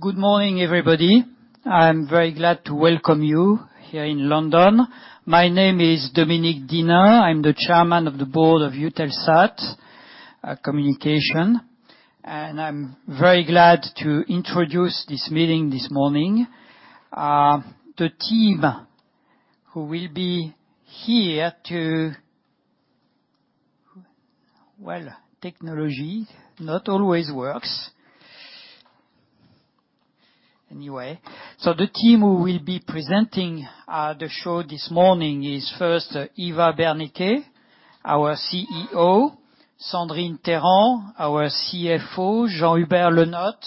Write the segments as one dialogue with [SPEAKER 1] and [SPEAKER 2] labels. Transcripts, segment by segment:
[SPEAKER 1] Good morning, everybody. I'm very glad to welcome you here in London. My name is Dominique D'Hinnin. I'm the Chairman of the Board of Eutelsat Communications, and I'm very glad to introduce this meeting this morning. The team who will be presenting the show this morning is first Eva Berneke, our CEO, Sandrine Téran, our CFO, Jean-Hubert Lenotte,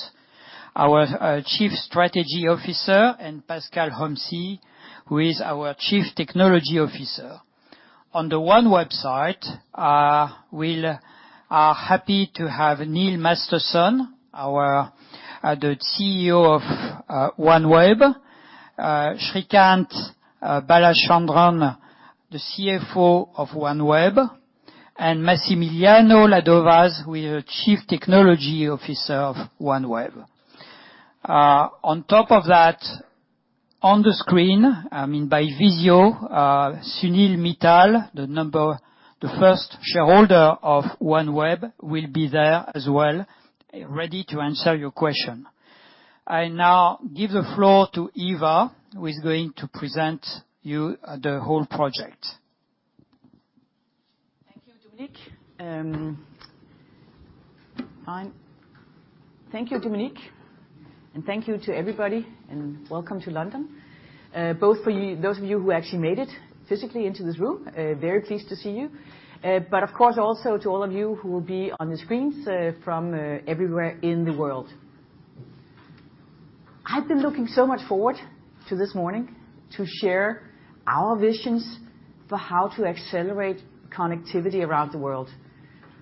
[SPEAKER 1] our Chief Strategy Officer, and Pascal Homsy, who is our Chief Technology Officer. On the OneWeb side, we are happy to have Neil Masterson, the CEO of OneWeb, Srikanth Balachandran, the CFO of OneWeb, and Massimiliano Ladovaz, who is Chief Technology Officer of OneWeb. On top of that, on the screen, I mean, by video, Sunil Mittal, the first shareholder of OneWeb, will be there as well, ready to answer your question. I now give the floor to Eva, who is going to present to you the whole project.
[SPEAKER 2] Thank you, Dominique, and thank you to everybody, and welcome to London, both for you, those of you who actually made it physically into this room, very pleased to see you, but of course also to all of you who will be on the screens, from everywhere in the world. I've been looking so much forward to this morning to share our visions for how to accelerate connectivity around the world.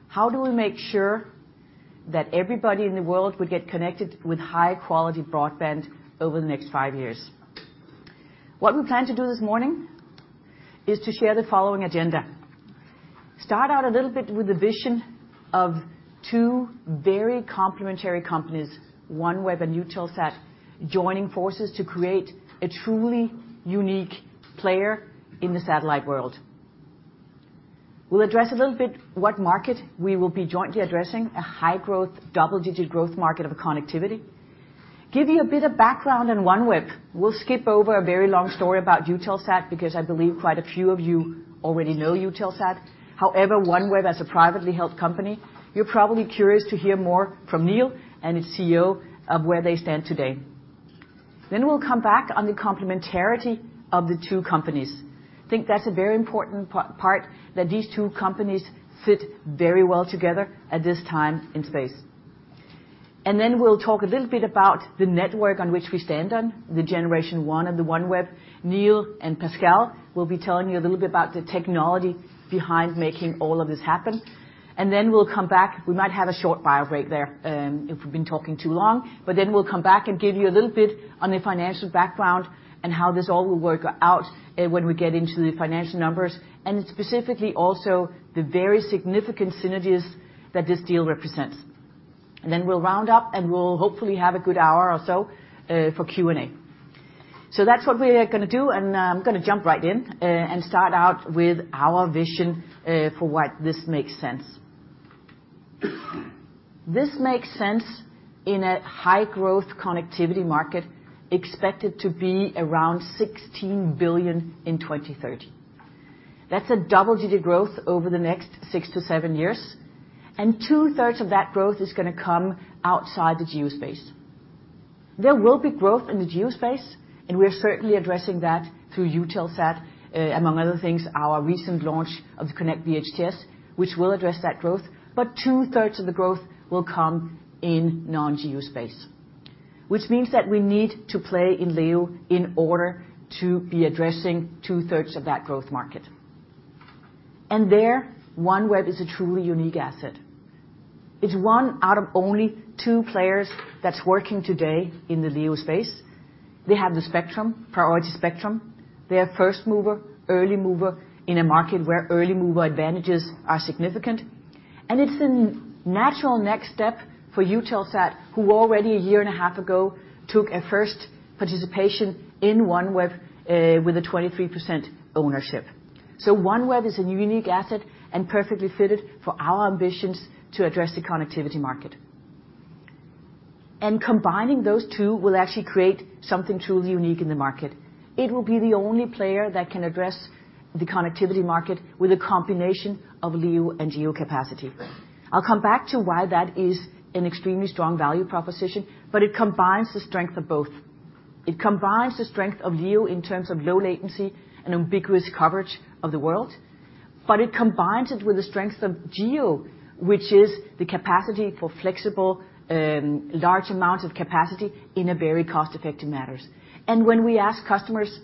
[SPEAKER 2] How do we make sure that everybody in the world will get connected with high-quality broadband over the next five years? What we plan to do this morning is to share the following agenda. Start out a little bit with the vision of two very complementary companies, OneWeb and Eutelsat, joining forces to create a truly unique player in the satellite world. We'll address a little bit what market we will be jointly addressing, a high-growth, double-digit growth market of connectivity. Give you a bit of background on OneWeb. We'll skip over a very long story about Eutelsat because I believe quite a few of you already know Eutelsat. However, OneWeb, as a privately held company, you're probably curious to hear more from Neil and his CEO of where they stand today. Then we'll come back on the complementarity of the two companies. Think that's a very important part, that these two companies fit very well together at this time in space. Then we'll talk a little bit about the network on which we stand on, the Generation One and the OneWeb. Neil and Pascal will be telling you a little bit about the technology behind making all of this happen. Then we'll come back. We might have a short bio break there, if we've been talking too long. Then we'll come back and give you a little bit on the financial background and how this all will work out, when we get into the financial numbers, and specifically also the very significant synergies that this deal represents. Then we'll round up, and we'll hopefully have a good hour or so, for Q&A. That's what we're gonna do, and, I'm gonna jump right in, and start out with our vision, for why this makes sense. This makes sense in a high-growth connectivity market expected to be around 16 billion in 2030. That's a double-digit growth over the next six to seven years, and two-thirds of that growth is gonna come outside the GEO space. There will be growth in the GEO space, and we're certainly addressing that through Eutelsat, among other things, our recent launch of the KONNECT VHTS, which will address that growth, but two-thirds of the growth will come in non-GEO space, which means that we need to play in LEO in order to be addressing two-thirds of that growth market. There, OneWeb is a truly unique asset. It's one out of only two players that's working today in the LEO space. They have the spectrum, priority spectrum. They are first mover, early mover in a market where early mover advantages are significant. It's a natural next step for Eutelsat, who already a year and a half ago took a first participation in OneWeb, with a 23% ownership. OneWeb is a unique asset and perfectly fitted for our ambitions to address the connectivity market. Combining those two will actually create something truly unique in the market. It will be the only player that can address the connectivity market with a combination of LEO and GEO capacity. I'll come back to why that is an extremely strong value proposition, but it combines the strength of both. It combines the strength of LEO in terms of low latency and ubiquitous coverage of the world, but it combines it with the strength of GEO, which is the capacity for flexible, large amounts of capacity in a very cost-effective manner. When we ask customers,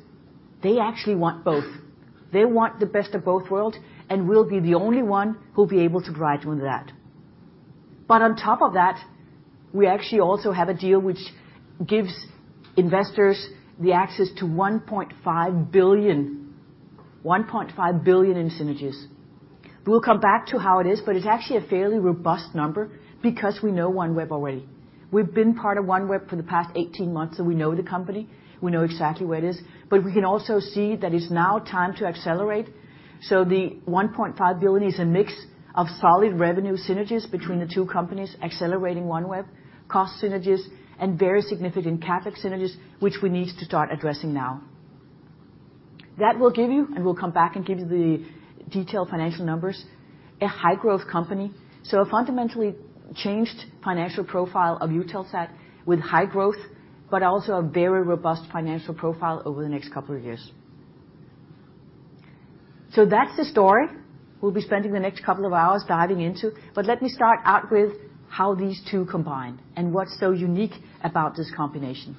[SPEAKER 2] they actually want both. They want the best of both worlds, and we'll be the only one who'll be able to provide them that. On top of that, we actually also have a deal which gives investors the access to 1.5 billion in synergies. We'll come back to how it is, but it's actually a fairly robust number because we know OneWeb already. We've been part of OneWeb for the past 18 months, so we know the company. We know exactly where it is, but we can also see that it's now time to accelerate. The 1.5 billion is a mix of solid revenue synergies between the two companies, accelerating OneWeb, cost synergies, and very significant CapEx synergies, which we need to start addressing now. That will give you, and we'll come back and give you the detailed financial numbers, a high-growth company. A fundamentally changed financial profile of Eutelsat with high growth, but also a very robust financial profile over the next couple of years. That's the story we'll be spending the next couple of hours diving into, but let me start out with how these two combine and what's so unique about this combination.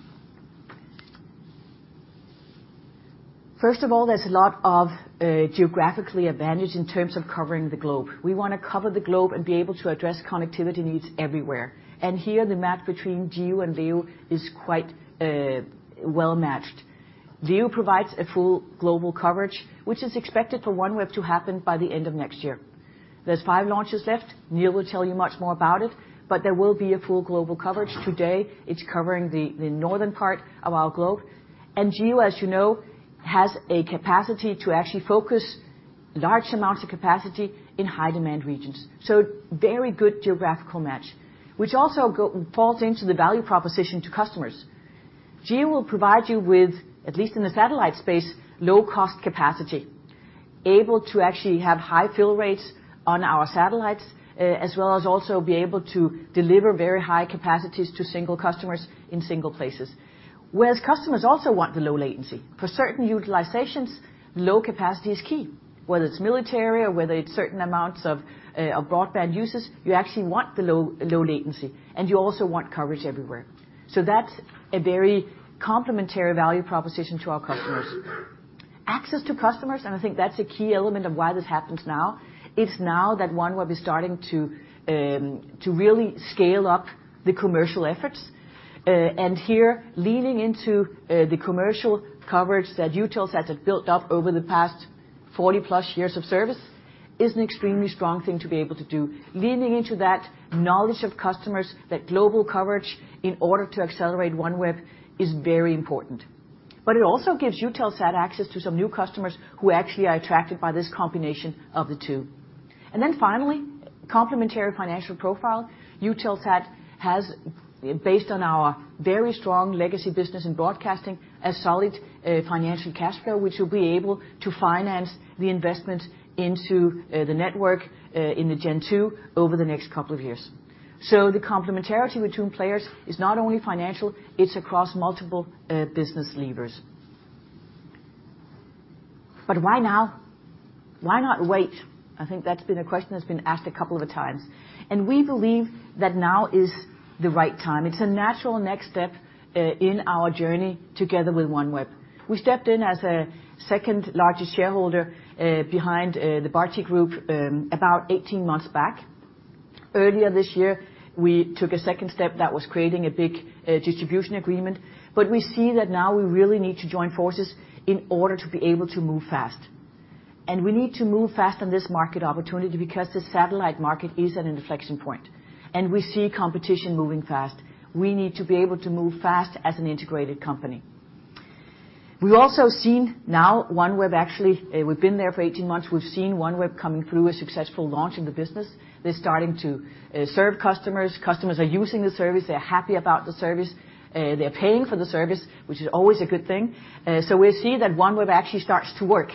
[SPEAKER 2] First of all, there's a lot of GEO graphic advantage in terms of covering the globe. We want to cover the globe and be able to address connectivity needs everywhere, and here the match between GEO and LEO is quite well-matched. LEO provides a full global coverage, which is expected for OneWeb to happen by the end of next year. There are 5 launches left. Neil will tell you much more about it, but there will be a full global coverage. Today, it's covering the northern part of our globe. LEO, as you know, has a capacity to actually focus large amounts of capacity in high-demand regions. Very good GEO graphical match, which also falls into the value proposition to customers. GEO will provide you with, at least in the satellite space, low-cost capacity, able to actually have high fill rates on our satellites, as well as also be able to deliver very high capacities to single customers in single places. Whereas customers also want the low latency. For certain utilizations, low capacity is key, whether it's military or whether it's certain amounts of broadband uses, you actually want the low latency, and you also want coverage everywhere. That's a very complementary value proposition to our customers. Access to customers, and I think that's a key element of why this happens now, it's now that OneWeb is starting to really scale up the commercial efforts. Here, leaning into the commercial coverage that Eutelsat has built up over the past 40+ years of service is an extremely strong thing to be able to do. Leaning into that knowledge of customers, that global coverage in order to accelerate OneWeb is very important. It also gives Eutelsat access to some new customers who actually are attracted by this combination of the two. Finally, complementary financial profile. Eutelsat has, based on our very strong legacy business in broadcasting, a solid financial cash flow, which will be able to finance the investment into the network in Gen-2 over the next couple of years. The complementarity between players is not only financial, it's across multiple business levers. Why now? Why not wait? I think that's been a question that's been asked a couple of times. We believe that now is the right time. It's a natural next step in our journey together with OneWeb. We stepped in as a second-largest shareholder behind the Bharti Group about 18 months back. Earlier this year, we took a second step that was creating a big distribution agreement, but we see that now we really need to join forces in order to be able to move fast. We need to move fast on this market opportunity because the satellite market is at an inflection point, and we see competition moving fast. We need to be able to move fast as an integrated company. We've also seen now OneWeb actually. We've been there for 18 months, we've seen OneWeb coming through a successful launch in the business. They're starting to serve customers. Customers are using the service. They're happy about the service. They're paying for the service, which is always a good thing. We see that OneWeb actually starts to work.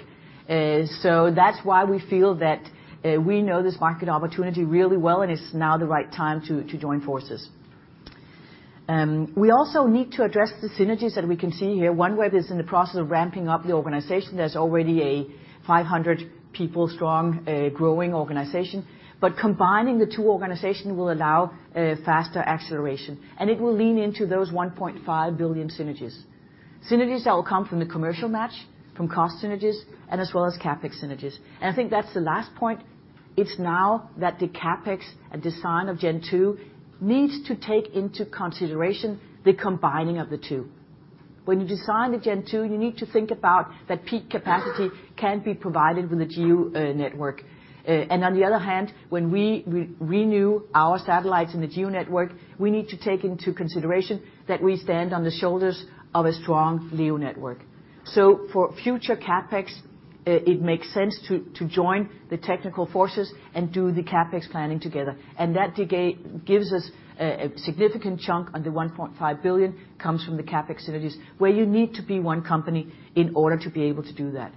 [SPEAKER 2] That's why we feel that we know this market opportunity really well, and it's now the right time to join forces. We also need to address the synergies that we can see here. OneWeb is in the process of ramping up the organization. There's already a 500-people strong, growing organization. Combining the two organizations will allow a faster acceleration, and it will lean into those 1.5 billion synergies. Synergies that will come from the commercial match, from cost synergies, and as well as CapEx synergies. I think that's the last point. It's now that the CapEx and design Gen-2 needs to take into consideration the combining of the two. When you design Gen-2, you need to think about that peak capacity can be provided with a GEO network. On the other hand, when we renew our satellites in the GEO network, we need to take into consideration that we stand on the shoulders of a strong LEO network. For future CapEx, it makes sense to join the technical forces and do the CapEx planning together. That gives us a significant chunk of the 1.5 billion comes from the CapEx synergies, where you need to be one company in order to be able to do that.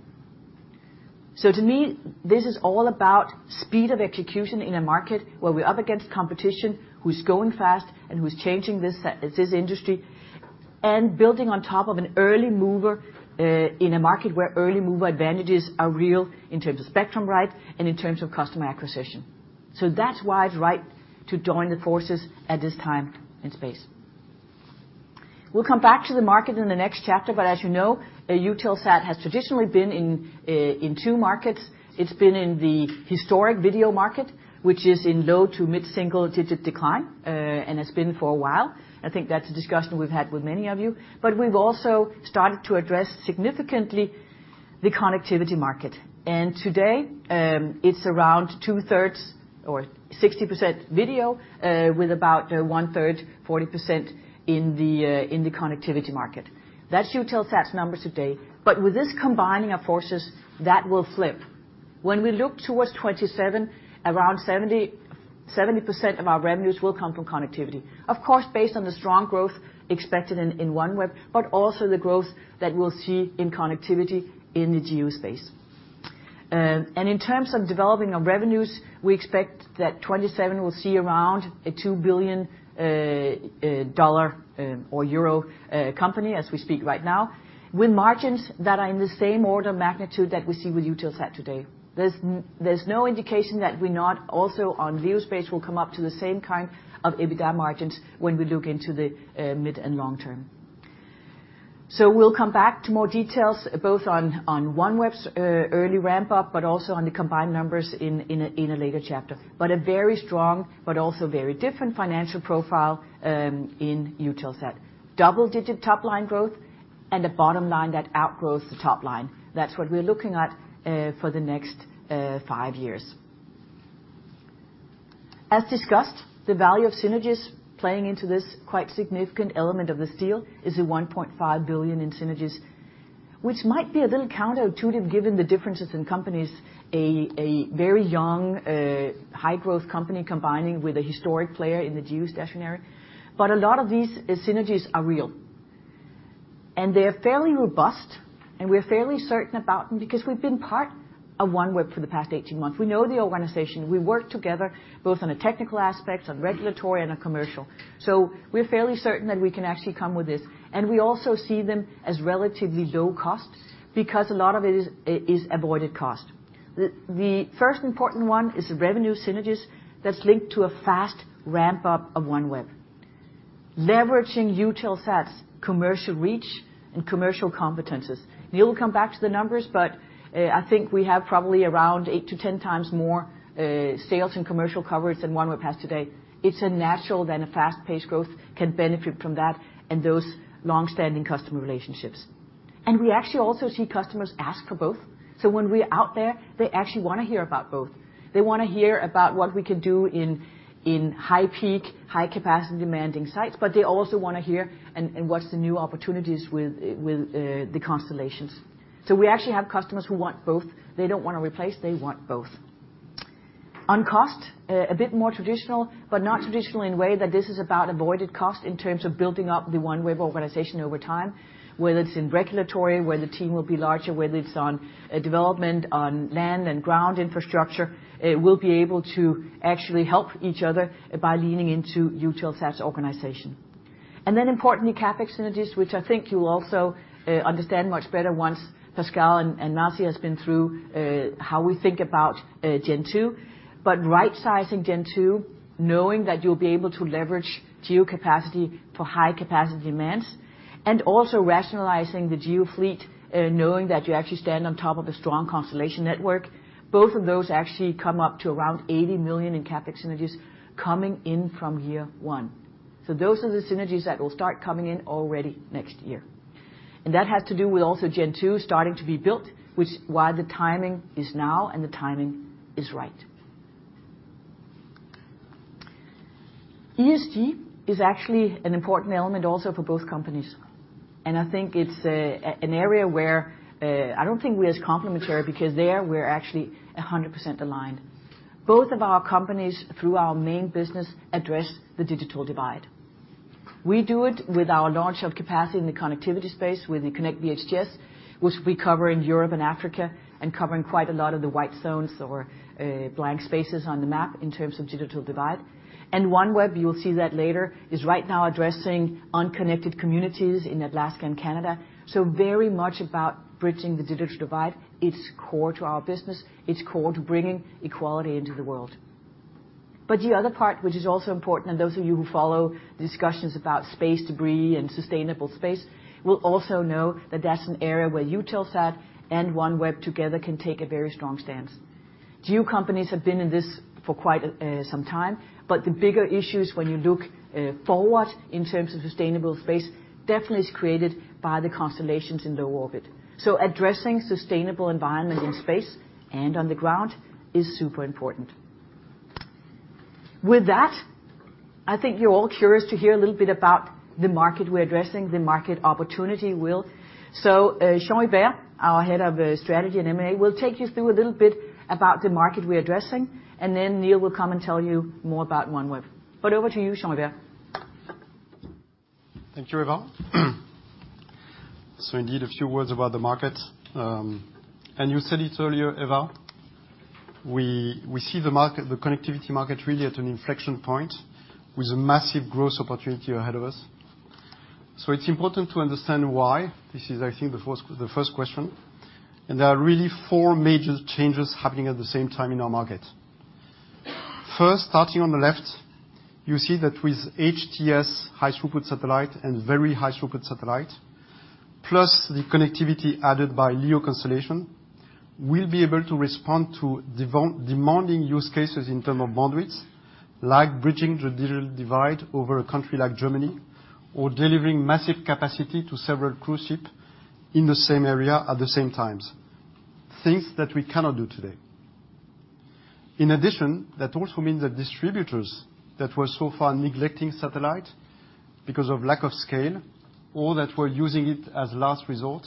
[SPEAKER 2] To me, this is all about speed of execution in a market where we're up against competition, who's going fast and who's changing this industry, and building on top of an early mover, in a market where early mover advantages are real in terms of spectrum rights and in terms of customer acquisition. That's why it's right to join the forces at this time in space. We'll come back to the market in the next chapter, but as you know, Eutelsat has traditionally been in two markets. It's been in the historic video market, which is in low to mid-single digit decline, and has been for a while. I think that's a discussion we've had with many of you. We've also started to address significantly the connectivity market. Today, it's around two-thirds or 60% video, with about 1/3, 40% in the connectivity market. That's Eutelsat's numbers today. With this combining of forces, that will flip. When we look towards 2027, around 70% of our revenues will come from connectivity. Of course, based on the strong growth expected in OneWeb, but also the growth that we'll see in connectivity in the GEO space. In terms of developing our revenues, we expect that 2027 will see around a EUR 2 billion company as we speak right now, with margins that are in the same order of magnitude that we see with Eutelsat today. There's no indication that we're not also on LEO space will come up to the same kind of EBITDA margins when we look into the mid and long-term. We'll come back to more details, both on OneWeb's early ramp up, but also on the combined numbers in a later chapter. A very strong but also very different financial profile in Eutelsat. Double-digit top-line growth and a bottom line that outgrows the top line. That's what we're looking at for the next five years. As discussed, the value of synergies playing into this quite significant element of this deal is 1.5 billion in synergies, which might be a little counterintuitive given the differences in companies. A very young high-growth company combining with a historic player in the geostationary. A lot of these synergies are real, and they're fairly robust, and we're fairly certain about them because we've been part of OneWeb for the past 18 months. We know the organization. We work together both on a technical aspect, on regulatory, and on commercial. We're fairly certain that we can actually come with this. We also see them as relatively low cost because a lot of it is avoided cost. The first important one is the revenue synergies that's linked to a fast ramp-up of OneWeb, leveraging Eutelsat's commercial reach and commercial competencies. We'll come back to the numbers, but I think we have probably around eight to 10 times more sales and commercial coverage than OneWeb has today. It's a natural then a fast-paced growth can benefit from that and those long-standing customer relationships. We actually also see customers ask for both. When we're out there, they actually want to hear about both. They want to hear about what we can do in high-peak, high-capacity demanding sites, but they also want to hear what's the new opportunities with the constellations. We actually have customers who want both. They don't want to replace, they want both. On cost, a bit more traditional, but not traditional in a way that this is about avoided cost in terms of building up the OneWeb organization over time, whether it's in regulatory, where the team will be larger, whether it's on development on land and ground infrastructure, it will be able to actually help each other by leaning into Eutelsat's organization. Then importantly, CapEx synergies, which I think you'll also understand much better once Pascal and Massimiliano has been through how we think about Gen-2. Gen-2, knowing that you'll be able to leverage GEO capacity for high-capacity demands, and also rationalizing the GEO fleet, knowing that you actually stand on top of a strong constellation network. Both of those actually come up to around 80 million in CapEx synergies coming in from year one. Those are the synergies that will start coming in already next year. That has to do with Gen-2 starting to be built, which is why the timing is now and the timing is right. ESG is actually an important element also for both companies. I think it's an area where I don't think we're as complementary because there we're actually 100% aligned. Both of our companies, through our main business, address the digital divide. We do it with our launch of capacity in the connectivity space with the KONNECT VHTS, which we cover in Europe and Africa, and covering quite a lot of the white zones or blank spaces on the map in terms of digital divide. OneWeb, you will see that later, is right now addressing unconnected communities in Alaska and Canada. Very much about bridging the digital divide. It's core to our business. It's core to bringing equality into the world. The other part, which is also important, and those of you who follow discussions about space debris and sustainable space, will also know that that's an area where Eutelsat and OneWeb together can take a very strong stance. GEO companies have been in this for quite some time, but the bigger issues when you look forward in terms of sustainable space definitely is created by the constellations in low orbit. Addressing sustainable environment in space and on the ground is super important. With that, I think you're all curious to hear a little bit about the market we're addressing, the market opportunity will. Jean-Hubert, our head of strategy and M&A, will take you through a little bit about the market we're addressing, and then Neil will come and tell you more about OneWeb. Over to you, Jean-Hubert.
[SPEAKER 3] Thank you, Eva. Indeed, a few words about the market. You said it earlier, Eva. We see the market, the connectivity market really at an inflection point with a massive growth opportunity ahead of us. It's important to understand why. This is, I think, the first question. There are really four major changes happening at the same time in our market. First, starting on the left, you see that with HTS, high-throughput satellite, and very high-throughput satellite, plus the connectivity added by LEO constellations. We'll be able to respond to demanding use cases in terms of bandwidth, like bridging the digital divide over a country like Germany, or delivering massive capacity to several cruise ships in the same area at the same time, things that we cannot do today. In addition, that also means that distributors that were so far neglecting satellite because of lack of scale, or that were using it as last resort,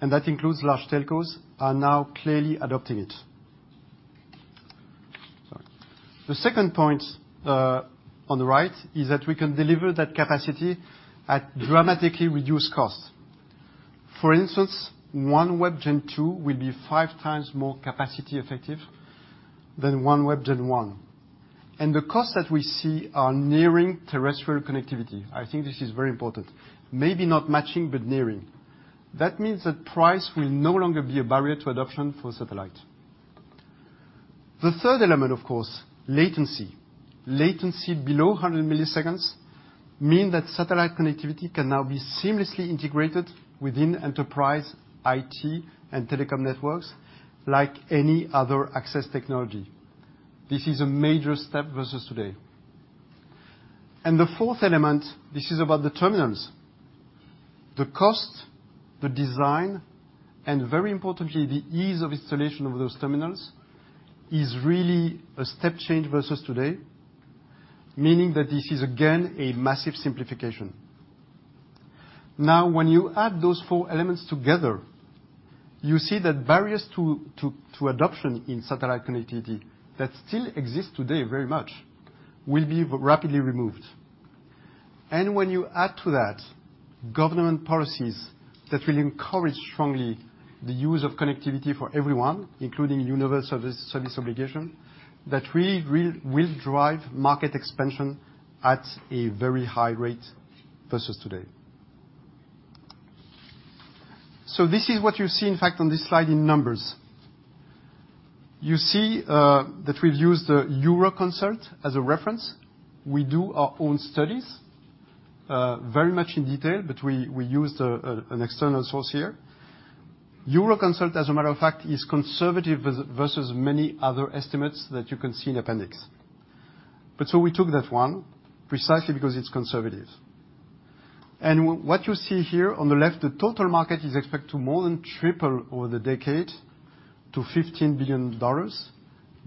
[SPEAKER 3] and that includes large telcos, are now clearly adopting it. Sorry. The second point on the right is that we can deliver that capacity at dramatically reduced costs. For instance, OneWeb Gen-2 will be five times more capacity effective than OneWeb Gen-1. The costs that we see are nearing terrestrial connectivity. I think this is very important. Maybe not matching, but nearing. That means that price will no longer be a barrier to adoption for satellite. The third element, of course, latency. Latency below 100 ms mean that satellite connectivity can now be seamlessly integrated within enterprise IT and telecom networks like any other access technology. This is a major step versus today. The fourth element, this is about the terminals. The cost, the design, and very importantly, the ease of installation of those terminals, is really a step change versus today. Meaning that this is, again, a massive simplification. Now, when you add those four elements together, you see that barriers to adoption in satellite connectivity that still exist today very much will be rapidly removed. When you add to that government policies that will encourage strongly the use of connectivity for everyone, including universal service obligation, that really will drive market expansion at a very high rate versus today. This is what you see, in fact, on this slide in numbers. You see that we've used Euroconsult as a reference. We do our own studies very much in detail, but we used an external source here. Euroconsult, as a matter of fact, is conservative versus many other estimates that you can see in appendix. We took that one precisely because it's conservative. What you see here on the left, the total market is expected to more than triple over the decade to $15 billion.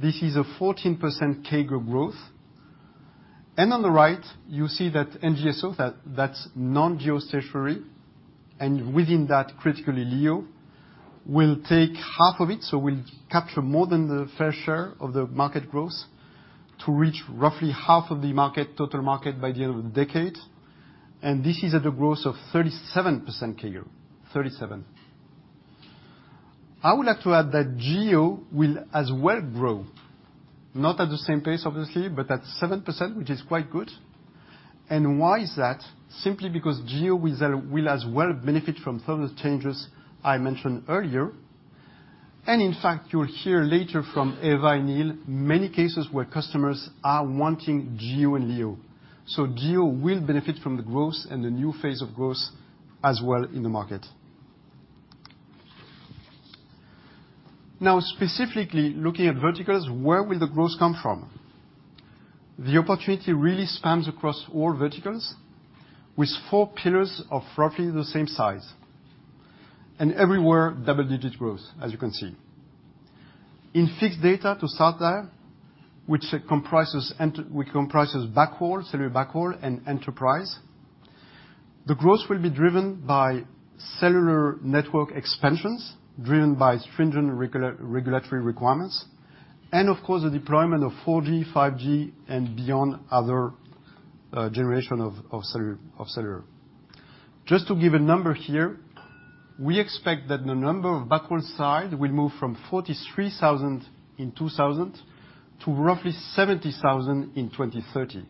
[SPEAKER 3] This is a 14% CAGR growth. On the right, you see that NGSO, non-geostationary, and within that critically LEO, will take half of it. We'll capture more than the fair share of the market growth to reach roughly half of the market, total market by the end of the decade. This is at a growth of 37% CAGR, 37. I would like to add that GEO will as well grow, not at the same pace, obviously, but at 7%, which is quite good. Why is that? Simply because GEO will as well benefit from further changes I mentioned earlier. In fact, you'll hear later from Eva and Neil many cases where customers are wanting GEO and LEO. GEO will benefit from the growth and the new phase of growth as well in the market. Now, specifically looking at verticals, where will the growth come from? The opportunity really spans across all verticals with four pillars of roughly the same size, and everywhere, double-digit growth, as you can see. In fixed data to start there, which comprises backhaul, cellular backhaul and enterprise, the growth will be driven by cellular network expansions driven by stringent regulatory requirements, and of course, the deployment of 4G, 5G and beyond other generation of cellular. Just to give a number here, we expect that the number of backhaul sites will move from 43,000 in 2000 to roughly 70,000 in 2030.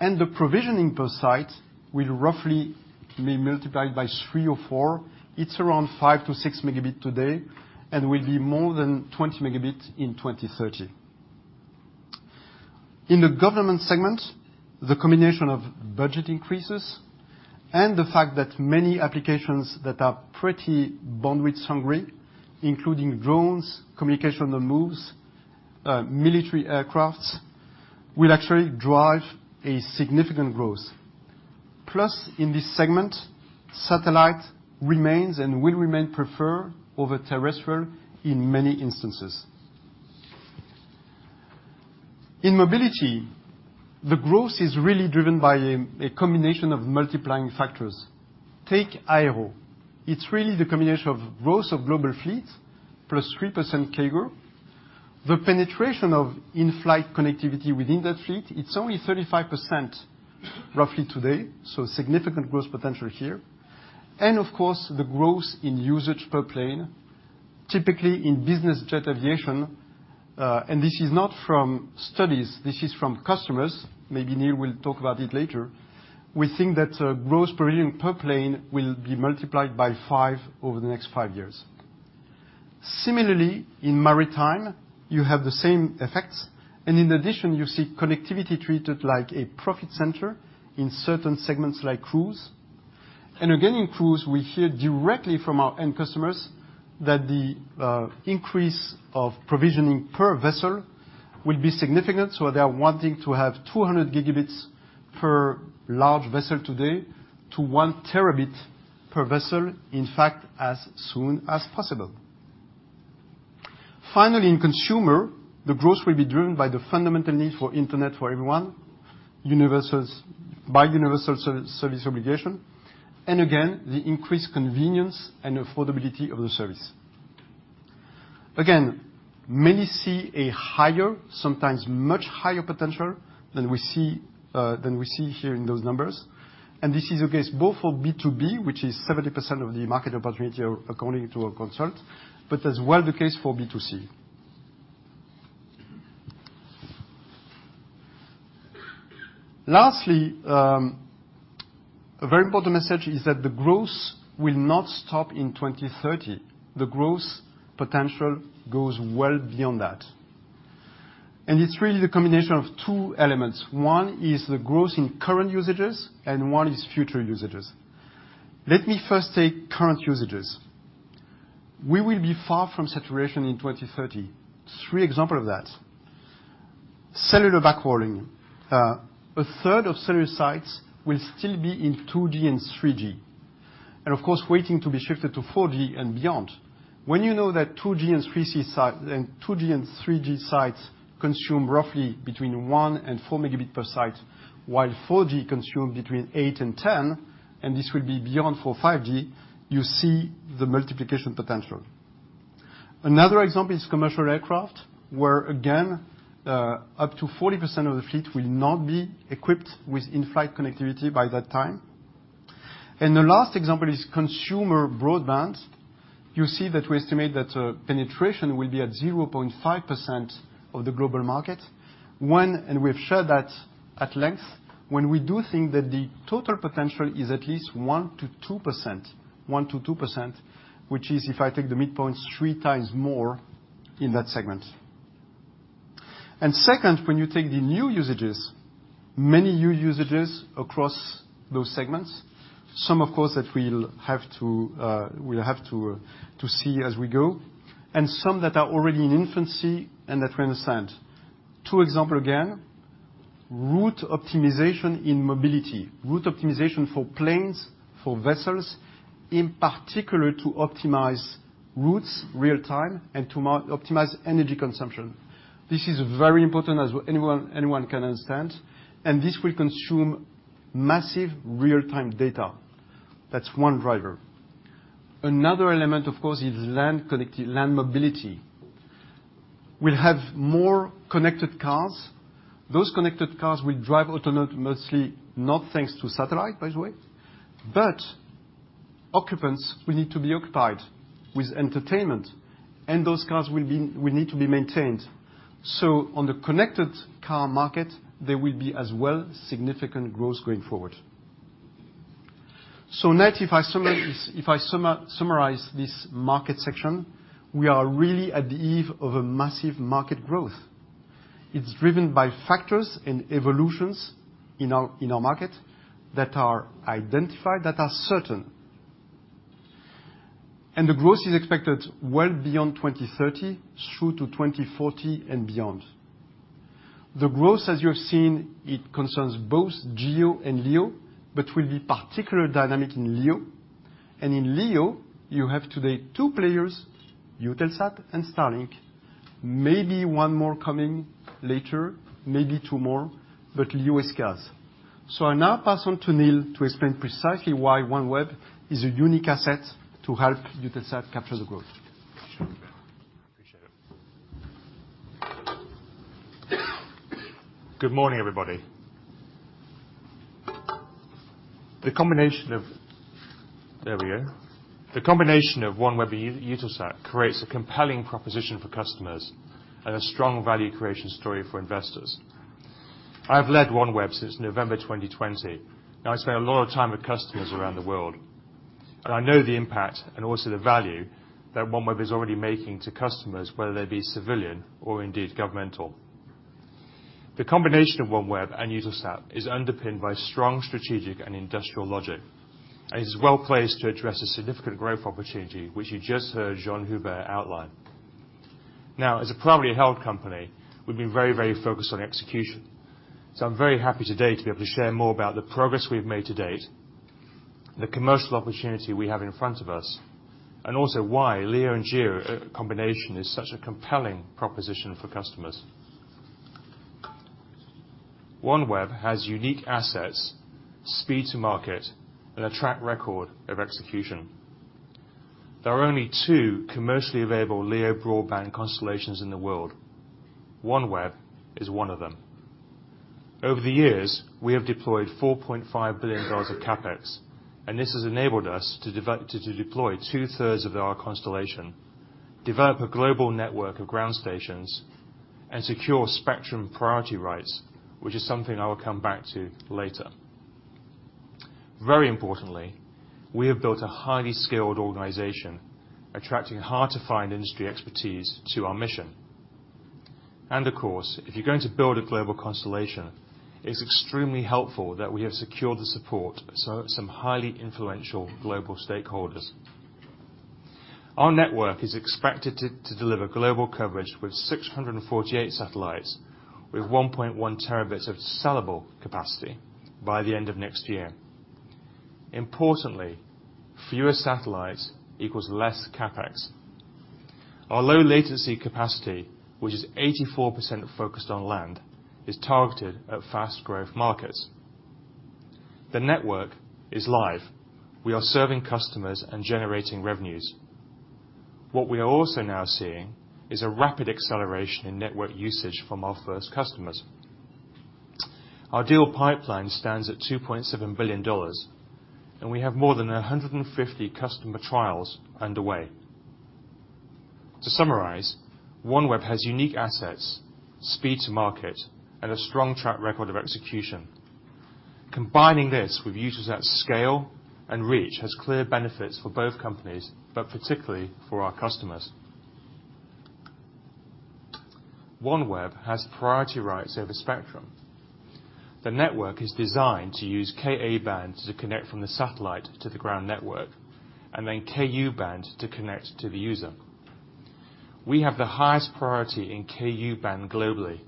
[SPEAKER 3] The provisioning per site will roughly be multiplied by three or four. It's around 5-6 Mb today and will be more than 20 Mb in 2030. In the government segment, the combination of budget increases and the fact that many applications that are pretty bandwidth-hungry, including drones, communication on the moves, military aircrafts, will actually drive a significant growth. In this segment, satellite remains and will remain preferred over terrestrial in many instances. In mobility, the growth is really driven by a combination of multiplying factors. Take aero. It's really the combination of growth of global fleet plus 3% CAGR. The penetration of in-flight connectivity within that fleet, it's only 35% roughly today, so significant growth potential here. Of course, the growth in usage per plane, typically in business jet aviation, and this is not from studies, this is from customers. Maybe Neil will talk about it later. We think that, growth per year and per plane will be multiplied by five over the next five years. Similarly, in maritime, you have the same effects, and in addition, you see connectivity treated like a profit center in certain segments like cruise. Again, in cruise, we hear directly from our end customers that the, increase of provisioning per vessel will be significant. So they are wanting to have 200 Gbps per large vessel today to 1 Tb per vessel, in fact, as soon as possible. Finally, in consumer, the growth will be driven by the fundamental need for internet for everyone, by universal service obligation, and again, the increased convenience and affordability of the service. Again, many see a higher, sometimes much higher potential than we see here in those numbers, and this is the case both for B2B, which is 70% of the market opportunity according to Euroconsult, but as well the case for B2C. Lastly, a very important message is that the growth will not stop in 2030. The growth potential goes well beyond that. It's really the combination of two elements. One is the growth in current usages, and one is future usages. Let me first take current usages. We will be far from saturation in 2030. Three examples of that. Cellular backhauling. A third of cellular sites will still be in 2G and 3G. Of course, waiting to be shifted to 4G and beyond. When you know that 2G and 3G sites consume roughly between 1 and 4 Mb per site, while 4G consume between eight and 10, and this will be beyond for 5G, you see the multiplication potential. Another example is commercial aircraft, where again, up to 40% of the fleet will not be equipped with in-flight connectivity by that time. The last example is consumer broadband. You see that we estimate that, penetration will be at 0.5% of the global market. We've shown that at length, when we do think that the total potential is at least 1%-2%, which is, if I take the midpoint, three times more in that segment. Second, when you take the new usages, many new usages across those segments, some of course that we'll have to see as we go, and some that are already in infancy and that we understand. Two examples again, route optimization in mobility, route optimization for planes, for vessels, in particular to optimize routes real-time and to optimize energy consumption. This is very important as anyone can understand, and this will consume massive real-time data. That's one driver. Another element, of course, is land connectivity, land mobility. We'll have more connected cars. Those connected cars will drive automatically, not thanks to satellite, by the way, but occupants will need to be occupied with entertainment, and those cars will need to be maintained. On the connected car market, there will be as well significant growth going forward. Net, if I summarize this market section, we are really at the eve of a massive market growth. It's driven by factors and evolutions in our market that are identified, that are certain. The growth is expected well beyond 2030 through to 2040 and beyond. The growth, as you have seen, it concerns both GEO and LEO, but will be particular dynamic in LEO. In LEO, you have today two players, Eutelsat and Starlink. Maybe one more coming later, maybe two more, but LEO scales. I now pass on to Neil to explain precisely why OneWeb is a unique asset to help Eutelsat capture the growth.
[SPEAKER 4] Appreciate it. Good morning, everybody. The combination of OneWeb and Eutelsat creates a compelling proposition for customers and a strong value creation story for investors. I've led OneWeb since November 2020, and I spend a lot of time with customers around the world. I know the impact and also the value that OneWeb is already making to customers, whether they be civilian or indeed governmental. The combination of OneWeb and Eutelsat is underpinned by strong strategic and industrial logic, and is well-placed to address a significant growth opportunity, which you just heard Jean-Hubert outline. Now, as a privately held company, we've been very, very focused on execution. I'm very happy today to be able to share more about the progress we've made to date, the commercial opportunity we have in front of us, and also why LEO and GEO combination is such a compelling proposition for customers. OneWeb has unique assets, speed to market, and a track record of execution. There are only two commercially available LEO broadband constellations in the world. OneWeb is one of them. Over the years, we have deployed $4.5 billion of CapEx, and this has enabled us to deploy two-thirds of our constellation, develop a global network of ground stations, and secure spectrum priority rights, which is something I will come back to later. Very importantly, we have built a highly skilled organization, attracting hard-to-find industry expertise to our mission. Of course, if you're going to build a global constellation, it's extremely helpful that we have secured the support of some highly influential global stakeholders. Our network is expected to deliver global coverage with 648 satellites, with 1.1 Tb of sellable capacity by the end of next year. Importantly, fewer satellites equals less CapEx. Our low latency capacity, which is 84% focused on land, is targeted at fast growth markets. The network is live. We are serving customers and generating revenues. What we are also now seeing is a rapid acceleration in network usage from our first customers. Our deal pipeline stands at $2.7 billion, and we have more than 150 customer trials underway. To summarize, OneWeb has unique assets, speed to market, and a strong track record of execution. Combining this with Eutelsat's scale and reach has clear benefits for both companies, but particularly for our customers. OneWeb has priority rights over spectrum. The network is designed to use Ka-band to connect from the satellite to the ground network, and then Ku-band to connect to the user. We have the highest priority in Ku-band globally.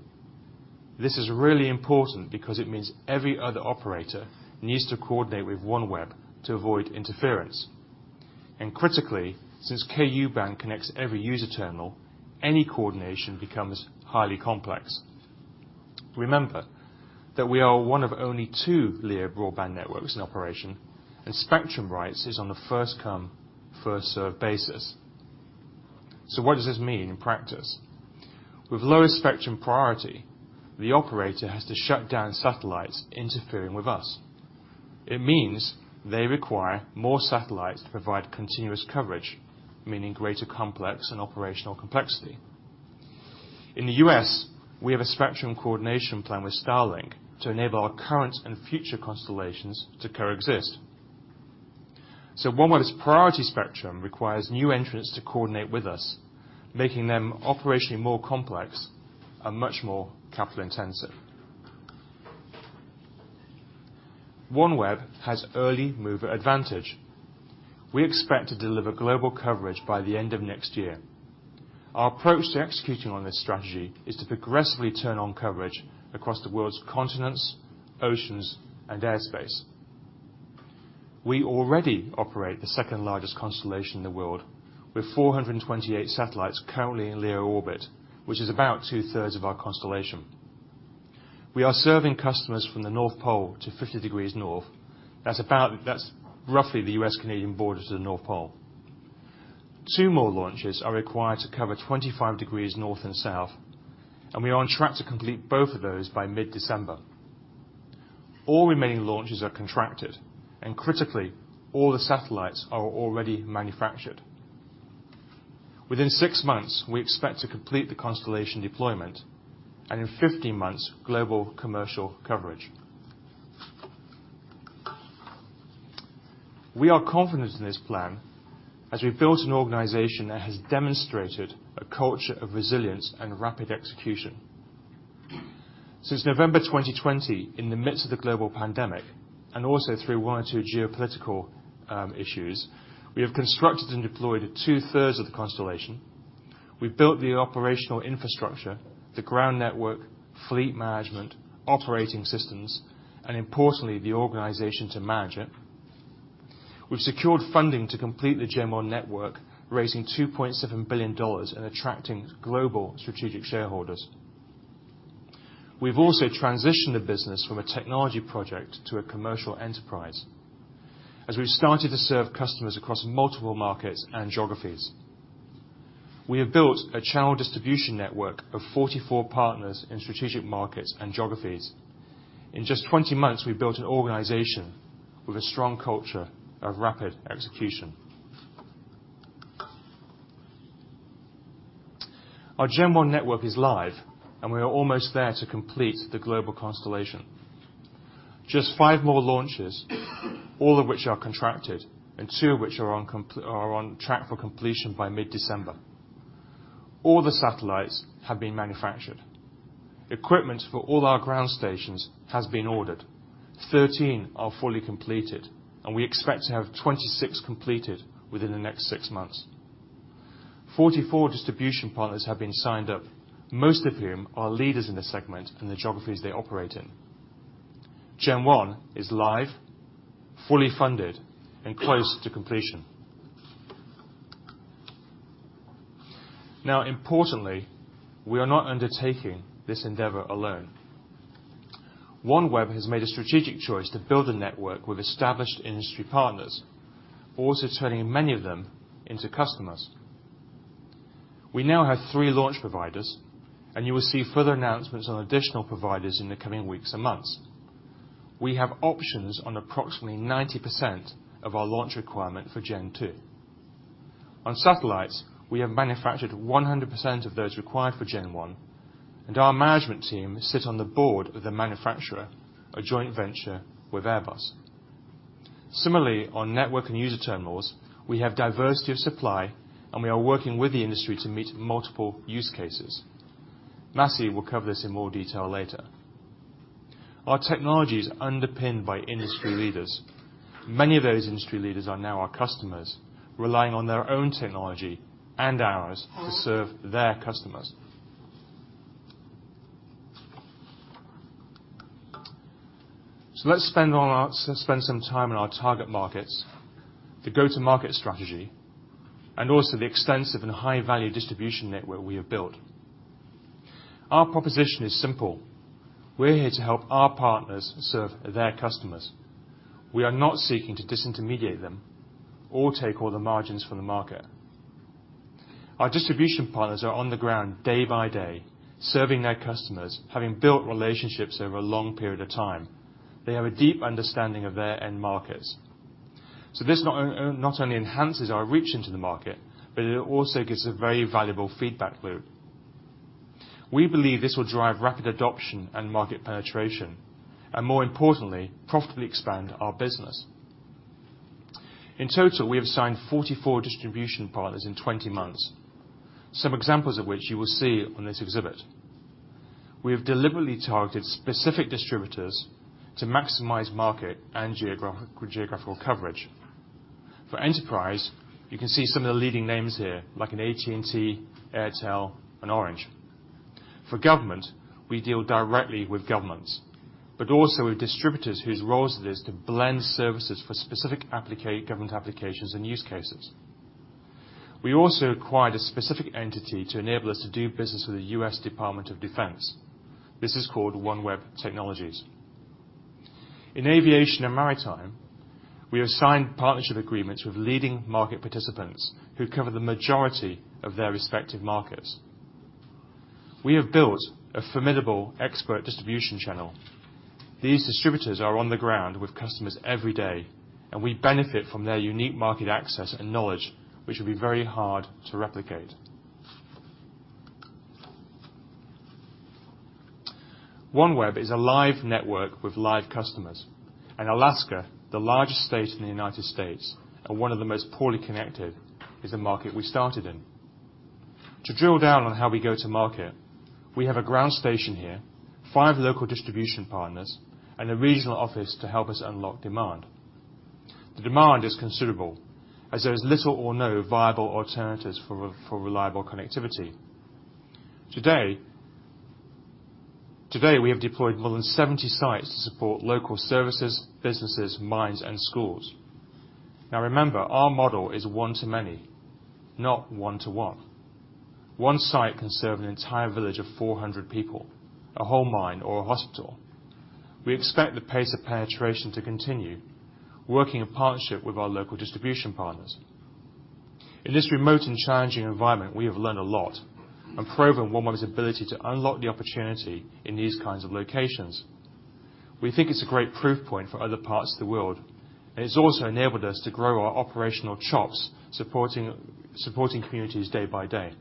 [SPEAKER 4] This is really important because it means every other operator needs to coordinate with OneWeb to avoid interference. Critically, since Ku-band connects every user terminal, any coordination becomes highly complex. Remember that we are one of only two LEO broadband networks in operation, and spectrum rights is on a first come, first served basis. What does this mean in practice? With lowest spectrum priority, the operator has to shut down satellites interfering with us. It means they require more satellites to provide continuous coverage, meaning greater complexity and operational complexity. In the U.S., we have a spectrum coordination plan with Starlink to enable our current and future constellations to coexist. OneWeb's priority spectrum requires new entrants to coordinate with us, making them operationally more complex and much more capital-intensive. OneWeb has early mover advantage. We expect to deliver global coverage by the end of next year. Our approach to executing on this strategy is to progressively turn on coverage across the world's continents, oceans, and airspace. We already operate the second-largest constellation in the world, with 428 satellites currently in LEO orbit, which is about two-thirds of our constellation. We are serving customers from the North Pole to 50 degrees north. That's roughly the U.S.-Canadian border to the North Pole. Two more launches are required to cover 25 degrees north and south, and we are on track to complete both of those by mid-December. All remaining launches are contracted, and critically, all the satellites are already manufactured. Within six months, we expect to complete the constellation deployment, and in 15 months, global commercial coverage. We are confident in this plan as we've built an organization that has demonstrated a culture of resilience and rapid execution. Since November 2020, in the midst of the global pandemic, and also through one or two GEO political issues, we have constructed and deployed two-thirds of the constellation. We've built the operational infrastructure, the ground network, fleet management, operating systems, and importantly, the organization to manage it. We've secured funding to complete the Gen-1 network, raising $2.7 billion and attracting global strategic shareholders. We've also transitioned the business from a technology project to a commercial enterprise as we've started to serve customers across multiple markets and geographies. We have built a channel distribution network of 44 partners in strategic markets and geographies. In just 20 months, we've built an organization with a strong culture of rapid execution. Our Gen-1 network is live, and we are almost there to complete the global constellation. Just five more launches, all of which are contracted and two which are on track for completion by mid-December. All the satellites have been manufactured. Equipment for all our ground stations has been ordered. 13 are fully completed, and we expect to have 26 completed within the next six months. 44 distribution partners have been signed up, most of whom are leaders in the segment in the geographies they operate in. Gen-1 is live, fully funded, and close to completion. Now importantly, we are not undertaking this endeavor alone. OneWeb has made a strategic choice to build a network with established industry partners, also turning many of them into customers. We now have three launch providers, and you will see further announcements on additional providers in the coming weeks and months. We have options on approximately 90% of our launch requirement for Gen-2. On satellites, we have manufactured 100% of those required for Gen-1, and our management team sit on the board of the manufacturer, a joint venture with Airbus. Similarly, on network and user terminals, we have diversity of supply, and we are working with the industry to meet multiple use cases. Massimiliano Ladovaz will cover this in more detail later. Our technology is underpinned by industry leaders. Many of those industry leaders are now our customers, relying on their own technology and ours to serve their customers. Spend some time on our target markets, the go-to-market strategy, and also the extensive and high-value distribution network we have built. Our proposition is simple. We're here to help our partners serve their customers. We are not seeking to disintermediate them or take all the margins from the market. Our distribution partners are on the ground day by day, serving their customers, having built relationships over a long period of time. They have a deep understanding of their end markets. This not only enhances our reach into the market, but it also gives a very valuable feedback loop. We believe this will drive rapid adoption and market penetration, and more importantly, profitably expand our business. In total, we have signed 44 distribution partners in 20 months, some examples of which you will see on this exhibit. We have deliberately targeted specific distributors to maximize market and geographical coverage. For enterprise, you can see some of the leading names here, like an AT&T, Airtel, and Orange. For government, we deal directly with governments, but also with distributors whose role it is to blend services for specific government applications and use cases. We also acquired a specific entity to enable us to do business with the US Department of Defense. This is called OneWeb Technologies. In aviation and maritime, we have signed partnership agreements with leading market participants who cover the majority of their respective markets. We have built a formidable expert distribution channel. These distributors are on the ground with customers every day, and we benefit from their unique market access and knowledge, which will be very hard to replicate. OneWeb is a live network with live customers. Alaska, the largest state in the United States, and one of the most poorly connected, is the market we started in. To drill down on how we go to market, we have a ground station here, five local distribution partners, and a regional office to help us unlock demand. The demand is considerable, as there is little or no viable alternatives for reliable connectivity. Today, we have deployed more than 70 sites to support local services, businesses, mines, and schools. Now remember, our model is one to many, not one to one. One site can serve an entire village of 400 people, a whole mine or a hospital. We expect the pace of penetration to continue, working in partnership with our local distribution partners. In this remote and challenging environment, we have learned a lot and proven OneWeb's ability to unlock the opportunity in these kinds of locations. We think it's a great proof point for other parts of the world, and it's also enabled us to grow our operational chops supporting communities day by day.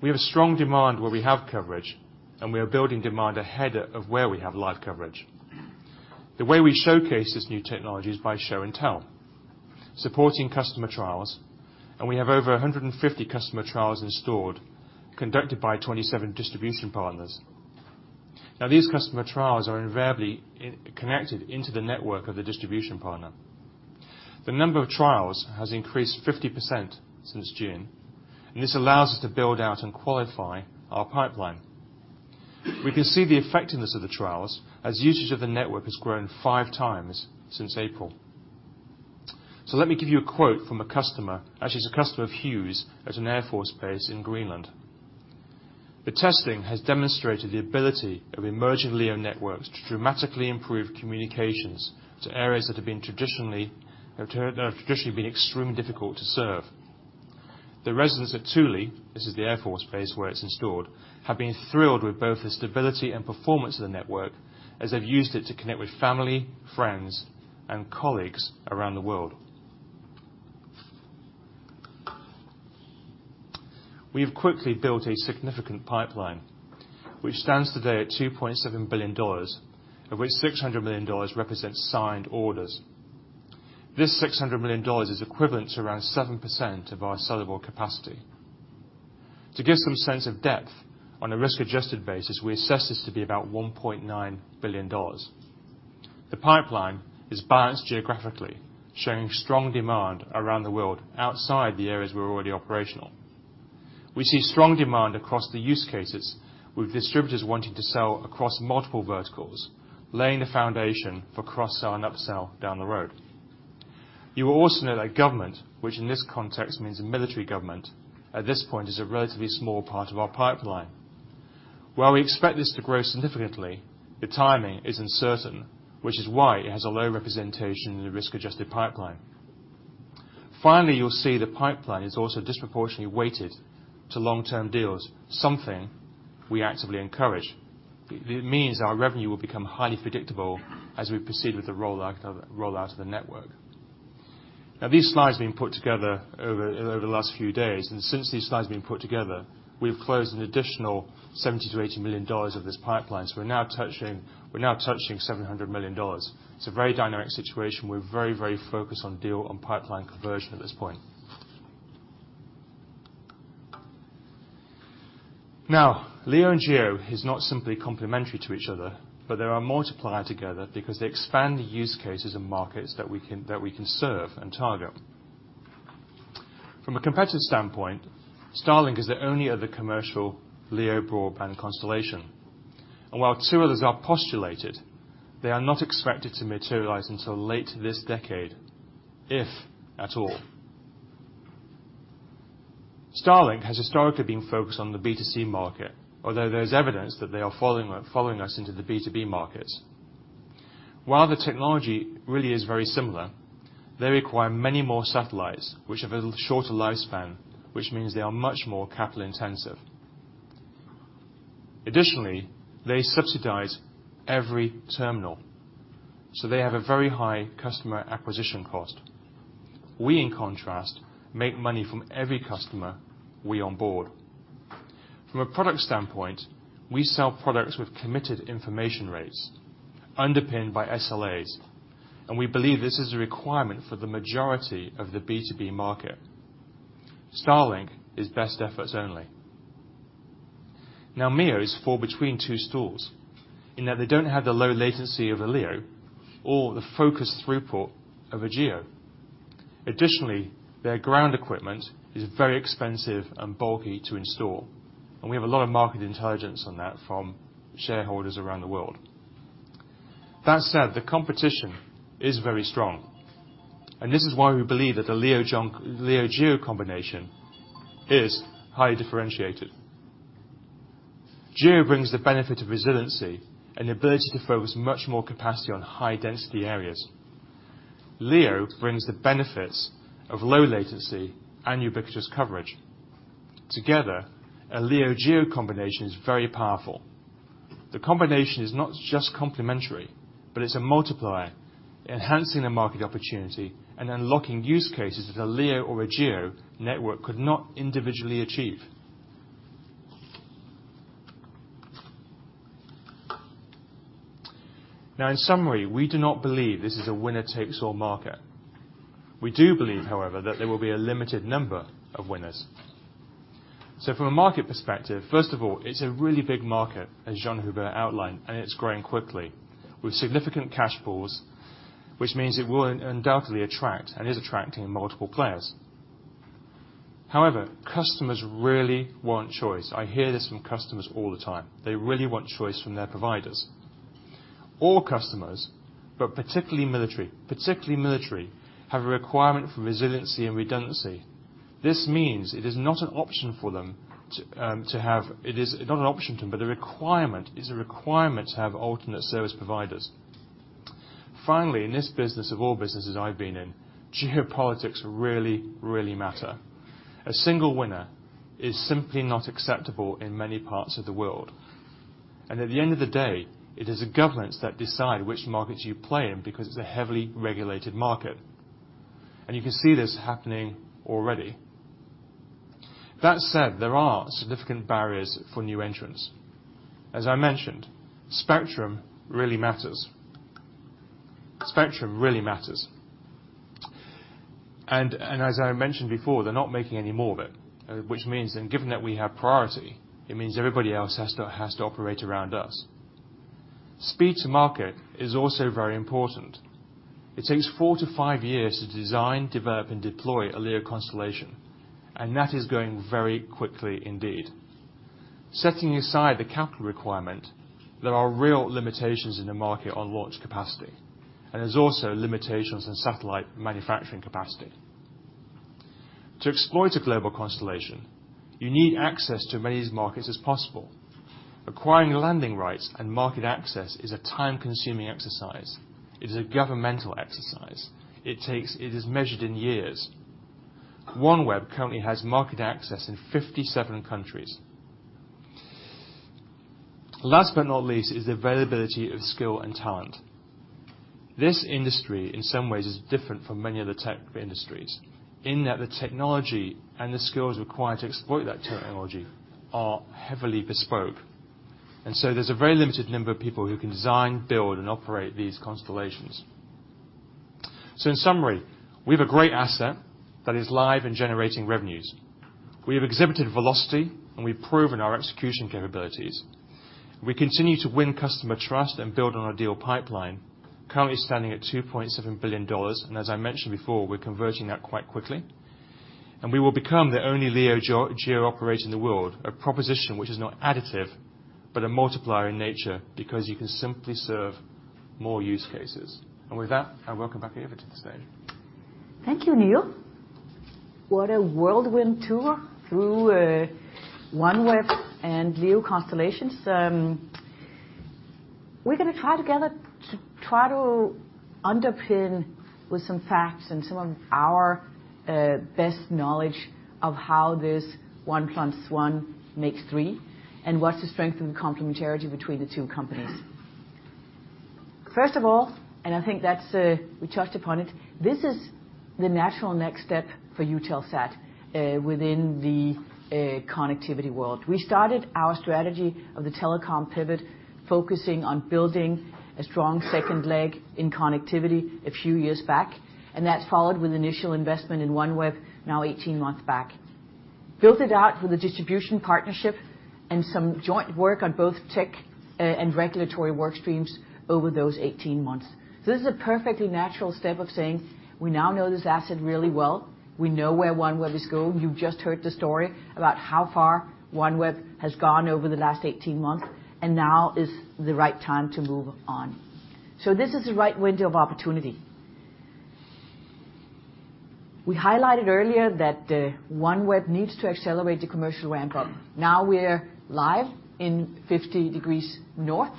[SPEAKER 4] We have a strong demand where we have coverage, and we are building demand ahead of where we have live coverage. The way we showcase this new technology is by show and tell, supporting customer trials, and we have over 150 customer trials installed, conducted by 27 distribution partners. Now, these customer trials are invariably interconnected into the network of the distribution partner. The number of trials has increased 50% since June, and this allows us to build out and qualify our pipeline. We can see the effectiveness of the trials as usage of the network has grown five times since April. Let me give you a quote from a customer, actually it's a customer of Hughes, at an Air Force base in Greenland. "The testing has demonstrated the ability of emerging LEO networks to dramatically improve communications to areas that have traditionally been extremely difficult to serve. The residents at Thule," this is the Air Force base where it's installed, "have been thrilled with both the stability and performance of the network, as they've used it to connect with family, friends, and colleagues around the world." We have quickly built a significant pipeline, which stands today at $2.7 billion, of which $600 million represents signed orders. This $600 million is equivalent to around 7% of our sellable capacity. To give some sense of depth, on a risk-adjusted basis, we assess this to be about $1.9 billion. The pipeline is balanced geographically, showing strong demand around the world outside the areas we're already operational. We see strong demand across the use cases, with distributors wanting to sell across multiple verticals, laying the foundation for cross-sell and upsell down the road. You will also note that government, which in this context means military government, at this point, is a relatively small part of our pipeline. While we expect this to grow significantly, the timing is uncertain, which is why it has a low representation in the risk-adjusted pipeline. Finally, you'll see the pipeline is also disproportionately weighted to long-term deals, something we actively encourage. It means our revenue will become highly predictable as we proceed with the rollout of the network. Now these slides have been put together over the last few days, and since these slides have been put together, we've closed an additional $70-$80 million of this pipeline. So we're now touching $700 million. It's a very dynamic situation. We're very focused on deal and pipeline conversion at this point. Now, LEO and GEO is not simply complementary to each other, but they are multiplied together because they expand the use cases and markets that we can serve and target. From a competitive standpoint, Starlink is the only other commercial LEO broadband constellation. While two others are postulated, they are not expected to materialize until late this decade, if at all. Starlink has historically been focused on the B2C market, although there's evidence that they are following us into the B2B markets. While the technology really is very similar, they require many more satellites which have a shorter lifespan, which means they are much more capital intensive. Additionally, they subsidize every terminal, so they have a very high customer acquisition cost. We, in contrast, make money from every customer we onboard. From a product standpoint, we sell products with committed information rates underpinned by SLAs, and we believe this is a requirement for the majority of the B2B market. Starlink is best efforts only. Now MEO falls between two stools in that they don't have the low latency of a LEO or the focused throughput of a LEO. Additionally, their ground equipment is very expensive and bulky to install, and we have a lot of market intelligence on that from shareholders around the world. That said, the competition is very strong, and this is why we believe that the LEO-GEO combination is highly differentiated. GEO brings the benefit of resiliency and the ability to focus much more capacity on high density areas. LEO brings the benefits of low latency and ubiquitous coverage. Together, a LEO-GEO combination is very powerful. The combination is not just complementary, but it's a multiplier, enhancing the market opportunity and unlocking use cases that a LEO or a GEO network could not individually achieve. Now in summary, we do not believe this is a winner takes all market. We do believe, however, that there will be a limited number of winners. From a market perspective, first of all, it's a really big market, as Jean-Hubert outlined, and it's growing quickly with significant cash pools, which means it will undoubtedly attract and is attracting multiple players. However, customers really want choice. I hear this from customers all the time. They really want choice from their providers. All customers, but particularly military, have a requirement for resiliency and redundancy. This means it is not an option to them, but a requirement. It is a requirement to have alternate service providers. Finally, in this business of all businesses I've been in, LEO politics really, really matter. A single winner is simply not acceptable in many parts of the world. At the end of the day, it is the governments that decide which markets you play in because it's a heavily regulated market, and you can see this happening already. That said, there are significant barriers for new entrants. As I mentioned, spectrum really matters. Spectrum really matters. As I mentioned before, they're not making any more of it, which means then given that we have priority, it means everybody else has to operate around us. Speed to market is also very important. It takes four- to five years to design, develop, and deploy a LEO constellation, and that is going very quickly indeed. Setting aside the capital requirement, there are real limitations in the market on launch capacity, and there's also limitations on satellite manufacturing capacity. To exploit a global constellation, you need access to as many of these markets as possible. Acquiring landing rights and market access is a time-consuming exercise. It is a governmental exercise. It takes years. OneWeb currently has market access in 57 countries. Last but not least is the availability of skill and talent. This industry, in some ways, is different from many other tech industries in that the technology and the skills required to exploit that technology are heavily bespoke. There's a very limited number of people who can design, build, and operate these constellations. In summary, we have a great asset that is live and generating revenues. We have exhibited velocity, and we've proven our execution capabilities. We continue to win customer trust and build on our deal pipeline, currently standing at $2.7 billion, and as I mentioned before, we're converting that quite quickly. We will become the only LEO-GEO operator in the world, a proposition which is not additive, but a multiplier in nature because you can simply serve more use cases. With that, I welcome back Eva to the stage.
[SPEAKER 2] Thank you, Neil. What a whirlwind tour through OneWeb and LEO constellations. We're gonna try together to underpin with some facts and some of our best knowledge of how this one plus one makes three and what's the strength and complementarity between the two companies. First of all, I think that's, we touched upon it, this is the natural next step for Eutelsat within the connectivity world. We started our strategy of the telecom pivot focusing on building a strong second leg in connectivity a few years back, and that's followed with initial investment in OneWeb now 18 months back. Built it out with a distribution partnership and some joint work on both tech and regulatory workstreams over those 18 months. This is a perfectly natural step of saying we now know this asset really well, we know where OneWeb is going. You've just heard the story about how far OneWeb has gone over the last 18 months, and now is the right time to move on. This is the right window of opportunity. We highlighted earlier that OneWeb needs to accelerate the commercial ramp-up. Now we're live in 50 degrees north,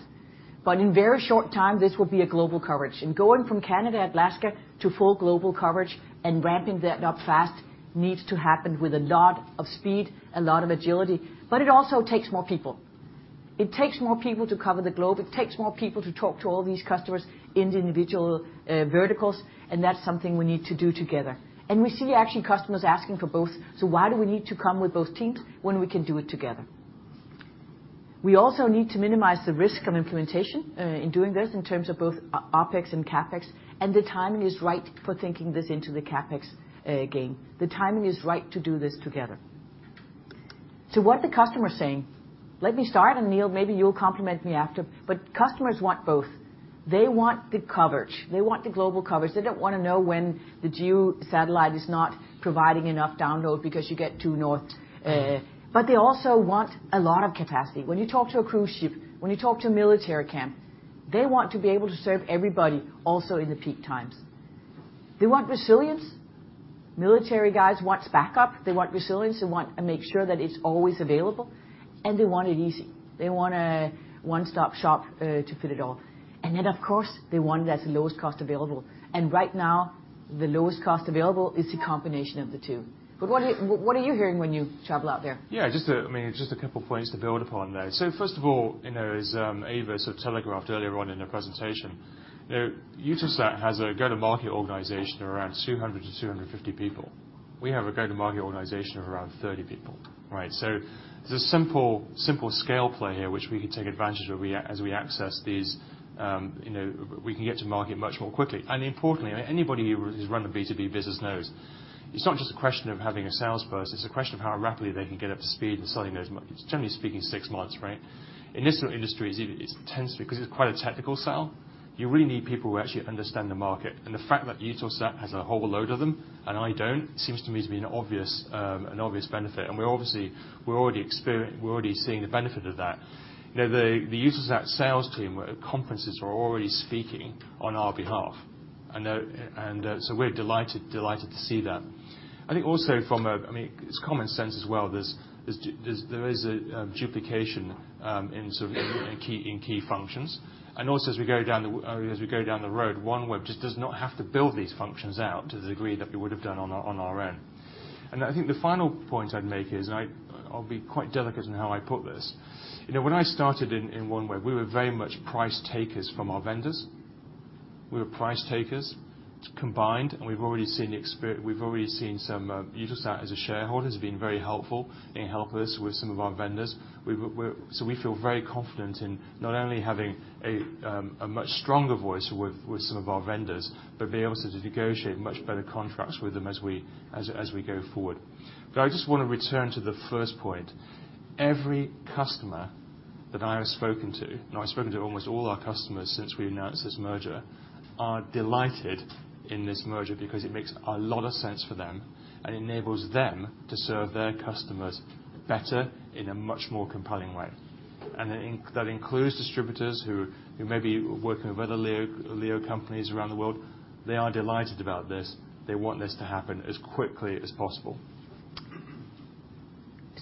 [SPEAKER 2] but in very short time this will be a global coverage, and going from Canada, Alaska to full global coverage and ramping that up fast needs to happen with a lot of speed, a lot of agility, but it also takes more people. It takes more people to cover the globe. It takes more people to talk to all these customers in the individual, verticals, and that's something we need to do together. We see actually customers asking for both, so why do we need to come with both teams when we can do it together? We also need to minimize the risk of implementation, in doing this in terms of both OPEX and CapEx, and the timing is right for thinking this into the CapEx, game. The timing is right to do this together. What the customer is saying, let me start, and Neil maybe you'll complement me after, but customers want both. They want the coverage. They want the global coverage. They don't want to know when the GEO satellite is not providing enough download because you get too north, but they also want a lot of capacity. When you talk to a cruise ship, when you talk to a military camp, they want to be able to serve everybody also in the peak times. They want resilience. Military guys wants backup. They want resilience. They want to make sure that it's always available, and they want it easy. They want a one-stop shop to fit it all. Then, of course, they want it at the lowest cost available, and right now the lowest cost available is the combination of the two. What are you hearing when you travel out there?
[SPEAKER 4] Yeah, I mean, just a couple of points to build upon there. First of all, you know, as Eva sort of telegraphed earlier on in her presentation, you know, Eutelsat has a go-to-market organization around 200-250 people. We have a go-to-market organization of around 30 people, right? There's a simple scale play here which we can take advantage of, as we access these, you know, we can get to market much more quickly. Importantly, anybody who has run a B2B business knows it's not just a question of having a salesperson, it's a question of how rapidly they can get up to speed in selling those markets. Generally speaking, six months, right? In this industry it's intense because it's quite a technical sell. You really need people who actually understand the market, and the fact that Eutelsat has a whole load of them and I don't, seems to me to be an obvious benefit, and we're already seeing the benefit of that. You know, the Eutelsat sales team at conferences are already speaking on our behalf. I know. So we're delighted to see that. I think also. I mean, it's common sense as well. There is a duplication in key functions. Also, as we go down the road, OneWeb just does not have to build these functions out to the degree that we would have done on our own. I think the final point I'd make is, and I'll be quite delicate in how I put this. You know, when I started in OneWeb, we were very much price takers from our vendors. We were price takers combined, and we've already seen some Eutelsat as a shareholder has been very helpful in helping us with some of our vendors. We feel very confident in not only having a much stronger voice with some of our vendors, but being able to negotiate much better contracts with them as we go forward. I just want to return to the first point. Every customer that I have spoken to, and I've spoken to almost all our customers since we announced this merger, are delighted in this merger because it makes a lot of sense for them and enables them to serve their customers better in a much more compelling way. In that includes distributors who may be working with other LEO companies around the world. They are delighted about this. They want this to happen as quickly as possible.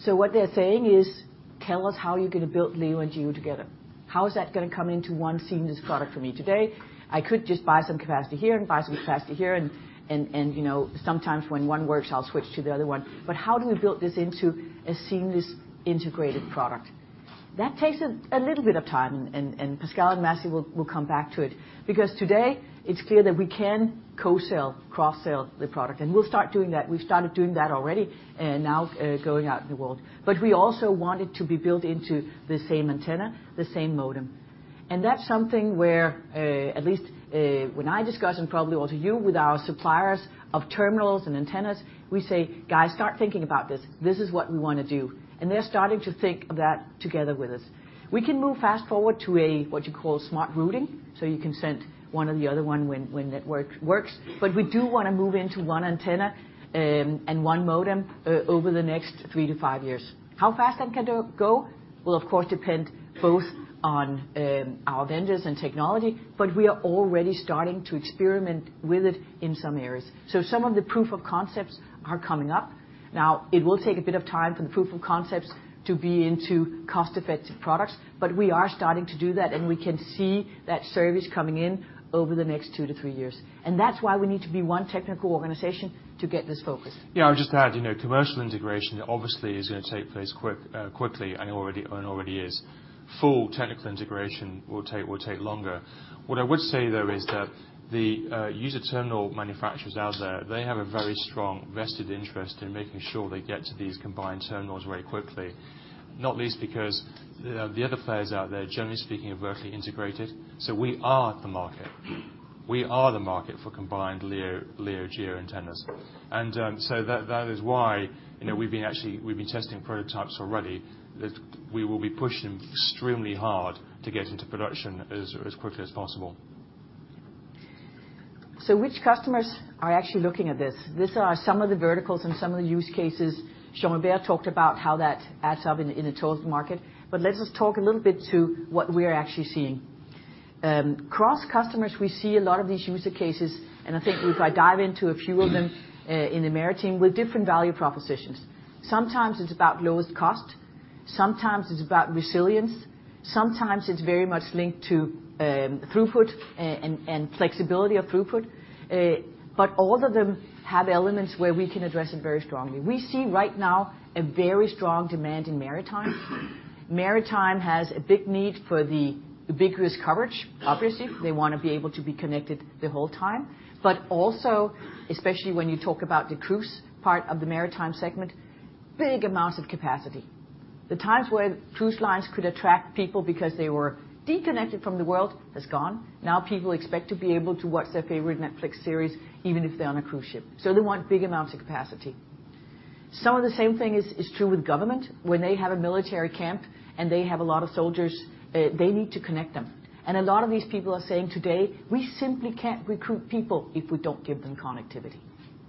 [SPEAKER 2] What they're saying is, "Tell us how you're going to build LEO and GEO together. How is that going to come into one seamless product for me? Today I could just buy some capacity here and buy some capacity here and, you know, sometimes when one works I'll switch to the other one. But how do we build this into a seamless integrated product?" That takes a little bit of time, and Pascal and Massi will come back to it, because today it's clear that we can co-sell, cross-sell the product, and we'll start doing that. We've started doing that already and now going out in the world. But we also want it to be built into the same antenna, the same modem. That's something where, at least, when I discuss, and probably also you with our suppliers of terminals and antennas, we say, "Guys, start thinking about this. This is what we want to do." They're starting to think of that together with us. We can move fast-forward to a, what you call smart routing, so you can send one or the other one when network works. But we do want to move into one antenna, and one modem over the next three to five years. How fast that can go will of course depend both on, our vendors and technology, but we are already starting to experiment with it in some areas. Some of the proof of concepts are coming up. Now it will take a bit of time for the proof of concepts to be into cost-effective products, but we are starting to do that and we can see that service coming in over the next two-three years. That's why we need to be one technical organization to get this focus.
[SPEAKER 4] I'll just add, you know, commercial integration obviously is going to take place quickly and already is. Full technical integration will take longer. What I would say, though, is that the user terminal manufacturers out there, they have a very strong vested interest in making sure they get to these combined terminals very quickly, not least because the other players out there, generally speaking, are vertically integrated. So we are the market for combined LEO-GEO antennas. So that is why, you know, we've been actually we've been testing prototypes already. That we will be pushing extremely hard to get into production as quickly as possible.
[SPEAKER 2] Which customers are actually looking at this? These are some of the verticals and some of the use cases. Jean-Hubert Lenotte talked about how that adds up in the total market. Let us talk a little bit to what we are actually seeing. Across customers, we see a lot of these use cases, and I think if I dive into a few of them, in the maritime with different value propositions. Sometimes it's about lowest cost, sometimes it's about resilience, sometimes it's very much linked to throughput and flexibility of throughput. All of them have elements where we can address it very strongly. We see right now a very strong demand in maritime. Maritime has a big need for the ubiquitous coverage. Obviously, they wanna be able to be connected the whole time. Also, especially when you talk about the cruise part of the maritime segment, big amounts of capacity. The times where cruise lines could attract people because they were disconnected from the world, is gone. Now people expect to be able to watch their favorite Netflix series, even if they're on a cruise ship. They want big amounts of capacity. Some of the same thing is true with government. When they have a military camp and they have a lot of soldiers, they need to connect them. A lot of these people are saying today, "We simply can't recruit people if we don't give them connectivity.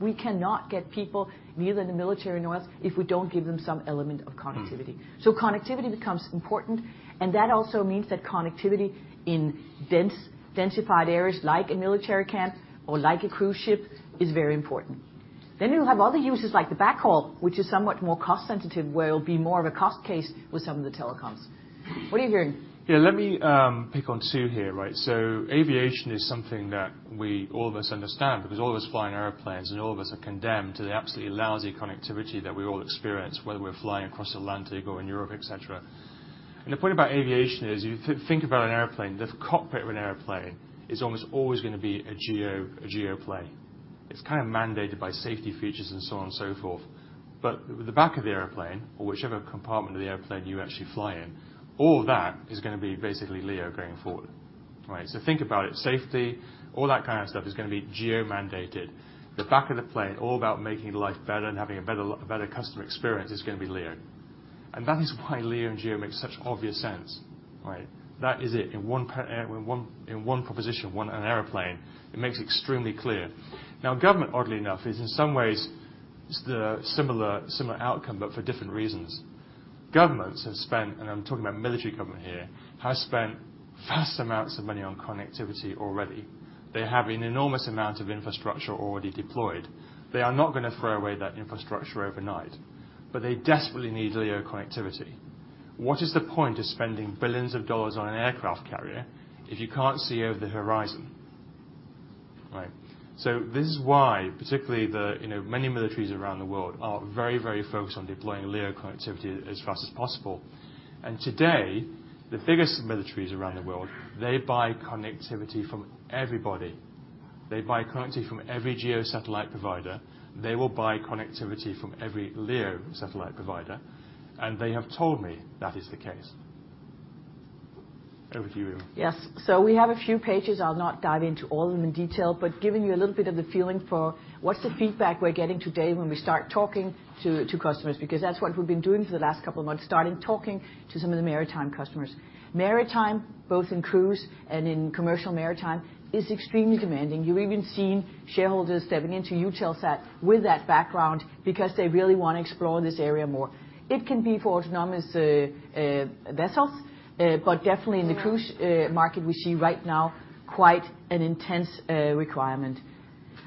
[SPEAKER 2] We cannot get people neither in the military nor else, if we don't give them some element of connectivity.
[SPEAKER 4] Mm.
[SPEAKER 2] Connectivity becomes important, and that also means that connectivity in dense, densified areas like a military camp or like a cruise ship is very important. You have other uses like the backhaul, which is somewhat more cost sensitive, where it'll be more of a cost case with some of the telecoms. What are you hearing?
[SPEAKER 4] Yeah, let me pick on two here, right? Aviation is something that we all of us understand because all of us fly in airplanes and all of us are condemned to the absolutely lousy connectivity that we all experience, whether we're flying across Atlantic or in Europe, et cetera. The point about aviation is you think about an airplane. The cockpit of an airplane is almost always gonna be a GEO plane. It's kind of mandated by safety features and so on and so forth. The back of the airplane or whichever compartment of the airplane you actually fly in, all that is gonna be basically LEO going forward. Right. Think about it, safety, all that kind of stuff is gonna be GEO mandated. The back of the plane, all about making life better and having a better customer experience, is gonna be LEO. That is why LEO and GEO makes such obvious sense, right? That is it. In one proposition, an airplane, it makes extremely clear. Now, government, oddly enough, is in some ways the similar outcome, but for different reasons. Governments have spent, and I'm talking about military government here, vast amounts of money on connectivity already. They have an enormous amount of infrastructure already deployed. They are not gonna throw away that infrastructure overnight, but they desperately need LEO connectivity. What is the point of spending $ billions on an aircraft carrier if you can't see over the horizon? Right. This is why particularly the, you know, many militaries around the world are very, very focused on deploying LEO connectivity as fast as possible. Today, the biggest militaries around the world, they buy connectivity from everybody. They buy connectivity from every GEO satellite provider. They will buy connectivity from every LEO satellite provider, and they have told me that is the case. Over to you.
[SPEAKER 2] Yes. We have a few pages. I'll not dive into all of them in detail, but giving you a little bit of the feeling for what's the feedback we're getting today when we start talking to customers, because that's what we've been doing for the last couple of months, starting talking to some of the maritime customers. Maritime, both in cruise and in commercial maritime, is extremely demanding. You've even seen shareholders stepping into Eutelsat with that background because they really want to explore this area more. It can be for autonomous vessels, but definitely in the cruise market, we see right now quite an intense requirement.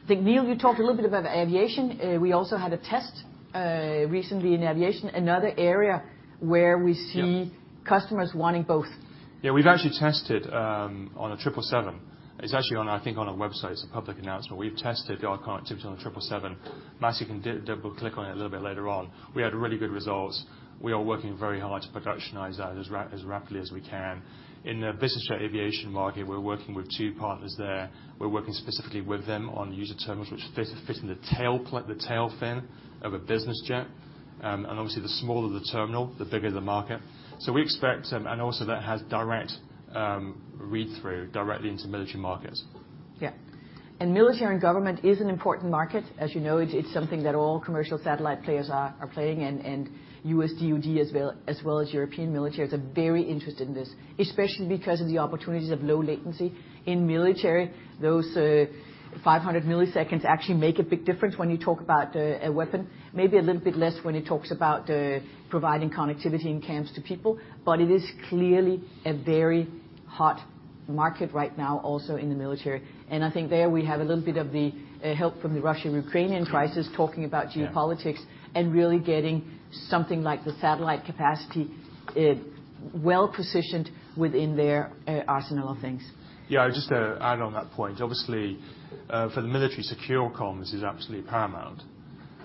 [SPEAKER 2] I think, Neil, you talked a little bit about aviation. We also had a test recently in aviation, another area where we see.
[SPEAKER 4] Yeah
[SPEAKER 2] Customers wanting both.
[SPEAKER 4] Yeah, we've actually tested on a triple seven. It's actually on, I think, on our website. It's a public announcement. We've tested our connectivity on a triple seven. Massimiliano Ladovaz can double-click on it a little bit later on. We had really good results. We are working very hard to productionize that as rapidly as we can. In the business jet aviation market, we're working with two partners there. We're working specifically with them on user terminals which fit in the tail fin of a business jet. And obviously the smaller the terminal, the bigger the market. We expect, and also that has direct read-through directly into military markets.
[SPEAKER 2] Yeah. Military and government is an important market. As you know, it's something that all commercial satellite players are playing, and U.S. DOD as well as European militaries are very interested in this, especially because of the opportunities of low latency. In military, those 500 ms actually make a big difference when you talk about a weapon. Maybe a little bit less when it talks about providing connectivity in camps to people. But it is clearly a very hot market right now also in the military. I think there we have a little bit of the help from the Russian-Ukrainian crisis talking about LEO politics.
[SPEAKER 4] Yeah
[SPEAKER 2] really getting something like the satellite capacity. It's well-positioned within their arsenal of things.
[SPEAKER 4] Yeah. Just to add on that point, obviously, for the military, secure comms is absolutely paramount.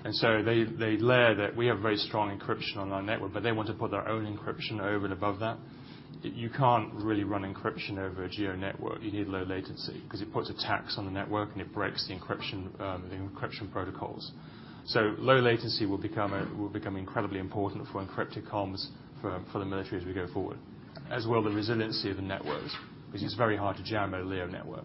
[SPEAKER 4] They layer that. We have very strong encryption on our network, but they want to put their own encryption over and above that. You can't really run encryption over a GEO network. You need low latency 'cause it puts a tax on the network, and it breaks the encryption, the encryption protocols. Low latency will become incredibly important for encrypted comms for the military as we go forward, as well the resiliency of the networks, because it's very hard to jam a LEO network.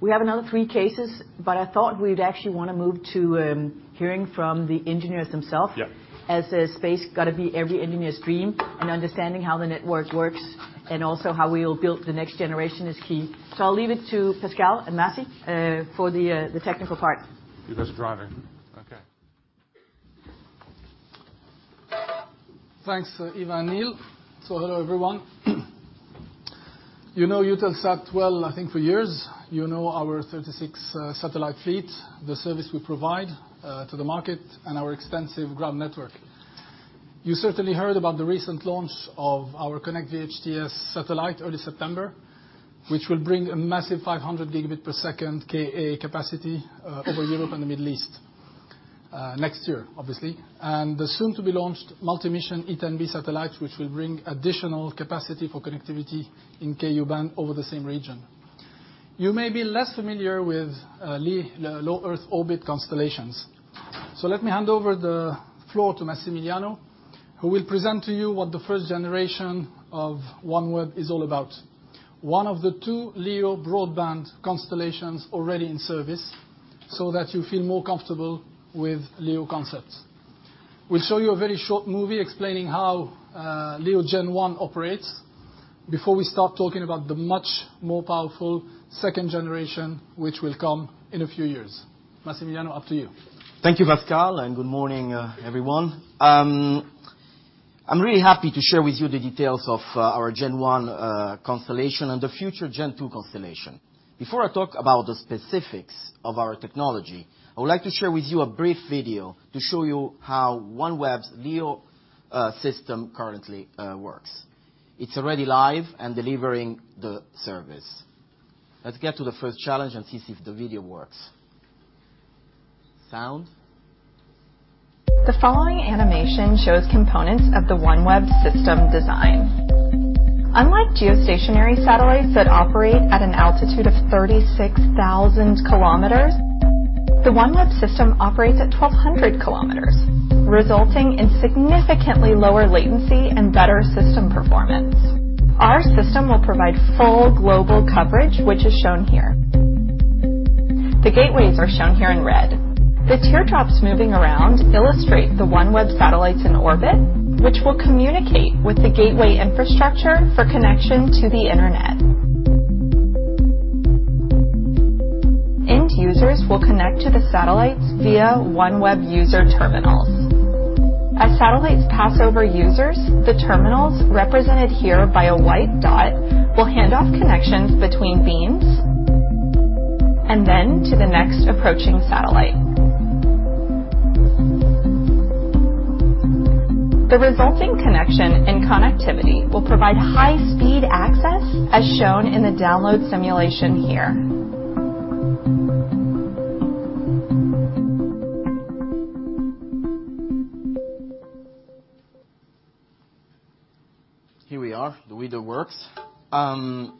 [SPEAKER 2] We have another three cases, but I thought we'd actually wanna move to hearing from the engineers themselves.
[SPEAKER 4] Yeah.
[SPEAKER 2] As the space got to be every engineer's dream and understanding how the network works and also how we will build the next generation is key. I'll leave it to Pascal and Massi for the technical part.
[SPEAKER 4] You guys are driving. Okay.
[SPEAKER 5] Thanks, Eva and Neil. Hello, everyone. You know Eutelsat well, I think for years. You know our 36 satellite fleet, the service we provide to the market, and our extensive ground network. You certainly heard about the recent launch of our KONNECT VHTS satellite early September, which will bring a massive 500 Gbps Ka capacity over Europe and the Middle East next year, obviously. And the soon-to-be-launched multi-mission 10B satellite, which will bring additional capacity for connectivity in Ku-band over the same region. You may be less familiar with LEO constellations. Let me hand over the floor to Massimiliano, who will present to you what the first generation of OneWeb is all about. One of the two LEO broadband constellations already in service so that you feel more comfortable with LEO concepts. We'll show you a very short movie explaining how LEO Gen-1 operates before we start talking about the much more powerful second generation which will come in a few years. Massimiliano, up to you.
[SPEAKER 6] Thank you, Pascal, and good morning, everyone. I'm really happy to share with you the details of our Gen-1 constellation and the future Gen-2 constellation. Before I talk about the specifics of our technology, I would like to share with you a brief video to show you how OneWeb's LEO system currently works. It's already live and delivering the service. Let's get to the first challenge and see if the video works. Sound.
[SPEAKER 2] The following animation shows components of the OneWeb system design. geostationary satellites that operate at an altitude of 36,000 kilometers, the OneWeb system operates at 1,200 kilometers, resulting in significantly lower latency and better system performance. Our system will provide full global coverage, which is shown here. The gateways are shown here in red. The teardrops moving around illustrate the OneWeb satellites in orbit, which will communicate with the gateway infrastructure for connection to the Internet. End users will connect to the satellites via OneWeb user terminals. As satellites pass over users, the terminals represented here by a white dot will hand off connections between beams and then to the next approaching satellite. The resulting connection and connectivity will provide high speed access as shown in the download simulation here.
[SPEAKER 6] Here we are. The video works. I'm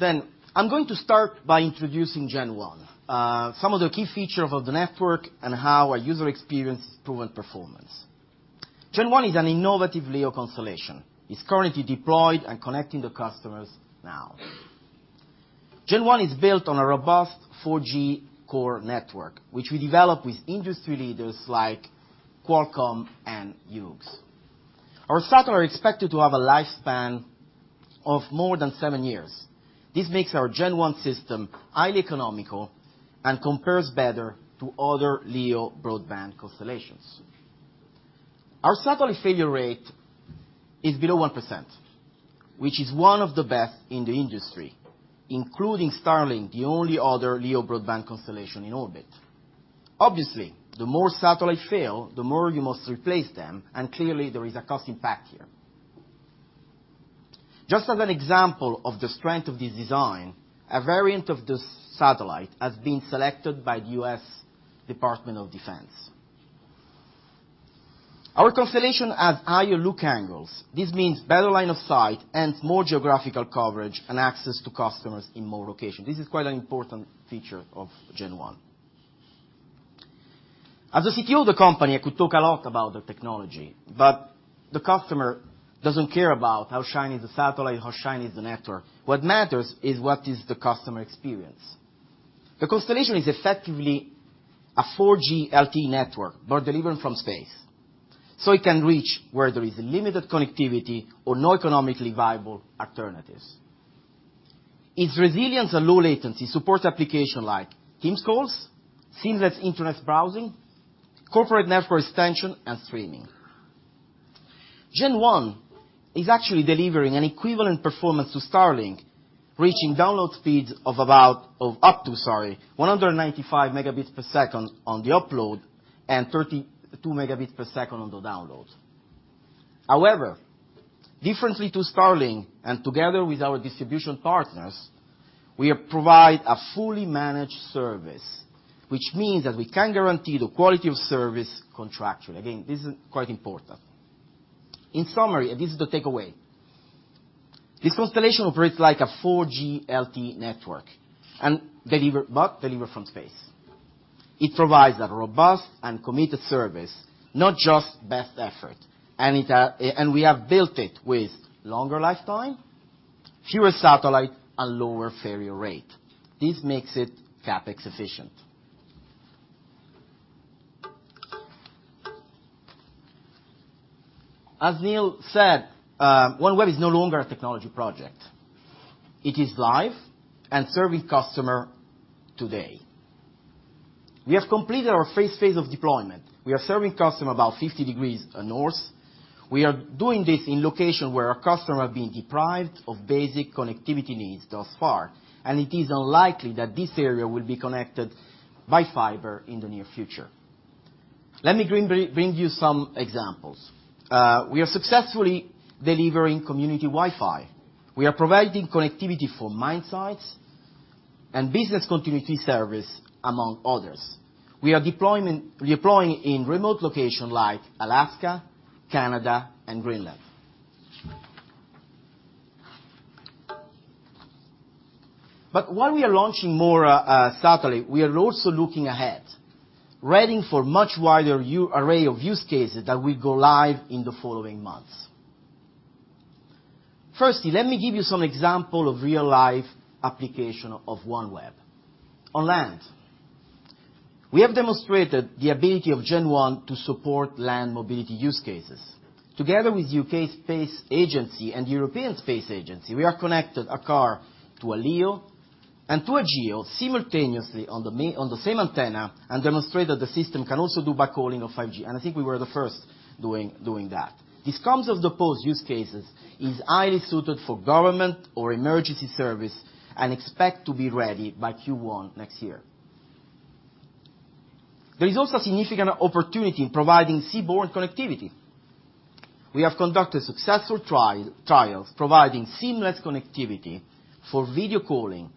[SPEAKER 6] going to start by introducing Gen-1, some of the key features of the network and how our user experience proven performance. Gen-1 is an innovative LEO constellation. It's currently deployed and connecting the customers now. Gen-1 is built on a robust 4G core network, which we develop with industry leaders like Qualcomm and Hughes. Our satellite are expected to have a lifespan of more than seven years. This makes our Gen-1 system highly economical and compares better to other LEO broadband constellations. Our satellite failure rate is below 1%, which is one of the best in the industry, including Starlink, the only other LEO broadband constellation in orbit. Obviously, the more satellite fail, the more you must replace them, and clearly, there is a cost impact here. Just as an example of the strength of this design, a variant of this satellite has been selected by the US Department of Defense. Our constellation has higher look angles. This means better line of sight and more geographical coverage and access to customers in more locations. This is quite an important feature of Gen-1. As the CTO of the company, I could talk a lot about the technology, but the customer doesn't care about how shiny the satellite, how shiny is the network. What matters is what is the customer experience. The constellation is effectively a 4G LTE network, but delivered from space, so it can reach where there is limited connectivity or no economically viable alternatives. Its resilience and low latency supports application like Teams calls, seamless internet browsing, corporate network extension, and streaming. Gen-1 is actually delivering an equivalent performance to Starlink, reaching download speeds of up to 195 Mbps on the upload and 32 Mbps on the download. However, differently to Starlink and together with our distribution partners, we provide a fully managed service, which means that we can guarantee the quality of service contractually. Again, this is quite important. In summary, this is the takeaway. This constellation operates like a 4G LTE network but delivers from space. It provides a robust and committed service, not just best effort. It and we have built it with longer lifetime, fewer satellite and lower failure rate. This makes it CapEx efficient. As Neil said, OneWeb is no longer a technology project. It is live and serving customer today. We have completed our first phase of deployment. We are serving customers about 50 degrees north. We are doing this in locations where our customers are being deprived of basic connectivity needs thus far, and it is unlikely that this area will be connected by fiber in the near future. Let me bring you some examples. We are successfully delivering community Wi-Fi. We are providing connectivity for mine sites and business continuity services, among others. We are deploying in remote locations like Alaska, Canada and Greenland. While we are launching more satellites, we are also looking ahead, ready for much wider array of use cases that will go live in the following months. Firstly, let me give you some examples of real-life applications of OneWeb. On land, we have demonstrated the ability of Gen One to support land mobility use cases. Together with UK Space Agency and European Space Agency, we are connected a car to a LEO and to a GEO simultaneously on the same antenna and demonstrated the system can also do backhauling of 5G. I think we were the first doing that. This comms on the move use cases is highly suited for government or emergency service and expect to be ready by Q1 next year. There is also significant opportunity in providing seaborne connectivity. We have conducted successful trials, providing seamless connectivity for video calling,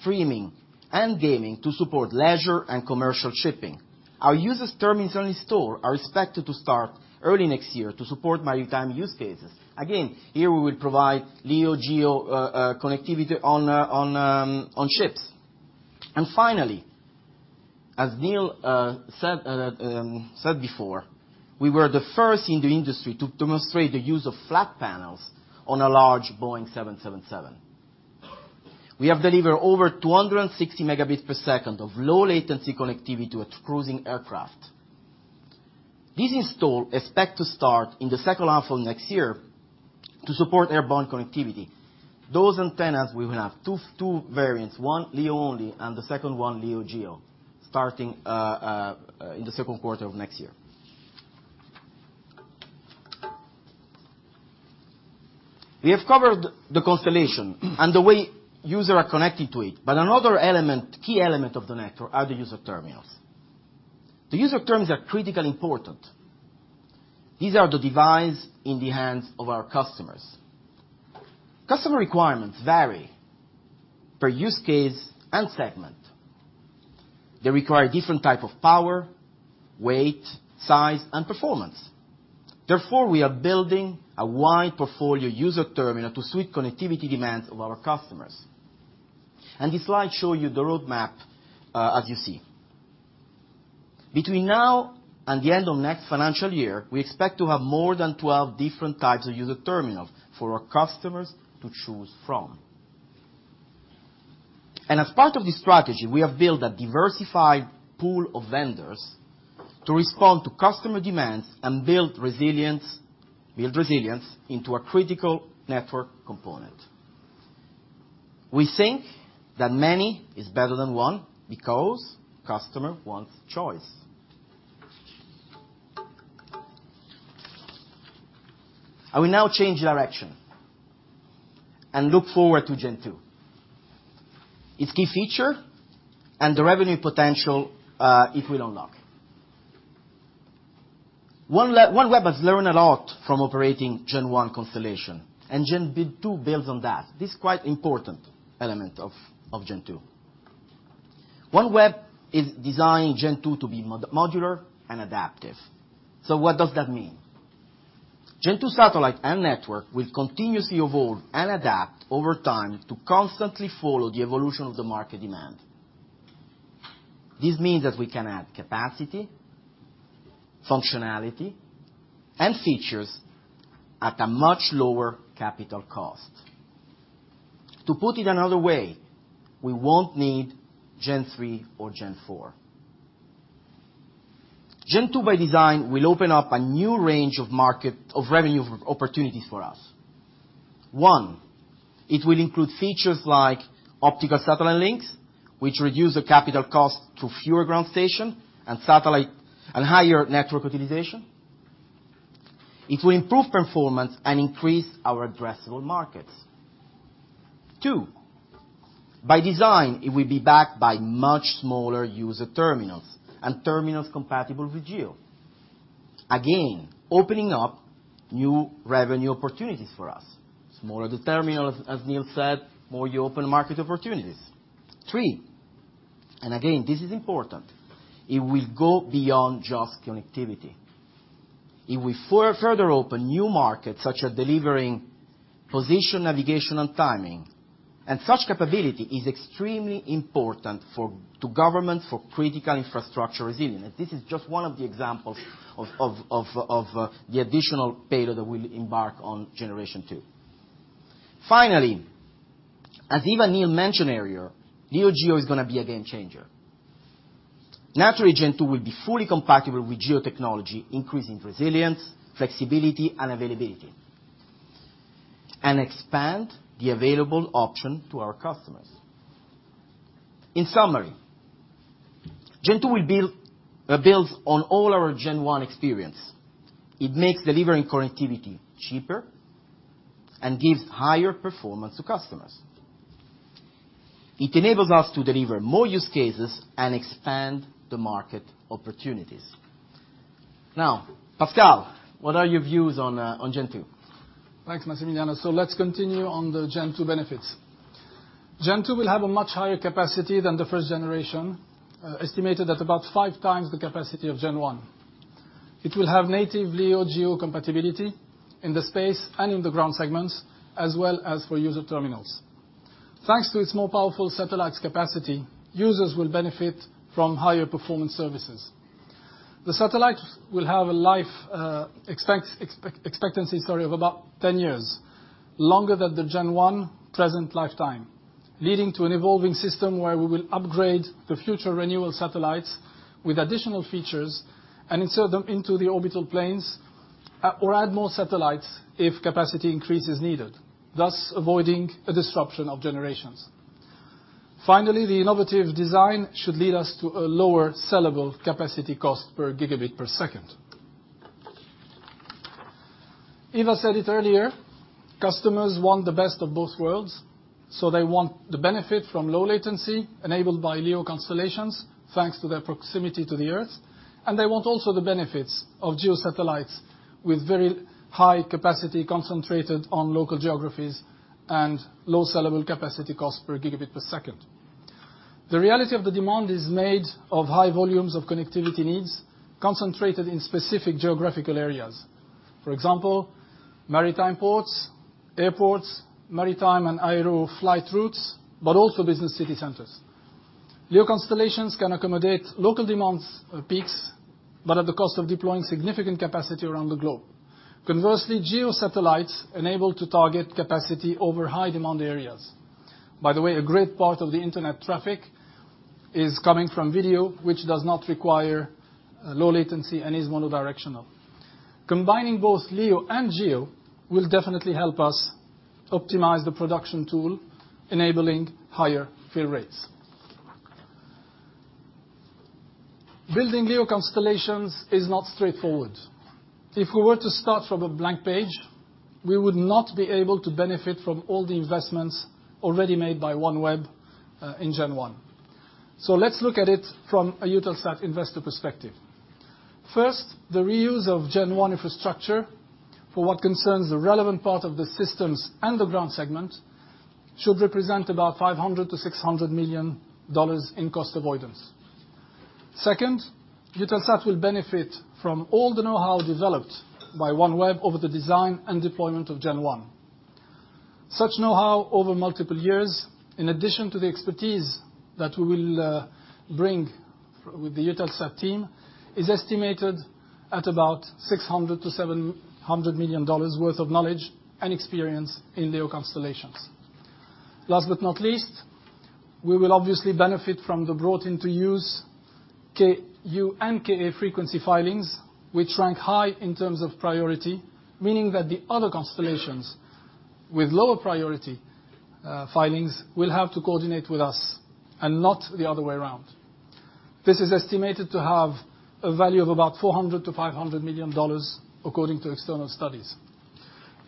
[SPEAKER 6] streaming and gaming to support leisure and commercial shipping. Our user terminal installations are expected to start early next year to support maritime use cases. Again, here we will provide LEO, GEO, connectivity on ships. Finally, as Neil said at... said before, we were the first in the industry to demonstrate the use of flat panels on a large Boeing 777. We have delivered over 260 Mbps of low latency connectivity to a cruising aircraft. This installation is expected to start in the second half of next year to support airborne connectivity. Those antennas, we will have two variants, one LEO only, and the second one LEO-GEO, starting in the second quarter of next year. We have covered the constellation and the way users are connected to it, but another key element of the network are the user terminals. The user terminals are critically important. These are the devices in the hands of our customers. Customer requirements vary per use case and segment. They require different types of power, weight, size and performance. Therefore, we are building a wide portfolio user terminal to suit connectivity demands of our customers. This slide shows you the roadmap, as you see. Between now and the end of next financial year, we expect to have more than 12 different types of user terminals for our customers to choose from. As part of this strategy, we have built a diversified pool of vendors to respond to customer demands and build resilience into a critical network component. We think that many is better than one because customer wants choice. I will now change direction and look forward to Gen-2, its key feature and the revenue potential it will unlock. OneWeb has learned a lot from operating Gen One constellation, Gen-2 builds on that. This quite important element of Gen-2. OneWeb is Gen-2 to be modular and adaptive. What does that Gen-2 satellite and network will continuously evolve and adapt over time to constantly follow the evolution of the market demand. This means that we can add capacity, functionality and features at a much lower capital cost. To put it another way, we won't need Gen-3 or Gen-4 by design will open up a new range of markets and revenue opportunities for us. One, it will include features like optical satellite links, which reduce the capital cost to fewer ground stations and satellites and higher network utilization. It will improve performance and increase our addressable markets. Two, by design, it will be backed by much smaller user terminals and terminals compatible with GEO. Again, opening up new revenue opportunities for us. smaller the terminals, as Neil said, the more you open market opportunities. Three, again, this is important, it will go beyond just connectivity. If we further open new markets, such as delivering position, navigation and timing. Such capability is extremely important to governments for critical infrastructure resilience. This is just one of the examples of the additional payload that we'll embark on Gen-2. Finally, as Eva and Neil mentioned earlier, LEO GEO is gonna be a game changer. Naturally, Gen-2 will be fully compatible with GEO technology, increasing resilience, flexibility and availability, and expand the available option to our customers. In summary, Gen-2 builds on all our Gen-1 experience. It makes delivering connectivity cheaper and gives higher performance to customers. It enables us to deliver more use cases and expand the market opportunities. Now, Pascal, what are your views on Gen-2?
[SPEAKER 5] Thanks, Massimiliano. Let's continue on the Gen-2 benefits. Gen-2 will have a much higher capacity than the first generation, estimated at about five times the capacity of Gen-1. It will have native LEO GEO compatibility in the space and in the ground segments, as well as for user terminals. Thanks to its more powerful satellites capacity, users will benefit from higher performance services. The satellites will have a life expectancy of about ten years, longer than the Gen-1 present lifetime, leading to an evolving system where we will upgrade the future renewal satellites with additional features and insert them into the orbital planes or add more satellites if capacity increase is needed, thus avoiding a disruption of generations. Finally, the innovative design should lead us to a lower sellable capacity cost per gigabit per second. Eva said it earlier, customers want the best of both worlds, so they want the benefit from low latency enabled by LEO constellations, thanks to their proximity to the Earth, and they want also the benefits of GEO satellites with very high capacity concentrated on local LEO graphies and low sellable capacity cost per gigabit per second. The reality of the demand is made of high volumes of connectivity needs concentrated in specific geographical areas. For example, maritime ports, airports, maritime and aero flight routes, but also business city centers. LEO constellations can accommodate local demand peaks, but at the cost of deploying significant capacity around the globe. Conversely, GEO satellites enable to target capacity over high demand areas. By the way, a great part of the internet traffic is coming from video, which does not require low latency and is unidirectional. Combining both LEO and GEO will definitely help us optimize the production tool, enabling higher fill rates. Building LEO constellations is not straightforward. If we were to start from a blank page, we would not be able to benefit from all the investments already made by OneWeb in Gen-1. Let's look at it from a Eutelsat investor perspective. First, the reuse of Gen-1 infrastructure for what concerns the relevant part of the systems and the ground segment should represent about $500 million-$600 million in cost avoidance. Second, Eutelsat will benefit from all the know-how developed by OneWeb over the design and deployment of Gen-1. Such know-how over multiple years, in addition to the expertise that we will bring with the Eutelsat team, is estimated at about $600 million-$700 million worth of knowledge and experience in LEO constellations. Last but not least, we will obviously benefit from the brought into use Ku and Ka frequency filings, which rank high in terms of priority, meaning that the other constellations with lower priority filings will have to coordinate with us and not the other way around. This is estimated to have a value of about $400 million-$500 million, according to external studies.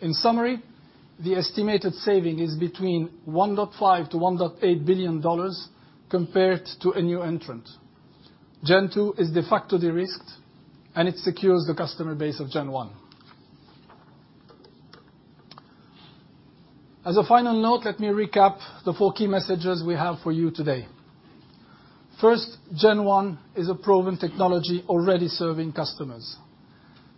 [SPEAKER 5] In summary, the estimated saving is between $1.5 billion-$1.8 billion compared to a new entrant. Gen-2 is de facto derisked, and it secures the customer base of Gen-1. As a final note, let me recap the four key messages we have for you today. First, Gen-1 is a proven technology already serving customers.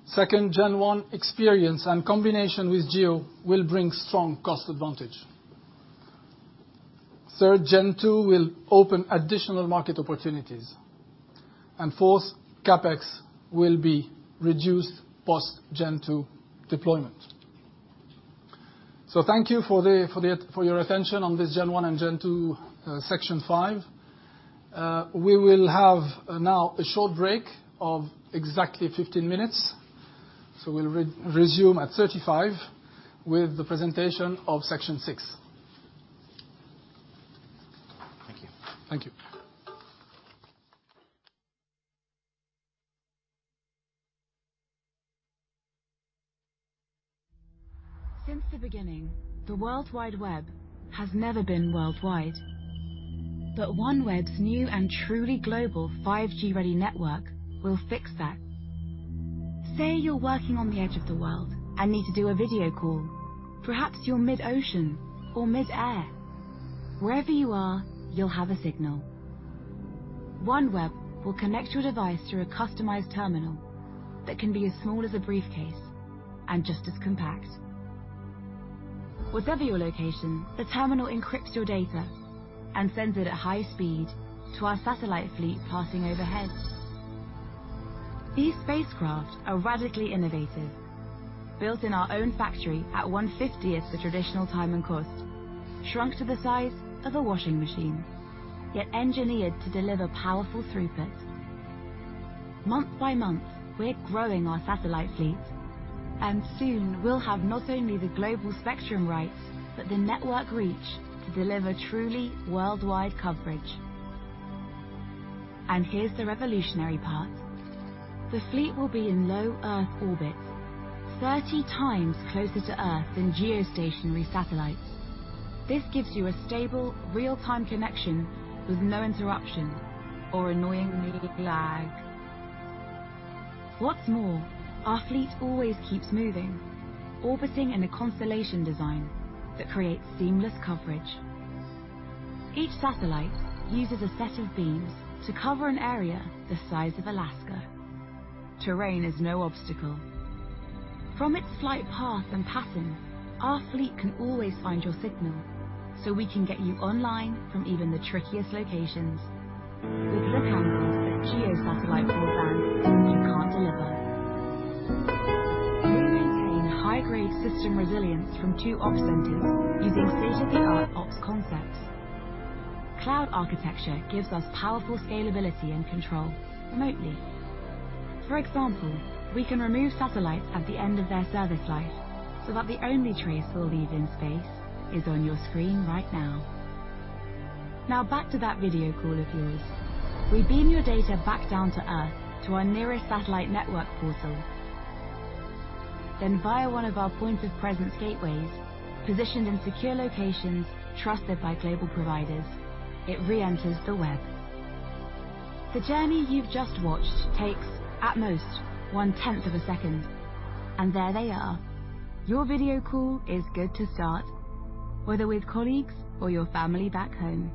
[SPEAKER 5] Second, Gen-1 experience and combination with LEO will bring strong cost advantage. Third, Gen-2 will open additional market opportunities. Fourth, CapEx will be reduced post Gen-2 deployment. Thank you for your attention on this Gen-1 and Gen-2 section five. We will have now a short break of exactly 15 minutes. We'll resume at 35 with the presentation of section six.
[SPEAKER 6] Thank you.
[SPEAKER 5] Thank you.
[SPEAKER 7] Since the beginning, the World Wide Web has never been worldwide. OneWeb's new and truly global 5G-ready network will fix that. Say you're working on the edge of the world and need to do a video call. Perhaps you're mid-ocean or mid-air. Wherever you are, you'll have a signal. OneWeb will connect your device through a customized terminal that can be as small as a briefcase and just as compact. Whatever your location, the terminal encrypts your data and sends it at high speed to our satellite fleet passing overhead. These spacecraft are radically innovative, built in our own factory at one-fiftieth the traditional time and cost, shrunk to the size of a washing machine, yet engineered to deliver powerful throughput. Month by month, we're growing our satellite fleet, and soon we'll have not only the global spectrum rights, but the network reach to deliver truly worldwide coverage. Here's the revolutionary part. The fleet will be in low Earth orbit, 30 times closer to Earth geostationary satellites. This gives you a stable, real-time connection with no interruption or annoying lag. What's more, our fleet always keeps moving, orbiting in a constellation design that creates seamless coverage. Each satellite uses a set of beams to cover an area the size of Alaska. Terrain is no obstacle. From its flight path and passing, our fleet can always find your signal, so we can get you online from even the trickiest locations with the capacity that GEO satellite broadband can't deliver. We maintain high-grade system resilience from two ops centers using state-of-the-art ops concepts. Cloud architecture gives us powerful scalability and control remotely. For example, we can remove satellites at the end of their service life so that the only trace we'll leave in space is on your screen right now. Now, back to that video call of yours. We beam your data back down to Earth to our nearest satellite network portal. Then via one of our point of presence gateways, positioned in secure locations trusted by global providers, it reenters the web. The journey you've just watched takes at most one-tenth of a second, and there they are. Your video call is good to start, whether with colleagues or your family back home.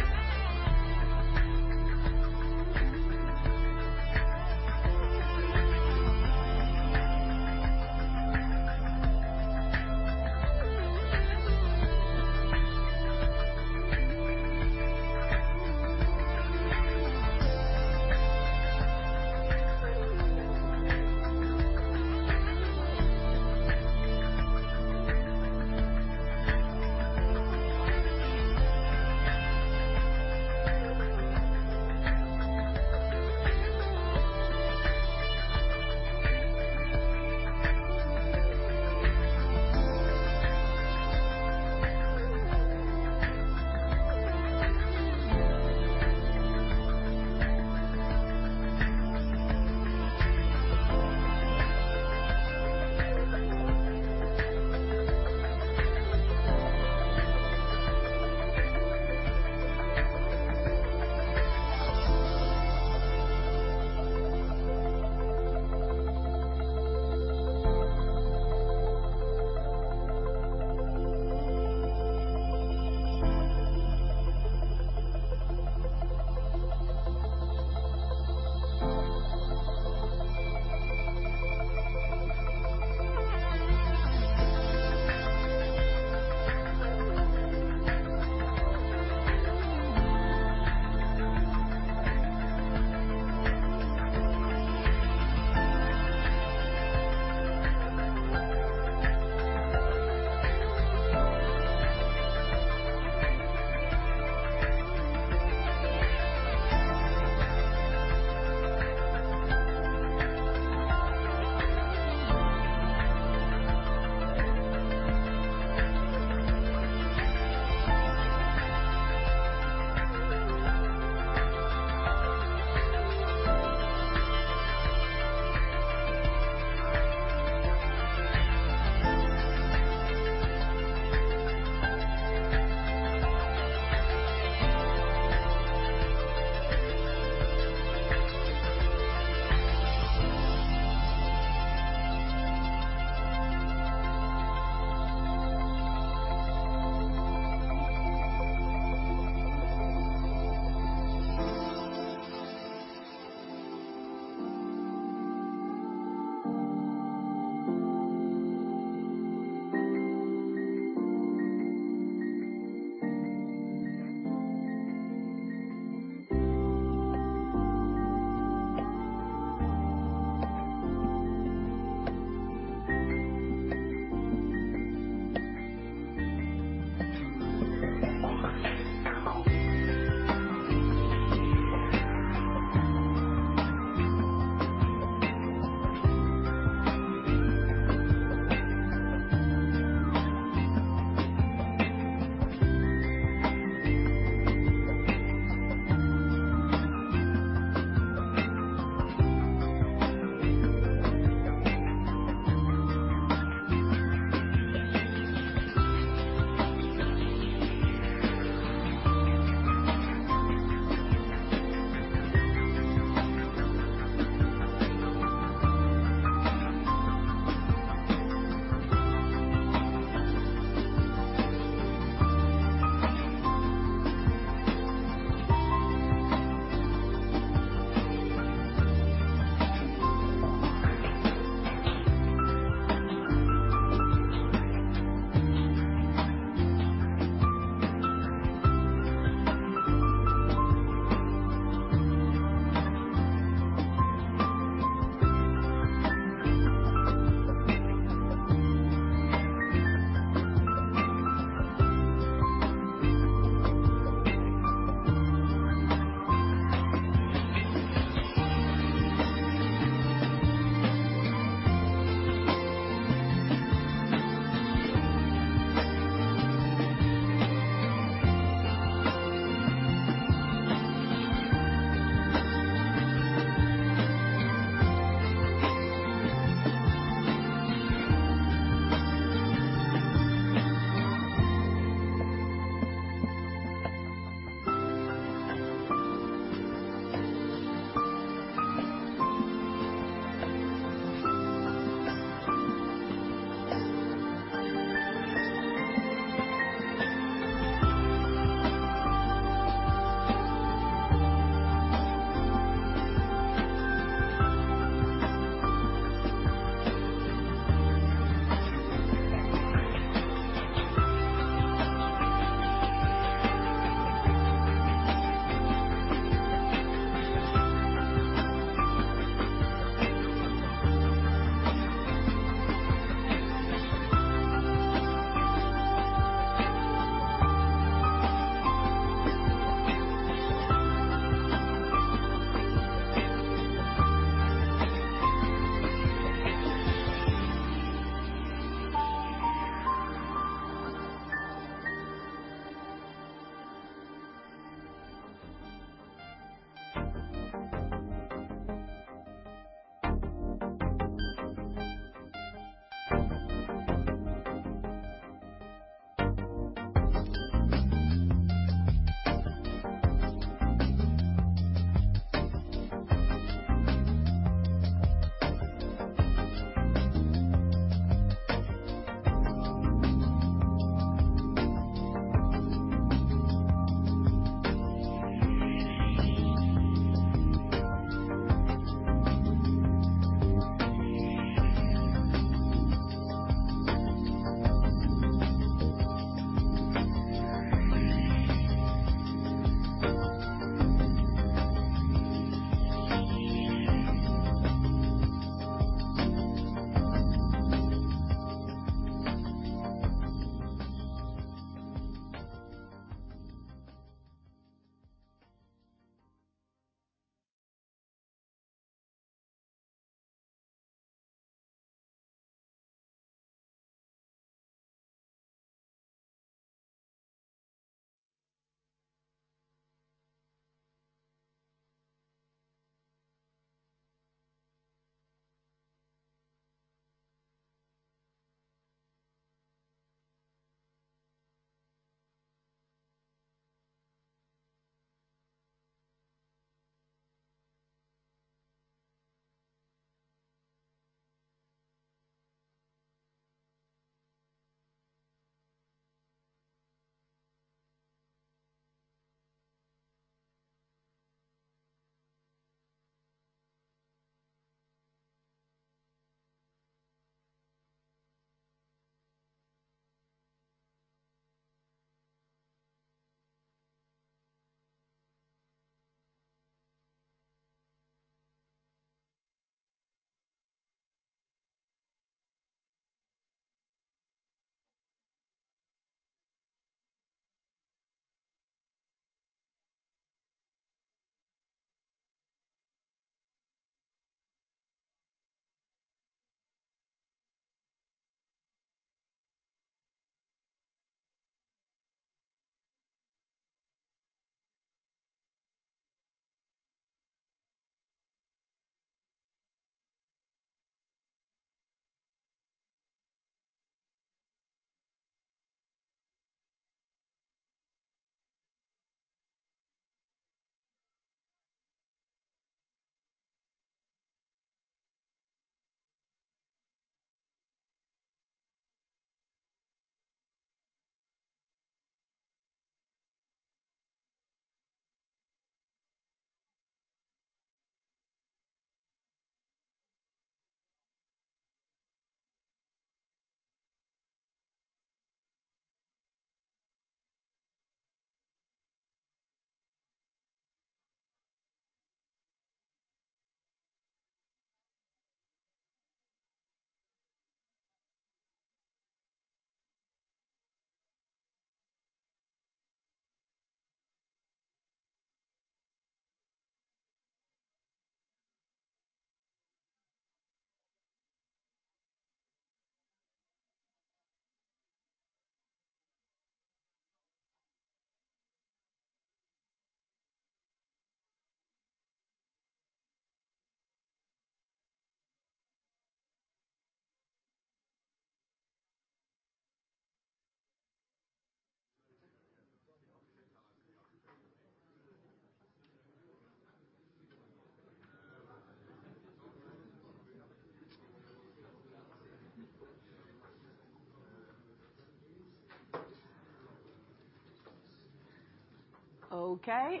[SPEAKER 2] Okay,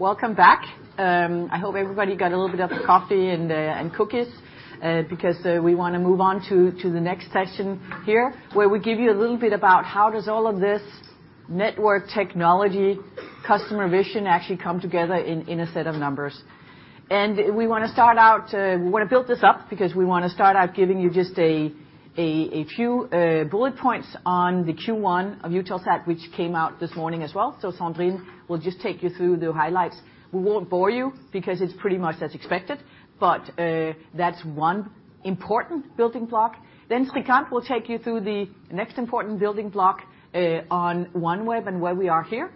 [SPEAKER 2] welcome back. I hope everybody got a little bit of coffee and cookies, because we want to move on to the next session here, where we give you a little bit about how does all of this network technology customer vision actually come together in a set of numbers. We want to build this up because we want to start out giving you just a few bullet points on the Q1 of Eutelsat, which came out this morning as well. Sandrine will just take you through the highlights. We won't bore you because it's pretty much as expected, but that's one important building block. Srikanth will take you through the next important building block on OneWeb and where we are here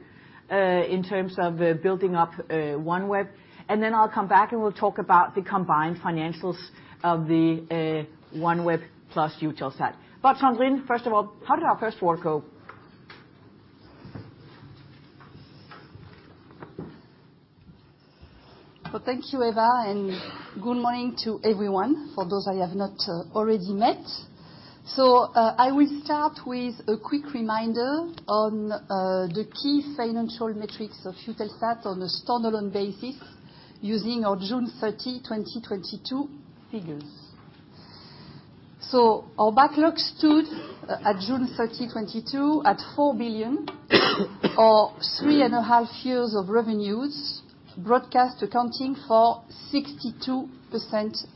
[SPEAKER 2] in terms of building up OneWeb. I'll come back, and we'll talk about the combined financials of the OneWeb plus Eutelsat. Sandrine, first of all, how did our first quarter go?
[SPEAKER 8] Well, thank you, Eva, and good morning to everyone, for those I have not already met. I will start with a quick reminder on the key financial metrics of Eutelsat on a standalone basis using our June 30, 2022 figures. Our backlog stood at June 30, 2022 at 4 billion or 3.5 years of revenues, broadcast accounting for 62%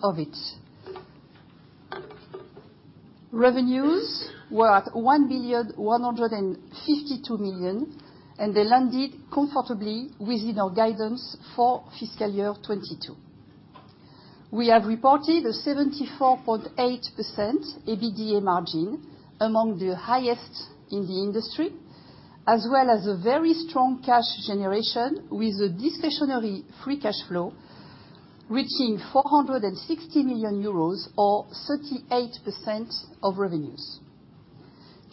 [SPEAKER 8] of it. Revenues were at 1,152 million, and they landed comfortably within our guidance for fiscal year 2022. We have reported a 74.8% EBITDA margin, among the highest in the industry, as well as a very strong cash generation with a discretionary free cash flow reaching 460 million euros or 38% of revenues.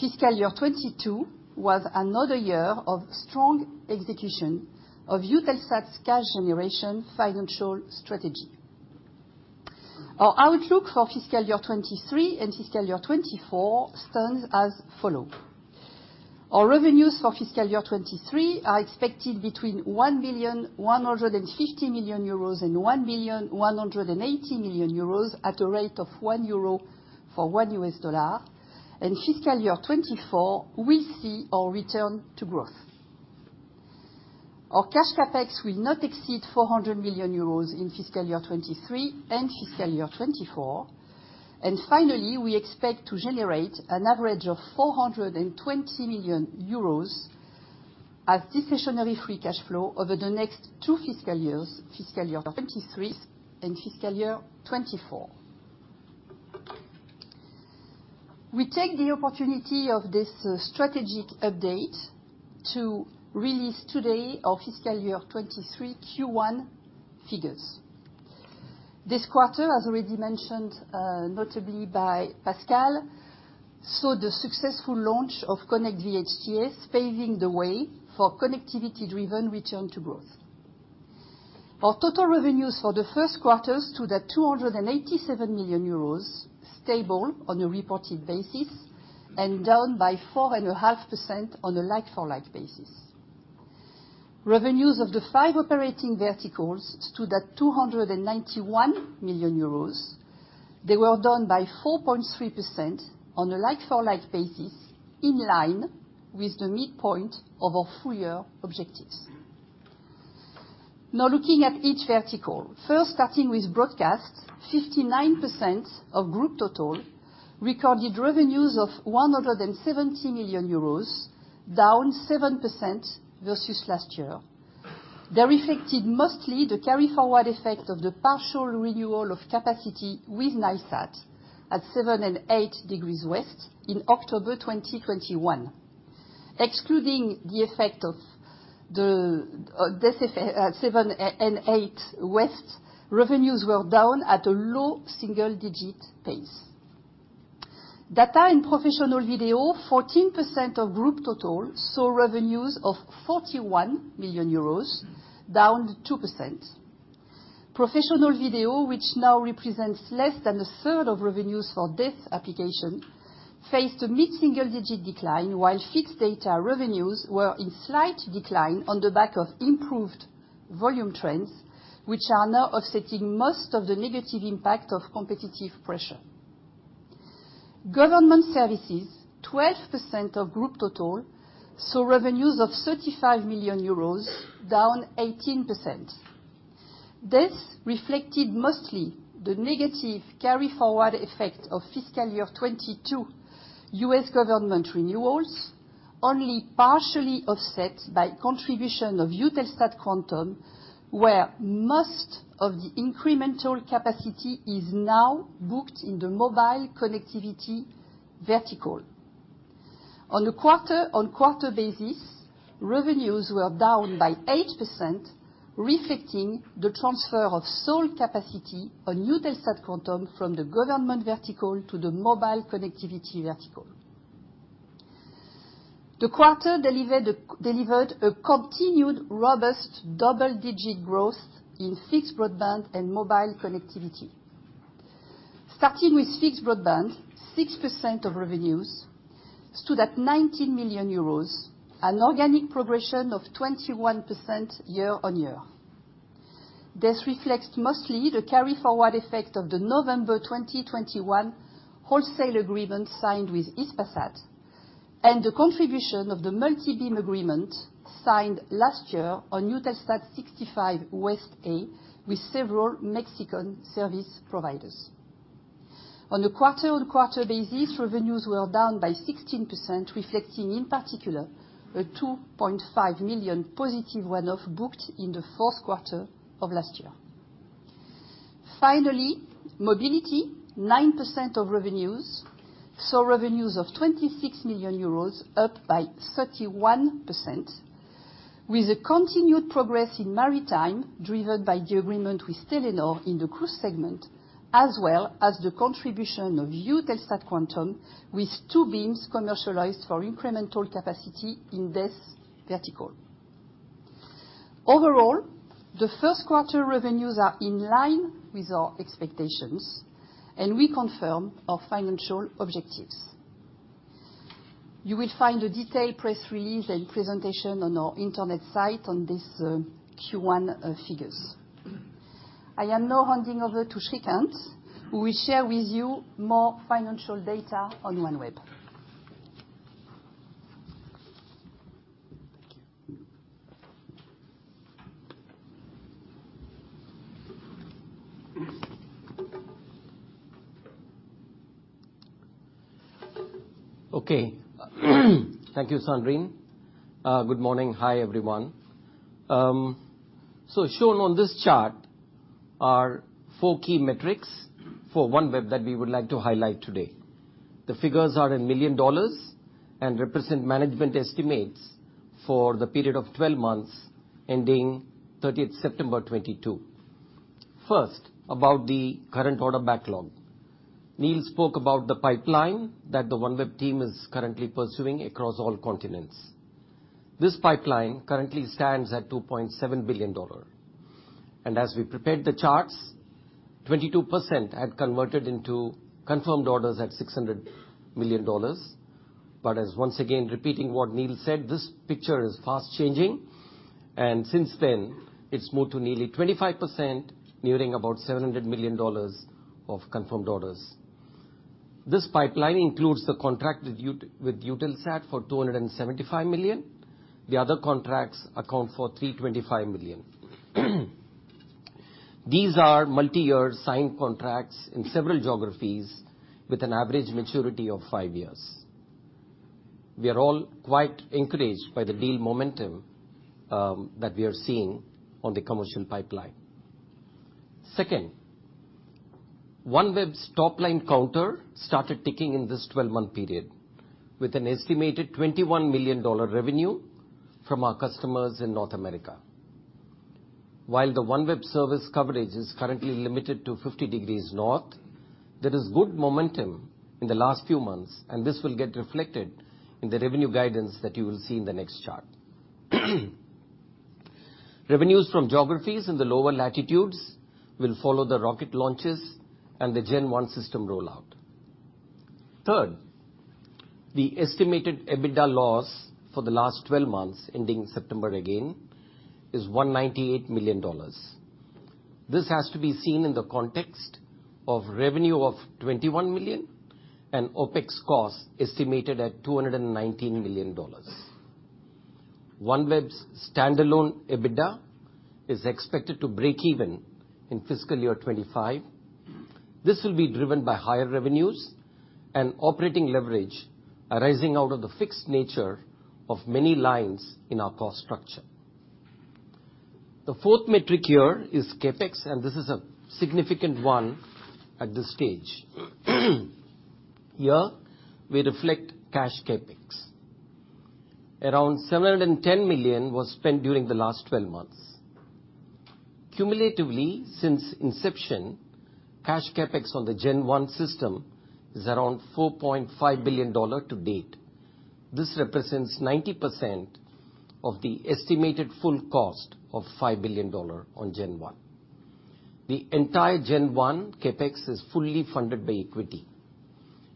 [SPEAKER 8] Fiscal year 2022 was another year of strong execution of Eutelsat's cash generation financial strategy. Our outlook for fiscal year 2023 and fiscal year 2024 stands as follow. Our revenues for fiscal year 2023 are expected between 1.15 billion and 1.18 billion at a rate of one euro for one US dollar. Fiscal year 2024, we see our return to growth. Our cash CapEx will not exceed 400 million euros in fiscal year 2023 and fiscal year 2024. Finally, we expect to generate an average of 420 million euros as discretionary free cash flow over the next two fiscal years, fiscal year 2023 and fiscal year 2024. We take the opportunity of this strategic update to release today our fiscal year 2023 Q1 figures. This quarter, as already mentioned, notably by Pascal, saw the successful launch of KONNECT VHTS, paving the way for connectivity-driven return to growth. Our total revenues for the first quarter stood at 287 million euros, stable on a reported basis, and down by 4.5% on a like-for-like basis. Revenues of the 5 operating verticals stood at 291 million euros. They were down by 4.3% on a like-for-like basis, in line with the midpoint of our full year objectives. Now looking at each vertical. First, starting with broadcast, 59% of group total recorded revenues of 170 million euros, down 7% versus last year. They reflected mostly the carry-forward effect of the partial renewal of capacity with Nilesat at 7°/8° west in October 2021. Excluding the effect of the, this effect at seven and eight west, revenues were down at a low single-digit pace. Data and professional video, 14% of group total, saw revenues of 41 million euros, down 2%. Professional video, which now represents less than a third of revenues for this application, faced a mid-single-digit decline, while fixed data revenues were in slight decline on the back of improved volume trends, which are now offsetting most of the negative impact of competitive pressure. Government services, 12% of group total, saw revenues of 35 million euros, down 18%. This reflected mostly the negative carry-forward effect of fiscal year 2022 U.S. government renewals, only partially offset by contribution of Eutelsat Quantum, where most of the incremental capacity is now booked in the mobile connectivity vertical. On a quarter-on-quarter basis, revenues were down by 8%, reflecting the transfer of sold capacity on Eutelsat Quantum from the government vertical to the mobile connectivity vertical. The quarter delivered a continued robust double-digit growth in fixed broadband and mobile connectivity. Starting with fixed broadband, 6% of revenues stood at 19 million euros, an organic progression of 21% year-on-year. This reflects mostly the carry forward effect of the November 2021 wholesale agreement signed with Hispasat and the contribution of the multi-beam agreement signed last year on EUTELSAT 65 West A with several Mexican service providers. On a quarter-on-quarter basis, revenues were down by 16%, reflecting in particular a 2.5 million positive one-off booked in the fourth quarter of last year. Finally, mobility, 9% of revenues, saw revenues of 26 million euros, up 31%, with a continued progress in maritime, driven by the agreement with Telenor in the cruise segment, as well as the contribution of Eutelsat Quantum with two beams commercialized for incremental capacity in this vertical. Overall, the first quarter revenues are in line with our expectations, and we confirm our financial objectives. You will find the detailed press release and presentation on our internet site on this Q1 figures. I am now handing over to Srikanth, who will share with you more financial data on OneWeb.
[SPEAKER 9] Thank you. Okay. Thank you, Sandrine. Good morning. Hi, everyone. Shown on this chart are four key metrics for OneWeb that we would like to highlight today. The figures are in millions of dollars and represent management estimates for the period of 12 months ending thirtieth September 2022. First, about the current order backlog. Neil spoke about the pipeline that the OneWeb team is currently pursuing across all continents. This pipeline currently stands at $2.7 billion. As we prepared the charts, 22% had converted into confirmed orders at $600 million. As, once again, repeating what Neil said, this picture is fast changing, and since then it's moved to nearly 25%, nearing about $700 million of confirmed orders. This pipeline includes the contract with Eutelsat for $275 million. The other contracts account for $325 million. These are multiyear signed contracts in several geographies with an average maturity of 5 years. We are all quite encouraged by the deal momentum, that we are seeing on the commercial pipeline. Second, OneWeb's top-line counter started ticking in this 12-month period with an estimated $21 million revenue from our customers in North America. While the OneWeb service coverage is currently limited to 50 degrees north, there is good momentum in the last few months, and this will get reflected in the revenue guidance that you will see in the next chart. Revenues from geographies in the lower latitudes will follow the rocket launches and the Gen-1 system rollout. Third, the estimated EBITDA loss for the last 12 months, ending September again, is $198 million. This has to be seen in the context of revenue of $21 million and OpEx cost estimated at $219 million. OneWeb's standalone EBITDA is expected to break even in fiscal year 2025. This will be driven by higher revenues and operating leverage arising out of the fixed nature of many lines in our cost structure. The fourth metric here is CapEx, and this is a significant one at this stage. Here, we reflect cash CapEx. Around $710 million was spent during the last twelve months. Cumulatively, since inception, cash CapEx on the Gen-1 system is around $4.5 billion to date. This represents 90% of the estimated full cost of $5 billion on Gen-1. The entire Gen-1 CapEx is fully funded by equity,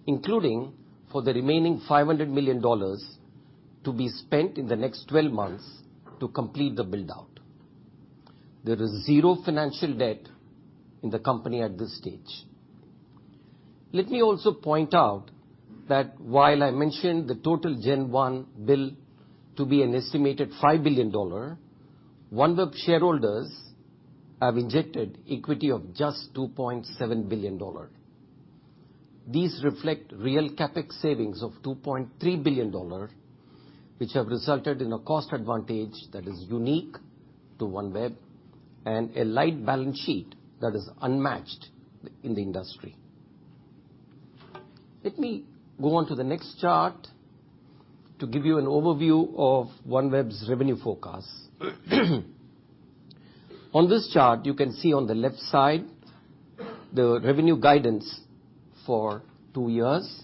[SPEAKER 9] including for the remaining $500 million to be spent in the next 12 months to complete the build-out. There is zero financial debt in the company at this stage. Let me also point out that while I mentioned the total Gen-1 build to be an estimated $5 billion, OneWeb shareholders have injected equity of just $2.7 billion. These reflect real CapEx savings of $2.3 billion, which have resulted in a cost advantage that is unique to OneWeb and a light balance sheet that is unmatched in the industry. Let me go onto the next chart to give you an overview of OneWeb's revenue forecast. On this chart, you can see on the left side the revenue guidance for two years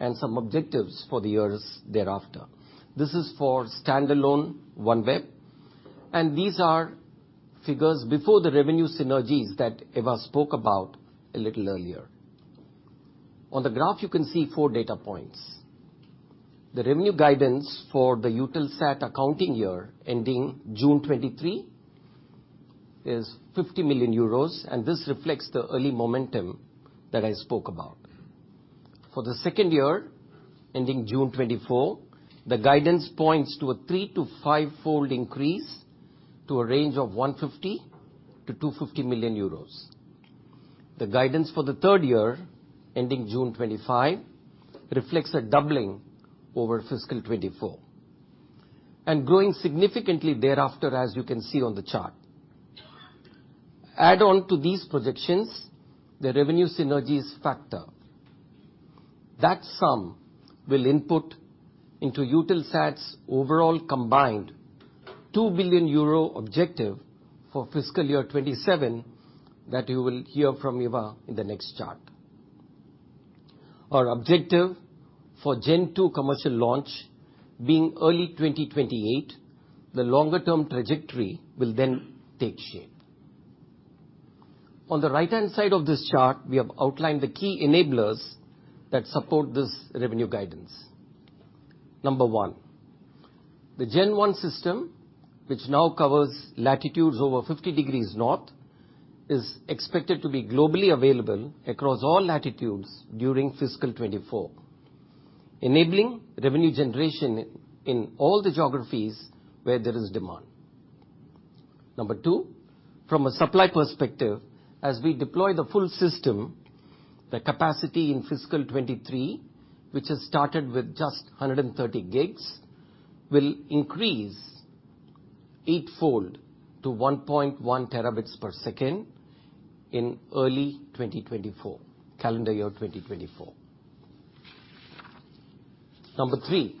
[SPEAKER 9] and some objectives for the years thereafter. This is for standalone OneWeb, and these are figures before the revenue synergies that Eva spoke about a little earlier. On the graph, you can see four data points. The revenue guidance for the Eutelsat accounting year ending June 2023 is 50 million euros, and this reflects the early momentum that I spoke about. For the second year, ending June 2024, the guidance points to a three to five-fold increase to a range of 150 million-250 million euros. The guidance for the third year, ending June 2025, reflects a doubling over fiscal 2024 and growing significantly thereafter as you can see on the chart. Add on to these projections the revenue synergies factor. That sum will input into Eutelsat's overall combined 2 billion euro objective for fiscal year 2027 that you will hear from Eva in the next chart. Our objective for Gen-2 commercial launch being early 2028, the longer term trajectory will then take shape. On the right-hand side of this chart, we have outlined the key enablers that support this revenue guidance. Number one, the Gen-1 system, which now covers latitudes over 50 degrees north, is expected to be globally available across all latitudes during fiscal 2024, enabling revenue generation in all the geographies where there is demand. Number two, from a supply perspective, as we deploy the full system, the capacity in fiscal 2023, which has started with just 130 gigs, will increase eightfold to 1.1 Tb per second in early 2024, calendar year 2024. Number three,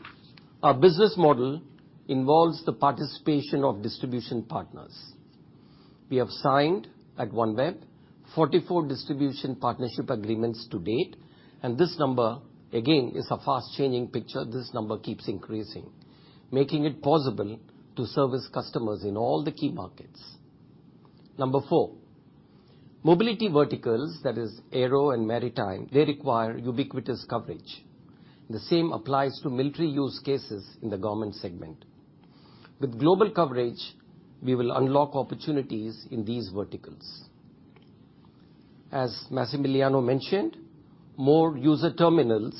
[SPEAKER 9] our business model involves the participation of distribution partners. We have signed at OneWeb 44 distribution partnership agreements to date, and this number, again, is a fast-changing picture. This number keeps increasing, making it possible to service customers in all the key markets. Number four, mobility verticals, that is aero and maritime, they require ubiquitous coverage. The same applies to military use cases in the government segment. With global coverage, we will unlock opportunities in these verticals. As Massimiliano mentioned, more user terminals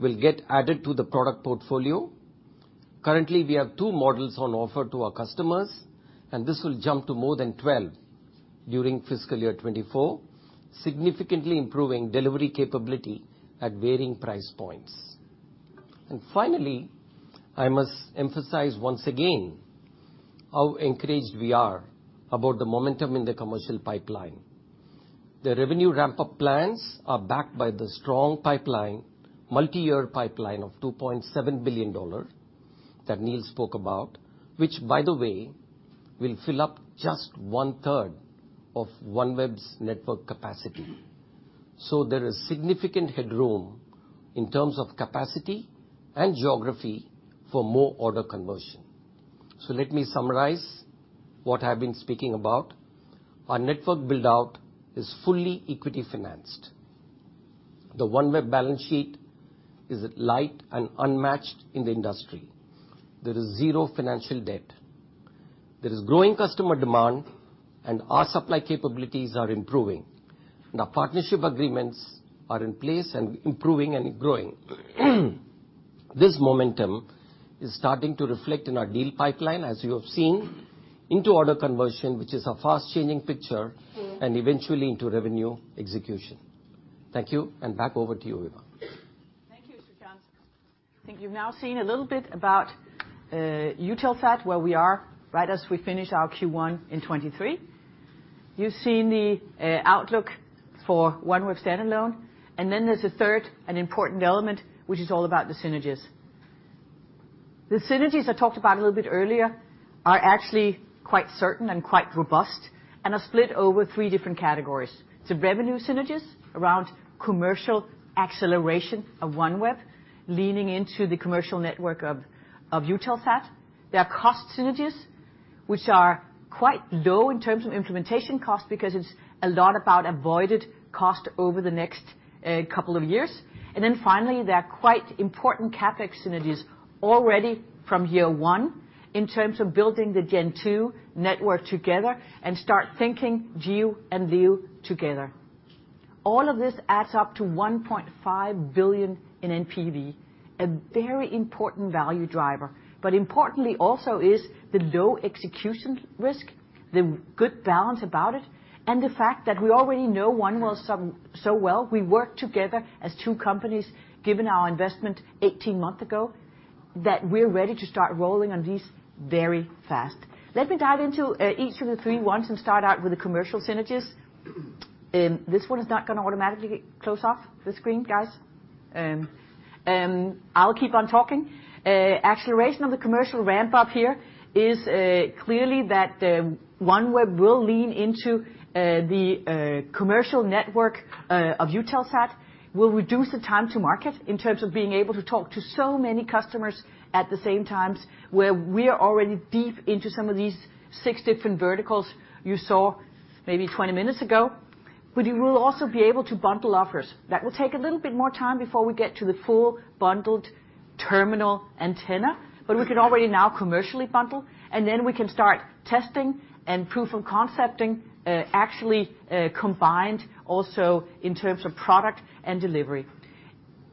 [SPEAKER 9] will get added to the product portfolio. Currently, we have two models on offer to our customers, and this will jump to more than 12 during fiscal year 2024, significantly improving delivery capability at varying price points. Finally, I must emphasize once again how encouraged we are about the momentum in the commercial pipeline. The revenue ramp-up plans are backed by the strong pipeline, multiyear pipeline of $2.7 billion that Neil spoke about, which by the way, will fill up just 1/3 of OneWeb's network capacity. There is significant headroom in terms of capacity and geography for more order conversion. Let me summarize what I've been speaking about. Our network build-out is fully equity financed. The OneWeb balance sheet is light and unmatched in the industry. There is zero financial debt. There is growing customer demand, and our supply capabilities are improving, and our partnership agreements are in place and improving and growing. This momentum is starting to reflect in our deal pipeline, as you have seen, into order conversion, which is a fast-changing picture, and eventually into revenue execution. Thank you, and back over to you, Eva.
[SPEAKER 2] Thank you, Srikanth. I think you've now seen a little bit about Eutelsat, where we are, right as we finish our Q1 in 2023. You've seen the outlook for OneWeb standalone, and then there's a third and important element, which is all about the synergies. The synergies I talked about a little bit earlier are actually quite certain and quite robust and are split over three different categories. Revenue synergies around commercial acceleration of OneWeb, leaning into the commercial network of Eutelsat. There are cost synergies, which are quite low in terms of implementation cost because it's a lot about avoided cost over the next couple of years. Then finally, there are quite important CapEx synergies already from year one in terms of building Gen-2 network together and start thinking GEO and LEO together. All of this adds up to 1.5 billion in NPV, a very important value driver. Importantly also is the low execution risk, the good balance about it, and the fact that we already know OneWeb so well, we work together as two companies, given our investment 18 months ago, that we're ready to start rolling on these very fast. Let me dive into each of the three ones and start out with the commercial synergies. This one is not going to automatically close off the screen, guys. I'll keep on talking. Acceleration of the commercial ramp-up here is clearly that OneWeb will lean into the commercial network of Eutelsat. We'll reduce the time to market in terms of being able to talk to so many customers at the same time, where we are already deep into some of these six different verticals you saw maybe 20 minutes ago. You will also be able to bundle offers. That will take a little bit more time before we get to the full bundled terminal antenna, but we can already now commercially bundle, and then we can start testing and proof of concepting, actually, combined also in terms of product and delivery.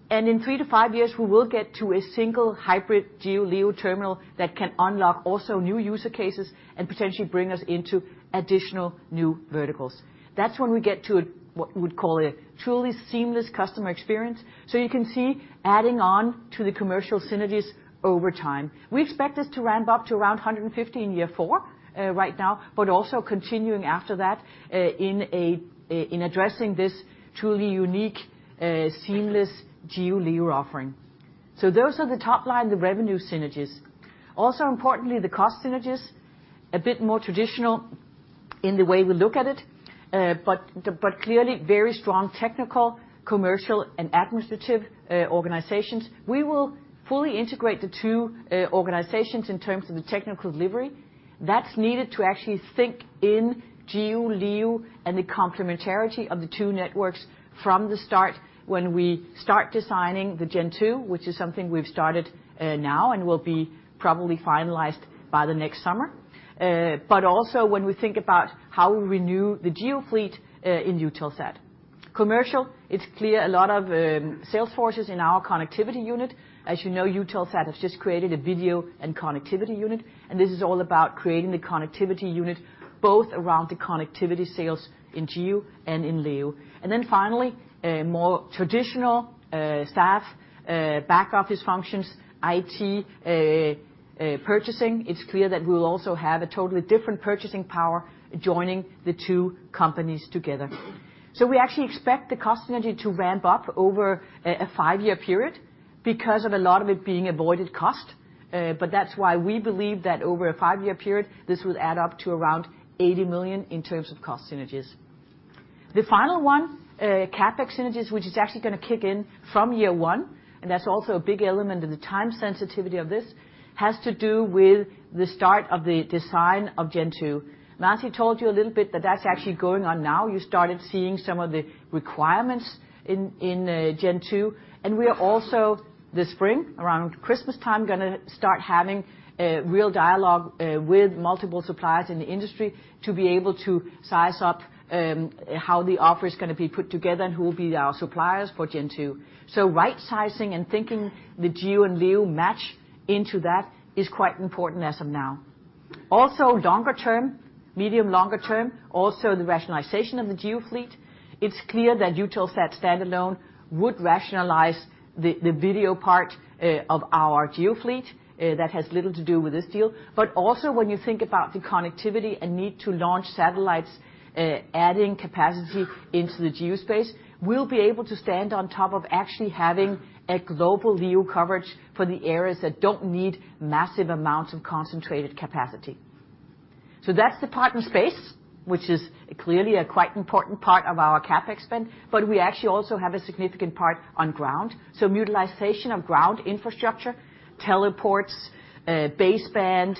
[SPEAKER 2] In three to five years, we will get to a single hybrid GEO-LEO terminal that can unlock also new use cases and potentially bring us into additional new verticals. That's when we get to what we'd call a truly seamless customer experience, so you can see adding on to the commercial synergies over time. We expect this to ramp up to around 150 in year four, right now, but also continuing after that, in addressing this truly unique, seamless GEO-LEO offering. Those are the top line, the revenue synergies. Also importantly, the cost synergies, a bit more traditional in the way we look at it, but clearly very strong technical, commercial, and administrative organizations. We will fully integrate the two organizations in terms of the technical delivery. That's needed to actually think in GEO, LEO, and the complementarity of the two networks from the start when we start designing Gen-2, which is something we've started now and will be probably finalized by the next summer, but also when we think about how we renew the GEO fleet in Eutelsat. Commercial, it's clear a lot of sales forces in our connectivity unit. As you know, Eutelsat has just created a video and connectivity unit, and this is all about creating the connectivity unit both around the connectivity sales in GEO and in LEO. Then finally, a more traditional staff, back-office functions, IT, purchasing. It's clear that we will also have a totally different purchasing power joining the two companies together. We actually expect the cost synergy to ramp up over a five-year period because of a lot of it being avoided cost. That's why we believe that over a five-year period, this would add up to around 80 million in terms of cost synergies. The final one, CapEx synergies, which is actually going to kick in from year one, and that's also a big element of the time sensitivity of this, has to do with the start of the design Gen-2. marty told you a little bit that that's actually going on now. You started seeing some of the requirements in Gen-2. We are also, this spring, around Christmas time, going to start having a real dialogue with multiple suppliers in the industry to be able to size up how the offer is going to be put together and who will be our suppliers for Gen-2. Rightsizing and thinking the GEO and LEO match into that is quite important as of now. Also, longer term, medium longer term, also the rationalization of the GEO fleet. It's clear that Eutelsat standalone would rationalize the video part of our GEO fleet that has little to do with this deal. Also, when you think about the connectivity and need to launch satellites, adding capacity into the GEO space, we'll be able to stand on top of actually having a global LEO coverage for the areas that don't need massive amounts of concentrated capacity. That's the part in space, which is clearly a quite important part of our CapEx spend, but we actually also have a significant part on ground. Utilization of ground infrastructure, teleports, baseband,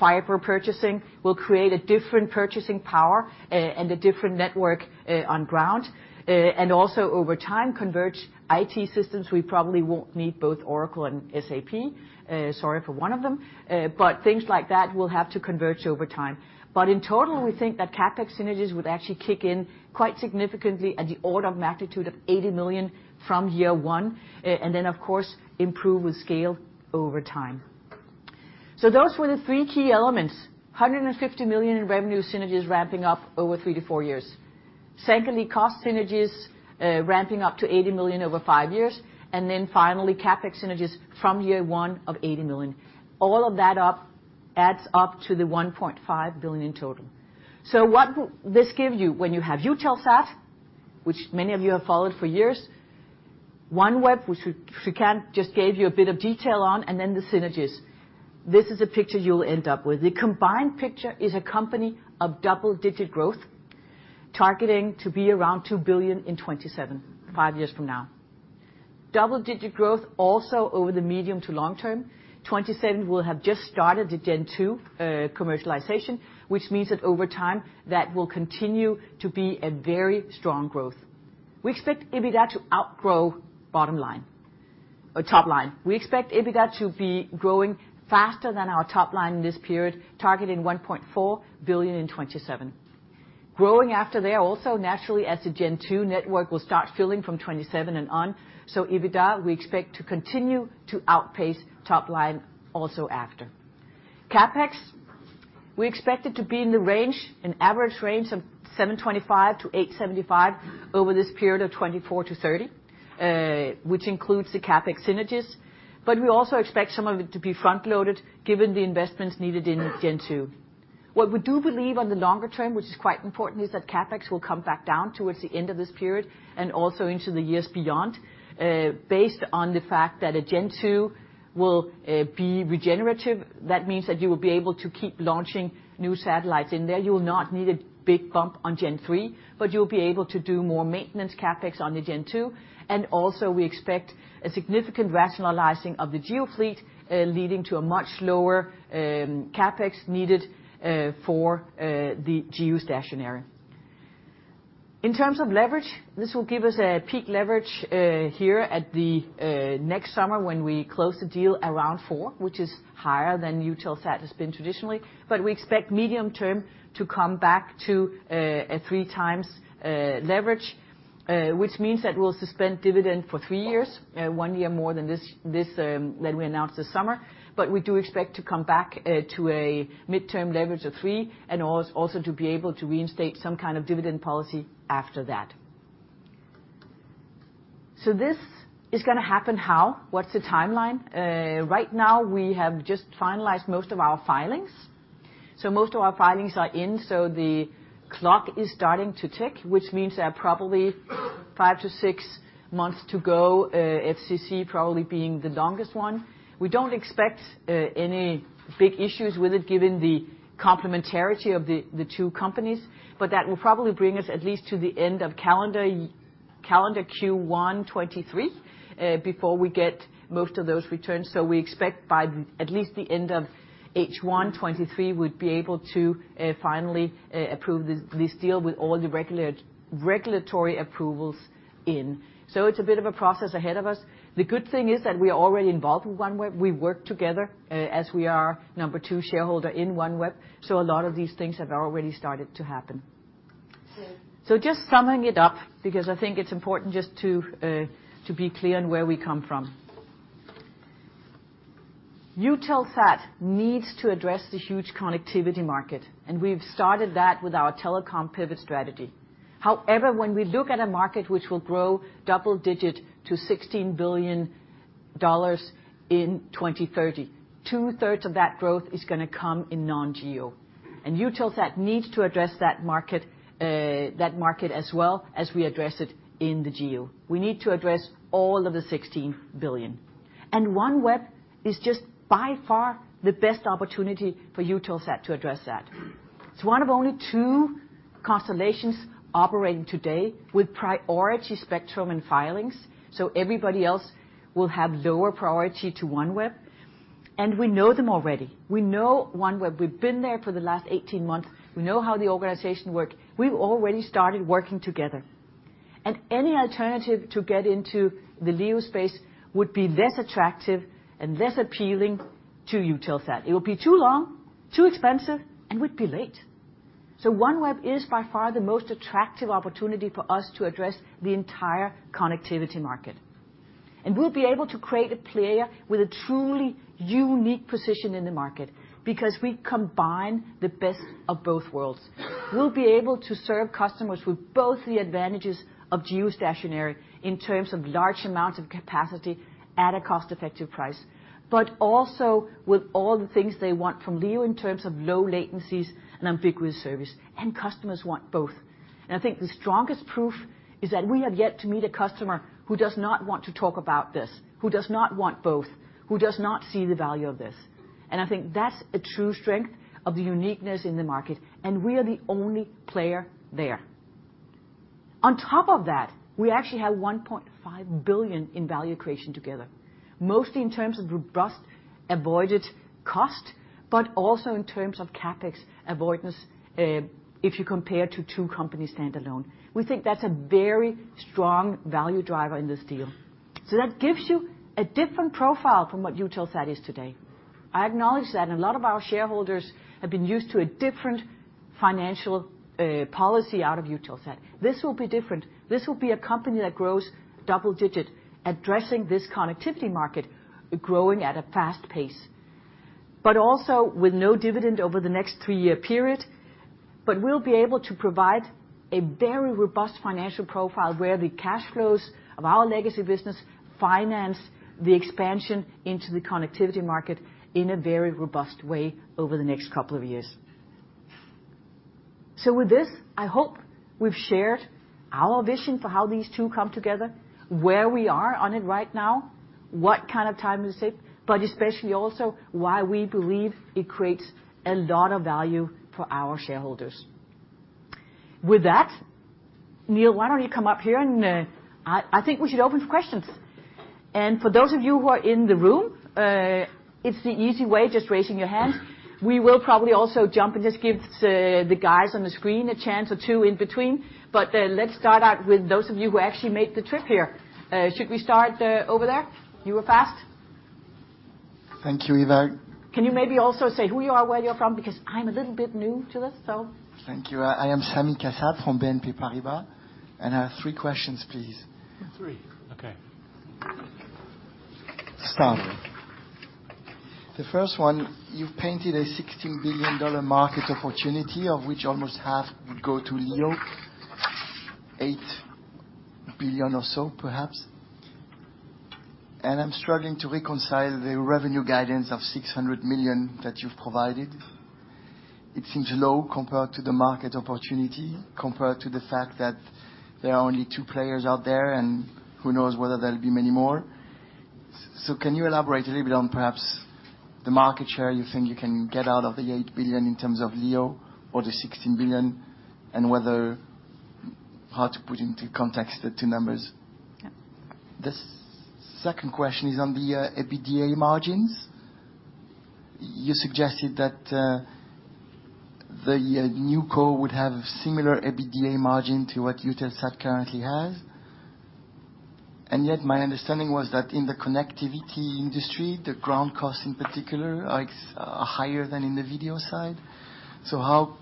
[SPEAKER 2] fiber purchasing, will create a different purchasing power and a different network on ground. Also over time converge IT systems, we probably won't need both Oracle and SAP, sorry for one of them. Things like that will have to converge over time. In total, we think that CapEx synergies would actually kick in quite significantly at the order of magnitude of 80 million from year one, and then of course, improve with scale over time. Those were the three key elements, 150 million in revenue synergies ramping up over three to four years. Secondly, cost synergies, ramping up to 80 million over five years. Then finally, CapEx synergies from year one of 80 million. All of that adds up to the 1.5 billion in total. What this give you when you have Eutelsat, which many of you have followed for years, OneWeb, which we just gave you a bit of detail on, and then the synergies. This is a picture you'll end up with. The combined picture is a company of double-digit growth, targeting to be around 2 billion in 2027, five years from now. Double-digit growth also over the medium to long-term, 2027, we'll have just started the Gen2 commercialization, which means that over time, that will continue to be a very strong growth. We expect EBITDA to outgrow bottom line or top line. We expect EBITDA to be growing faster than our top line in this period, targeting 1.4 billion in 2027. Growing after that also naturally as the Gen2 network will start filling from 2027 and on. EBITDA, we expect to continue to outpace top line also after. CapEx, we expect it to be in the range, an average range of 725 million-875 million over this period of 2024-2030, which includes the CapEx synergies. We also expect some of it to be front-loaded given the investments needed in Gen2. What we do believe on the longer term, which is quite important, is that CapEx will come back down towards the end of this period and also into the years beyond, based on the fact that a Gen2 will be regenerative. That means that you will be able to keep launching new satellites in there. You will not need a big bump on Gen-3, but you'll be able to do more maintenance CapEx on the Gen2. We expect a significant rationalizing of the GEO fleet, leading to a much lower CapEx needed for the GEO satellites. In terms of leverage, this will give us a peak leverage here at the next summer when we close the deal around four, which is higher than Eutelsat has been traditionally. We expect medium term to come back to a three times leverage, which means that we'll suspend dividend for three years, one year more than this that we announced this summer. We do expect to come back to a midterm leverage of three and also to be able to reinstate some kind of dividend policy after that. This is going to happen how? What's the timeline? Right now we have just finalized most of our filings. Most of our filings are in, so the clock is starting to tick, which means there are probably five to six months to go, FCC probably being the longest one. We don't expect any big issues with it given the complementarity of the two companies, but that will probably bring us at least to the end of calendar Q1 2023, before we get most of those returns. We expect by at least the end of H1 2023, we'd be able to finally approve this deal with all the regulatory approvals in. It's a bit of a process ahead of us. The good thing is that we are already involved with OneWeb. We work together, as we are number two shareholder in OneWeb, so a lot of these things have already started to happen. Just summing it up, because I think it's important just to be clear on where we come from. Eutelsat needs to address the huge connectivity market, and we've started that with our telecom pivot strategy. However, when we look at a market which will grow double digit to $16 billion in 2030, 2/3s of that growth is going to come in Non-GEO. Eutelsat needs to address that market as well as we address it in the GEO. We need to address all of the $16 billion. OneWeb is just by far the best opportunity for Eutelsat to address that. It's one of only two constellations operating today with priority spectrum and filings, so everybody else will have lower priority to OneWeb, and we know them already. We know OneWeb. We've been there for the last 18 months. We know how the organization work. We've already started working together. Any alternative to get into the LEO space would be less attractive and less appealing to Eutelsat. It would be too long, too expensive, and we'd be late. OneWeb is by far the most attractive opportunity for us to address the entire connectivity market. We'll be able to create a player with a truly unique position in the market because we combine the best of both worlds. We'll be able to serve customers with both the advantages geostationary in terms of large amounts of capacity at a cost-effective price, but also with all the things they want from LEO in terms of low latencies and ubiquitous service, and customers want both. I think the strongest proof is that we have yet to meet a customer who does not want to talk about this, who does not want both, who does not see the value of this. I think that's a true strength of the uniqueness in the market, and we are the only player there. On top of that, we actually have 1.5 billion in value creation together, mostly in terms of robust avoided cost, but also in terms of CapEx avoidance, if you compare to two companies standalone. We think that's a very strong value driver in this deal. That gives you a different profile from what Eutelsat is today. I acknowledge that a lot of our shareholders have been used to a different financial policy out of Eutelsat. This will be different. This will be a company that grows double-digit, addressing this connectivity market, growing at a fast pace. Also with no dividend over the next three-year period, but we'll be able to provide a very robust financial profile where the cash flows of our legacy business finance the expansion into the connectivity market in a very robust way over the next couple of years. With this, I hope we've shared our vision for how these two come together, where we are on it right now, what kind of time it'll take, but especially also why we believe it creates a lot of value for our shareholders. With that, Neil, why don't you come up here and, I think we should open for questions. For those of you who are in the room, it's the easy way, just raising your hand. We will probably also jump and just give the guys on the screen a chance or two in between, but let's start out with those of you who actually made the trip here. Should we start over there? You were fast.
[SPEAKER 10] Thank you, Eva.
[SPEAKER 2] Can you maybe also say who you are, where you're from? Because I'm a little bit new to this, so.
[SPEAKER 10] Thank you. I am Sami Kassab from BNP Paribas, and I have three questions, please.
[SPEAKER 4] Three. Okay.
[SPEAKER 10] To start with, the first one, you've painted a $16 billion market opportunity of which almost half would go to LEO, $8 billion or so perhaps. I'm struggling to reconcile the revenue guidance of $600 million that you've provided. It seems low compared to the market opportunity, compared to the fact that there are only two players out there, and who knows whether there'll be many more. Can you elaborate a little bit on perhaps the market share you think you can get out of the $8 billion in terms of LEO or the $16 billion, and whether. How to put into context the two numbers?
[SPEAKER 2] Yeah.
[SPEAKER 10] The second question is on the EBITDA margins. You suggested that the new co would have similar EBITDA margin to what Eutelsat currently has. Yet my understanding was that in the connectivity industry, the ground costs in particular are higher than in the video side. How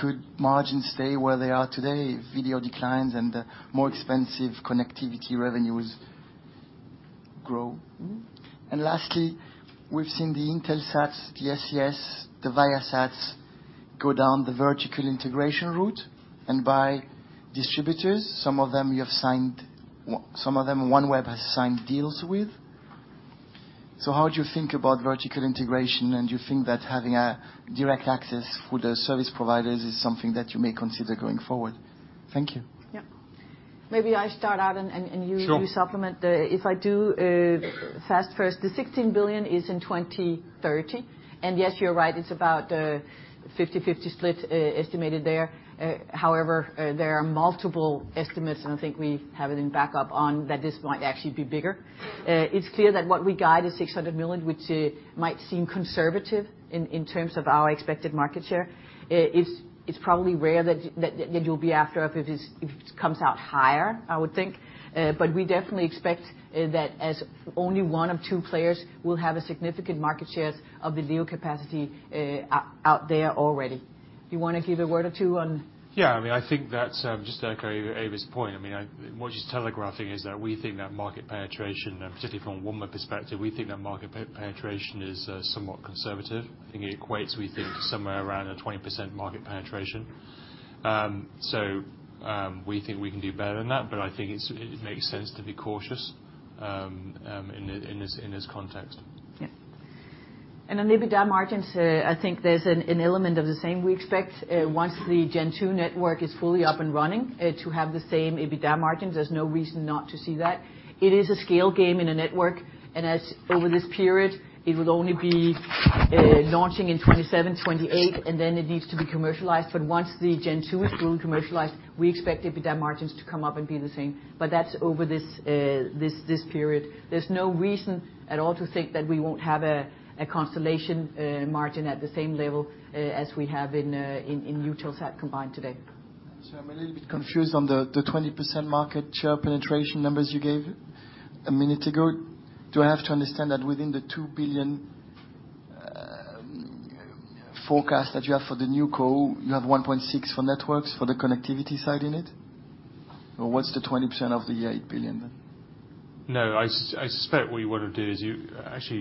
[SPEAKER 10] could margins stay where they are today if video declines and the more expensive connectivity revenues grow? Lastly, we've seen the Intelsat, the SES, the Viasat go down the vertical integration route and buy distributors. Some of them OneWeb has signed deals with. How do you think about vertical integration, and do you think that having a direct access with the service providers is something that you may consider going forward? Thank you.
[SPEAKER 2] Yeah. Maybe I start out, and you-
[SPEAKER 4] Sure.
[SPEAKER 2] You supplement. If I do fast first, the 16 billion is in 2030. Yes, you're right, it's about a 50/50 split estimated there. However, there are multiple estimates, and I think we have it in backup on that this might actually be bigger. It's clear that what we guide is 600 million, which might seem conservative in terms of our expected market share. It's probably fair that you'll be after if it comes out higher, I would think. But we definitely expect that as only one of two players, we'll have a significant market share of the LEO capacity out there already. You wanna give a word or two on?
[SPEAKER 4] Yeah. I mean, I think that's just to echo Eva's point. I mean, what she's telegraphing is that we think that market penetration, particularly from a OneWeb perspective, we think that market penetration is somewhat conservative. I think it equates, we think, to somewhere around a 20% market penetration. So, we think we can do better than that, but I think it makes sense to be cautious in this context.
[SPEAKER 2] Yeah. On EBITDA margins, I think there's an element of the same. We expect, once the Gen-2 network is fully up and running, to have the same EBITDA margins. There's no reason not to see that. It is a scale game in a network, and over this period, it will only be launching in 2027, 2028, and then it needs to be commercialized. Once Gen-2 is fully commercialized, we expect EBITDA margins to come up and be the same, but that's over this period. There's no reason at all to think that we won't have a constellation margin at the same level as we have in Eutelsat combined today.
[SPEAKER 10] I'm a little bit confused on the 20% market share penetration numbers you gave a minute ago. Do I have to understand that within the 2 billion forecast that you have for the new co, you have 1.6 billion for networks for the connectivity side in it? Or what's the 20% of the 8 billion then?
[SPEAKER 4] No. Actually,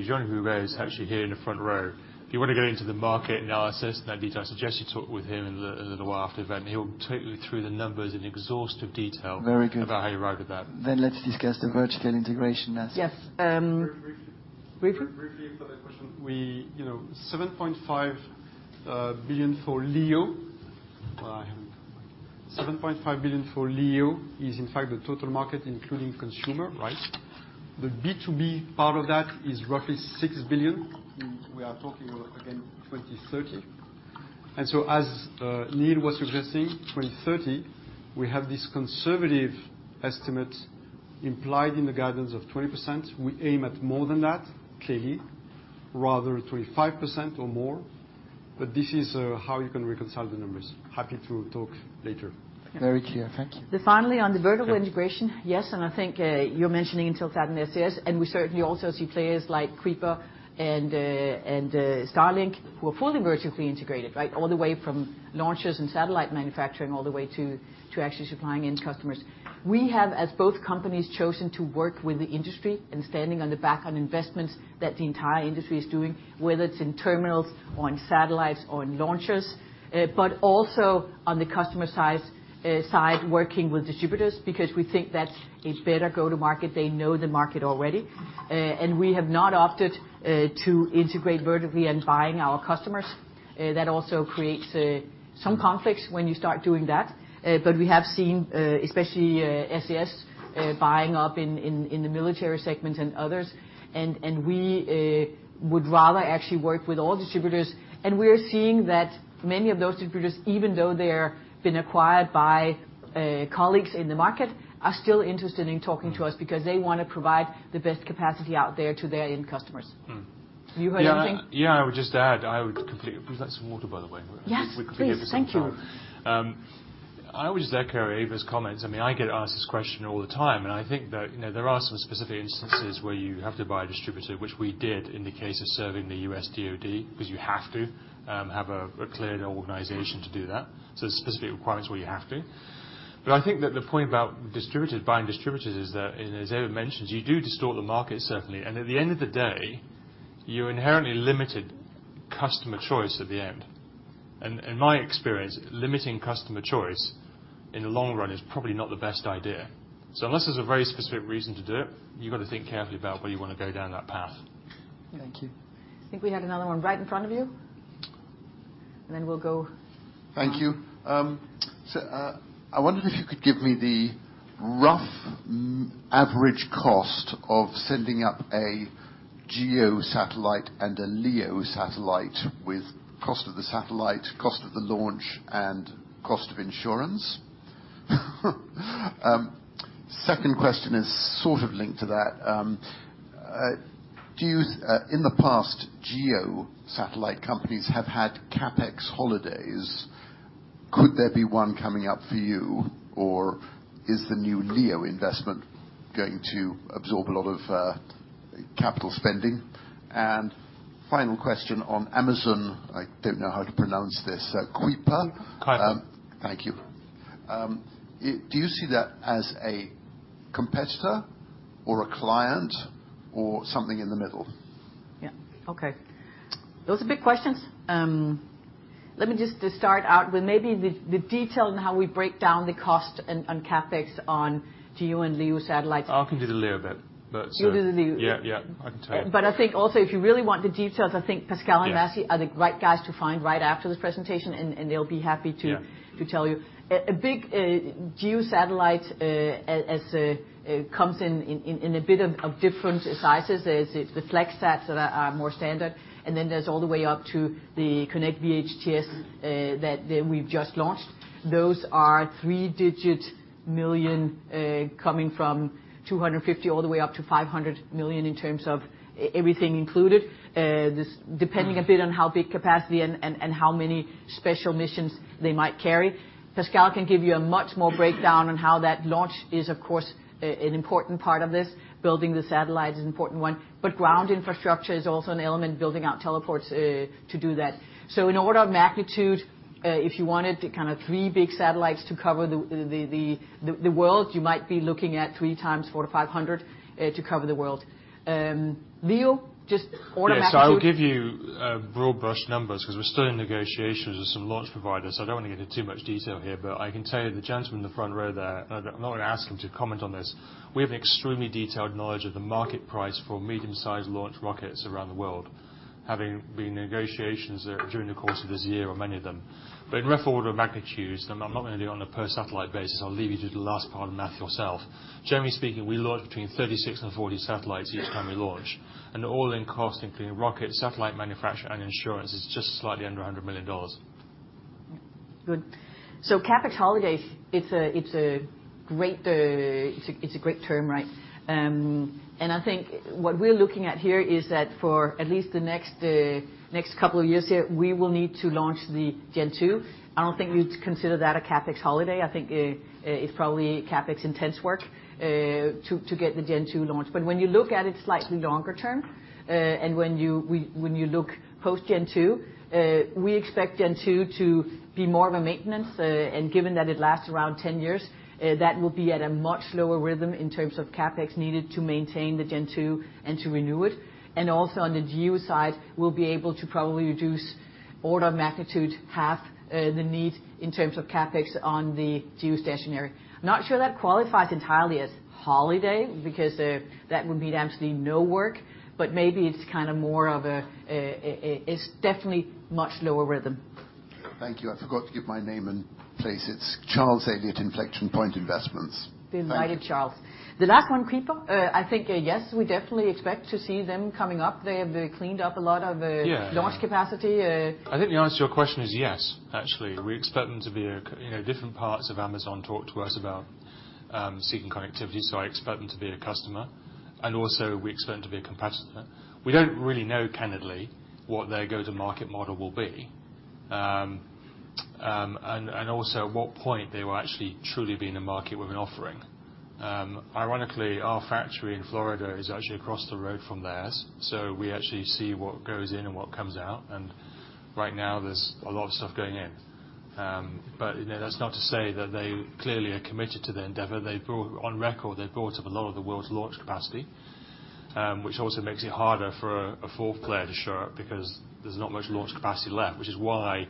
[SPEAKER 4] Jean-Yves Roubert is actually here in the front row. If you want to get into the market analysis in that detail, I suggest you talk with him in a while after the event. He'll take you through the numbers in exhaustive detail.
[SPEAKER 10] Very good.
[SPEAKER 4] about how you arrive at that.
[SPEAKER 10] Let's discuss the vertical integration last.
[SPEAKER 2] Yes.
[SPEAKER 4] Very briefly.
[SPEAKER 2] Briefly?
[SPEAKER 4] Very briefly for that question. We, you know, 7.5 billion for LEO. 7.5 billion for LEO is in fact the total market, including consumer, right? The B2B part of that is roughly 6 billion. We are talking again 2030. As Neil was suggesting, 2030, we have this conservative estimate implied in the guidance of 20%. We aim at more than that, clearly, rather 25% or more. This is how you can reconcile the numbers. Happy to talk later.
[SPEAKER 2] Okay.
[SPEAKER 10] Very clear. Thank you.
[SPEAKER 2] Finally, on the vertical integration, yes, and I think you're mentioning Eutelsat and SES, and we certainly also see players like Kuiper and Starlink who are fully vertically integrated, right? All the way from launchers and satellite manufacturing all the way to actually supplying end customers. We have, as both companies, chosen to work with the industry and standing on the backs of investments that the entire industry is doing, whether it's in terminals or in satellites or in launchers, but also on the customer side, working with distributors, because we think that it's better go to market. They know the market already. We have not opted to integrate vertically and buying our customers. That also creates some conflicts when you start doing that. We have seen, especially, SES buying up in the military segments and others. We would rather actually work with all distributors. We're seeing that many of those distributors, even though they've been acquired by colleagues in the market, are still interested in talking to us because they wanna provide the best capacity out there to their end customers.
[SPEAKER 4] Mm.
[SPEAKER 2] You had anything?
[SPEAKER 4] Yeah. Yeah, I would just add. Would you like some water, by the way?
[SPEAKER 2] Yes, please.
[SPEAKER 4] We can bring it for some time.
[SPEAKER 2] Thank you.
[SPEAKER 4] I would just echo Eva's comments. I mean, I get asked this question all the time, and I think that, you know, there are some specific instances where you have to buy a distributor, which we did in the case of serving the U.S. DOD, because you have to have a cleared organization to do that. There's specific requirements where you have to. But I think that the point about distributors, buying distributors is that, and as Eva mentioned, you do distort the market, certainly, and at the end of the day, you inherently limited customer choice at the end. In my experience, limiting customer choice in the long run is probably not the best idea. Unless there's a very specific reason to do it, you've got to think carefully about whether you want to go down that path.
[SPEAKER 10] Thank you.
[SPEAKER 2] I think we had another one right in front of you. We'll go.
[SPEAKER 11] Thank you. I wondered if you could give me the rough average cost of sending up a GEO satellite and a LEO satellite with cost of the satellite, cost of the launch, and cost of insurance. Second question is sort of linked to that. In the past, GEO satellite companies have had CapEx holidays. Could there be one coming up for you? Or is the new LEO investment going to absorb a lot of capital spending? Final question on Amazon. I don't know how to pronounce this. Kuiper?
[SPEAKER 4] Kuiper.
[SPEAKER 11] Thank you. Do you see that as a competitor or a client or something in the middle?
[SPEAKER 2] Yeah. Okay. Those are big questions. Let me just start out with maybe the detail on how we break down the cost and CapEx on GEO and LEO satellites.
[SPEAKER 4] I can do the LEO bit. That's
[SPEAKER 2] You do the LEO.
[SPEAKER 4] Yeah, yeah. I can take.
[SPEAKER 2] I think also, if you really want the details, I think Pascal and Massy-
[SPEAKER 4] Yes
[SPEAKER 2] are the right guys to find right after this presentation, and they'll be happy to
[SPEAKER 4] Yeah
[SPEAKER 2] To tell you. A big GEO satellite comes in a bit of different sizes. There's the flex sats that are more standard, and then there's all the way up to the KONNECT VHTS that we've just launched. Those are three-digit million coming from 250 million all the way up to 500 million in terms of everything included. This depending a bit on how big capacity and how many special missions they might carry. Pascal can give you a much more breakdown on how that launch is, of course, an important part of this. Building the satellite is an important one. Ground infrastructure is also an element, building out teleports to do that. In order of magnitude, if you wanted kind of three big satellites to cover the world, you might be looking at three times 400-500 to cover the world. LEO, just order of magnitude.
[SPEAKER 4] Yes, I'll give you broad brush numbers 'cause we're still in negotiations with some launch providers, so I don't want to get into too much detail here. I can tell you, the gentleman in the front row there, and I'm not going to ask him to comment on this, we have extremely detailed knowledge of the market price for medium-sized launch rockets around the world, having been in negotiations during the course of this year on many of them. In rough order of magnitudes, and I'm not going to do it on a per satellite basis, I'll leave you to do the last part of the math yourself. Generally speaking, we launch between 36 and 40 satellites each time we launch. All-in cost, including rocket, satellite manufacture, and insurance is just slightly under $100 million.
[SPEAKER 2] CapEx holiday, it's a great term, right? I think what we're looking at here is that for at least the next couple of years here, we will need to launch Gen-2. i don't think we'd consider that a CapEx holiday. I think it's probably CapEx intense work to get Gen-2 launched. When you look at it slightly longer term, when you look Gen-2, we Gen-2 to be more of a maintenance. Given that it lasts around ten years, that will be at a much slower rhythm in terms of CapEx needed to maintain Gen-2 and to renew it. Also on the GEO side, we'll be able to probably reduce order of magnitude half the need in terms of CapEx on geostationary. not sure that qualifies entirely as holiday, because that would mean absolutely no work, but maybe it's kind of more of a it's definitely much lower rhythm.
[SPEAKER 11] Thank you. I forgot to give my name and place. It's Charles Elliott, Inflection Point Investments.
[SPEAKER 2] Be invited, Charles.
[SPEAKER 11] Thank you.
[SPEAKER 2] The last one, Kuiper. I think, yes, we definitely expect to see them coming up. They have cleaned up a lot of,
[SPEAKER 4] Yeah
[SPEAKER 2] launch capacity.
[SPEAKER 4] I think the answer to your question is yes, actually. You know, different parts of Amazon talk to us about seeking connectivity, I expect them to be a customer, and also we expect them to be a competitor. We don't really know candidly what their go-to-market model will be, and also at what point they will actually truly be in the market with an offering. Ironically, our factory in Florida is actually across the road from theirs, so we actually see what goes in and what comes out, and right now there's a lot of stuff going in. You know, that's not to say that they clearly are committed to the endeavor. They've bought up a lot of the world's launch capacity, which also makes it harder for a fourth player to show up because there's not much launch capacity left, which is why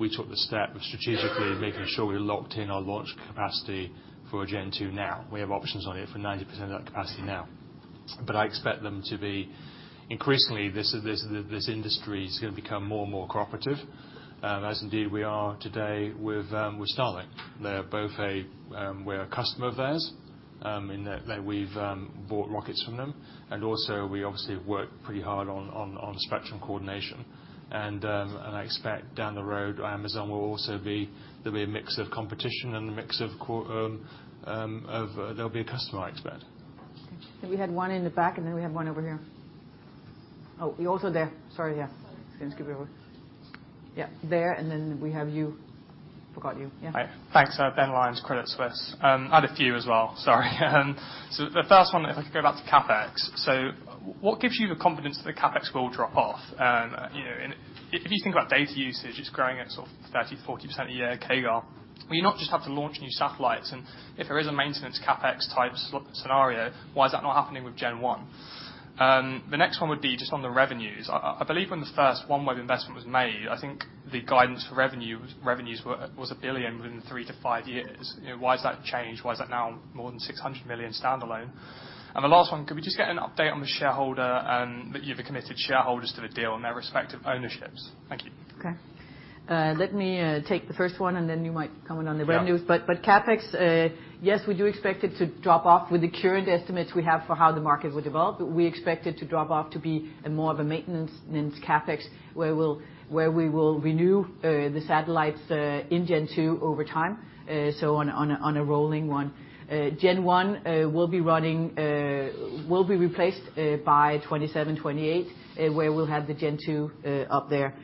[SPEAKER 4] we took the step of strategically making sure we locked in our launch capacity Gen-2 now. We have options on it for 90% of that capacity now. But increasingly this industry is gonna become more and more cooperative, as indeed we are today with Starlink. We're a customer of theirs, in that we've bought rockets from them, and also we obviously have worked pretty hard on spectrum coordination. I expect down the road, Amazon will also be. There'll be a mix of competition and a mix of, they'll be a customer, I expect.
[SPEAKER 2] Okay. I think we had one in the back, and then we have one over here. Oh, you're also there. Sorry, yeah. Didn't skip you over. Yeah, there, and then we have you. Forgot you. Yeah.
[SPEAKER 4] Hi. Thanks. Ben Lyons, Credit Suisse. I had a few as well. Sorry. The first one, if I could go back to CapEx. What gives you the confidence that the CapEx will drop off? You know, and if you think about data usage, it's growing at sort of 30%-40% a year CAGR. Will you not just have to launch new satellites? And if there is a maintenance CapEx type scenario, why is that not happening with Gen-1? The next one would be just on the revenues. I believe when the first OneWeb investment was made, I think the guidance for revenue was revenues were $1 billion within three to five years. You know, why has that changed? Why is that now more than $600 million standalone? The last one, could we just get an update on the shareholders that have committed to the deal and their respective ownerships? Thank you.
[SPEAKER 2] Okay. Let me take the first one, and then you might comment on the revenues.
[SPEAKER 4] Yeah.
[SPEAKER 2] CapEx, yes, we do expect it to drop off with the current estimates we have for how the market will develop. We expect it to drop off to be more of a maintenance CapEx, where we will renew the satellites Gen-2 over time, so on a rolling Gen-1 will be running, will be replaced by 2027, 2028, where we'll have Gen-2 up there.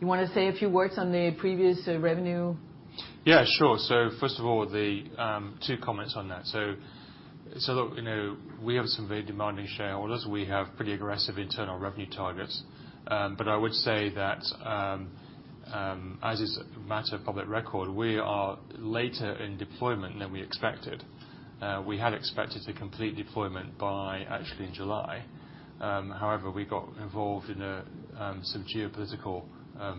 [SPEAKER 2] You want to say a few words on the previous revenue?
[SPEAKER 4] Yeah, sure. First of all, the two comments on that. Look, you know, we have some very demanding shareholders. We have pretty aggressive internal revenue targets. I would say that, as is a matter of public record, we are later in deployment than we expected. We had expected to complete deployment by actually July. However, we got involved in some geopolitical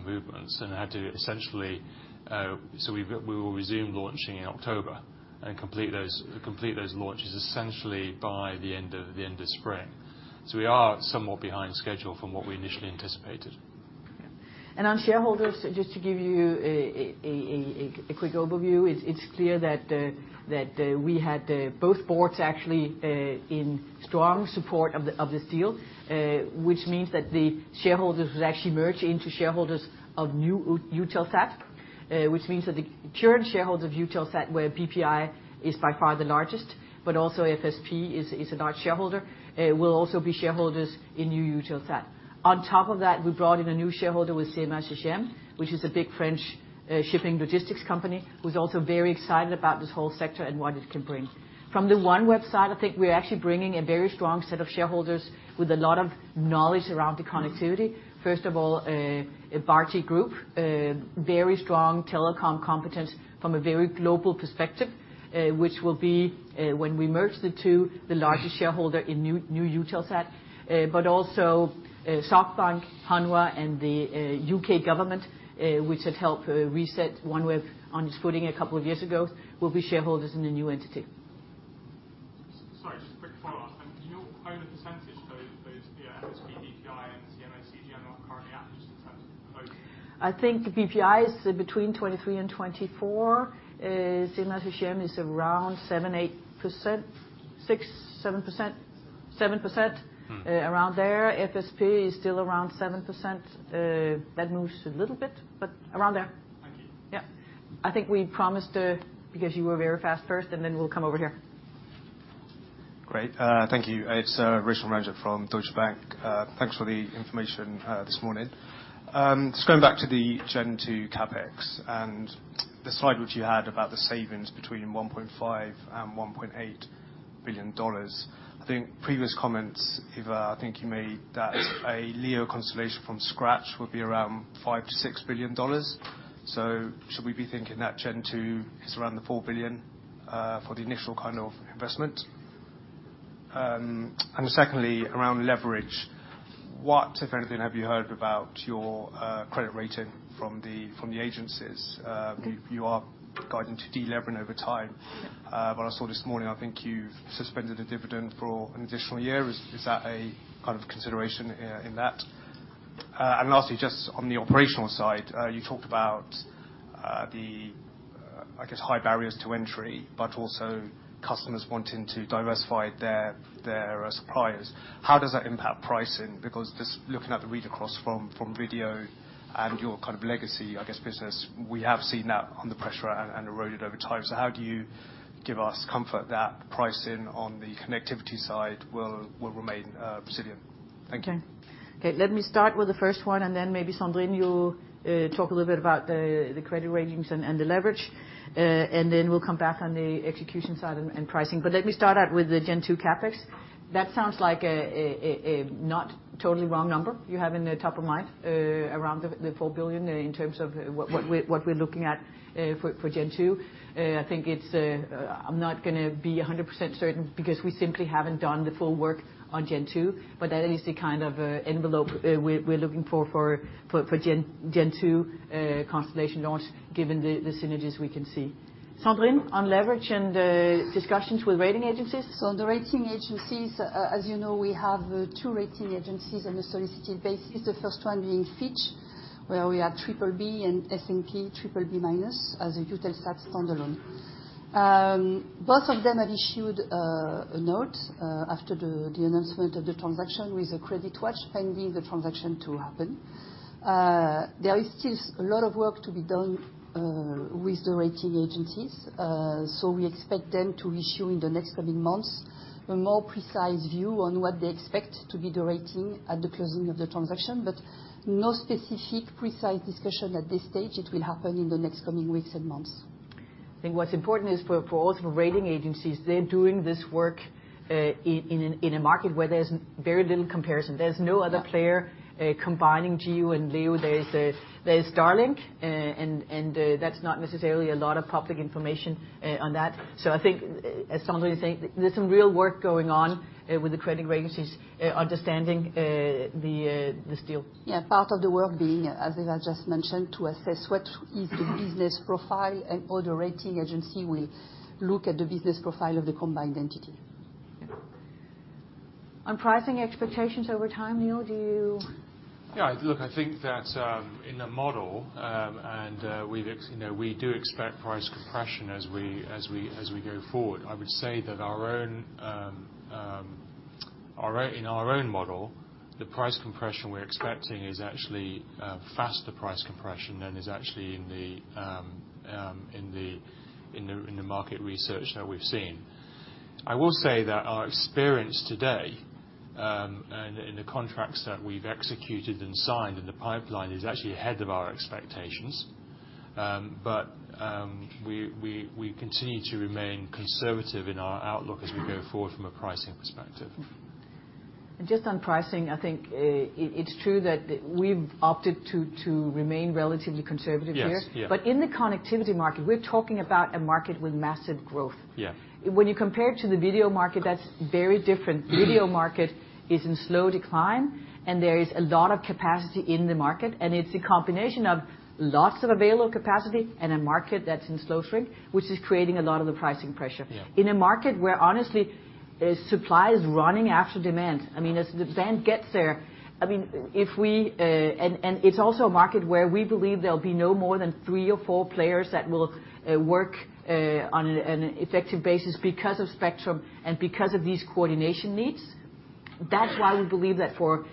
[SPEAKER 4] movements and had to essentially. We will resume launching in October and complete those launches essentially by the end of spring. We are somewhat behind schedule from what we initially anticipated.
[SPEAKER 2] Okay. On shareholders, just to give you a quick overview, it's clear that we had both boards actually in strong support of this deal, which means that the shareholders will actually merge into shareholders of new Eutelsat, which means that the current shareholders of Eutelsat, where BPI is by far the largest, but also FSP is a large shareholder, will also be shareholders in new Eutelsat. On top of that, we brought in a new shareholder with CMA CGM, which is a big French shipping logistics company, who's also very excited about this whole sector and what it can bring. From the OneWeb side, I think we're actually bringing a very strong set of shareholders with a lot of knowledge around the connectivity. First of all, Bharti Group, very strong telecom competence from a very global perspective, which will be, when we merge the two, the largest shareholder in new Eutelsat, but also, SoftBank, Hanwha and the U.K. government, which had helped reset OneWeb on its footing a couple of years ago, will be shareholders in the new entity.
[SPEAKER 4] Sorry, just a quick follow-up then. Can you all provide a percentage for those via FSP, BPI and CMA CGM? I'm not current, yeah, just in terms of those.
[SPEAKER 2] I think Bpifrance is between 23% and 24%. CMA CGM is around 7%.
[SPEAKER 4] Mm-hmm
[SPEAKER 2] Around there. FSP is still around 7%. That moves a little bit, but around there.
[SPEAKER 4] Thank you.
[SPEAKER 2] Yeah. I think we promised to. Because you were very fast first, and then we'll come over here.
[SPEAKER 12] Great. Thank you. It's Roshan Ranjit from Deutsche Bank. Thanks for the information this morning. Just going back to Gen-2 capex and the slide which you had about the savings between $1.5 billion and $1.8 billion. I think previous comments, Eva, you made that a LEO constellation from scratch would be around $5 billion to $6 billion. Should we be thinking Gen-2 is around the $4 billion for the initial kind of investment? And secondly, around leverage, what, if anything, have you heard about your credit rating from the agencies?
[SPEAKER 2] Mm-hmm
[SPEAKER 12] You are guiding to delevering over time.
[SPEAKER 2] Yeah.
[SPEAKER 12] What I saw this morning, I think you've suspended the dividend for an additional year. Is that a kind of consideration in that? And lastly, just on the operational side, you talked about the I guess high barriers to entry, but also customers wanting to diversify their suppliers. How does that impact pricing? Because just looking at the read across from video and your kind of legacy, I guess, business, we have seen that under pressure and eroded over time. So how do you give us comfort that pricing on the connectivity side will remain resilient? Thank you.
[SPEAKER 2] Okay. Let me start with the first one, and then maybe Sandrine will talk a little bit about the credit ratings and the leverage. We'll come back on the execution side and pricing. Let me start out with the Gen2 CapEx. That sounds like a not totally wrong number you have in the top of mind, around the 4 billion in terms of what we're looking at for Gen2. I think it's. I'm not gonna be 100% certain because we simply haven't done the full work on Gen2, but that is the kind of envelope we're looking for for Gen2 constellation launch given the synergies we can see. Sandrine, on leverage and discussions with rating agencies?
[SPEAKER 8] The rating agencies, as you know, we have two rating agencies on a solicited basis, the first one being Fitch, where we are BBB and S&P BBB- as a Eutelsat standalone. Both of them have issued a note after the announcement of the transaction with a credit watch pending the transaction to happen. There is still a lot of work to be done with the rating agencies. We expect them to issue in the next coming months a more precise view on what they expect to be the rating at the closing of the transaction. No specific precise discussion at this stage. It will happen in the next coming weeks and months.
[SPEAKER 2] I think what's important is for also rating agencies, they're doing this work in a market where there's very little comparison. There's no other player.
[SPEAKER 8] Yeah
[SPEAKER 2] Combining GEO and LEO. There's Starlink, and that's not necessarily a lot of public information on that. I think, as Sandrine's saying, there's some real work going on with the credit agencies understanding this deal.
[SPEAKER 8] Yeah. Part of the work being, as Eva just mentioned, to assess what is the business profile and how the rating agency will look at the business profile of the combined entity.
[SPEAKER 2] On pricing expectations over time, Neil, do you?
[SPEAKER 4] Yeah. Look, I think that in the model we've you know we do expect price compression as we go forward. I would say that our own model the price compression we're expecting is actually faster price compression than is actually in the market research that we've seen. I will say that our experience today and in the contracts that we've executed and signed and the pipeline is actually ahead of our expectations. We continue to remain conservative in our outlook as we go forward from a pricing perspective.
[SPEAKER 2] Just on pricing, I think, it's true that we've opted to remain relatively conservative here.
[SPEAKER 4] Yes. Yeah.
[SPEAKER 2] In the connectivity market, we're talking about a market with massive growth.
[SPEAKER 4] Yeah.
[SPEAKER 2] When you compare to the video market, that's very different.
[SPEAKER 4] Mm-hmm.
[SPEAKER 2] Video market is in slow decline, and there is a lot of capacity in the market, and it's a combination of lots of available capacity and a market that's in slow shrink, which is creating a lot of the pricing pressure.
[SPEAKER 4] Yeah.
[SPEAKER 2] In a market where, honestly, supply is running after demand. I mean, as demand gets there, if we. It's also a market where we believe there'll be no more than 3 or 4 players that will work on an effective basis because of spectrum and because of these coordination needs. That's why we believe that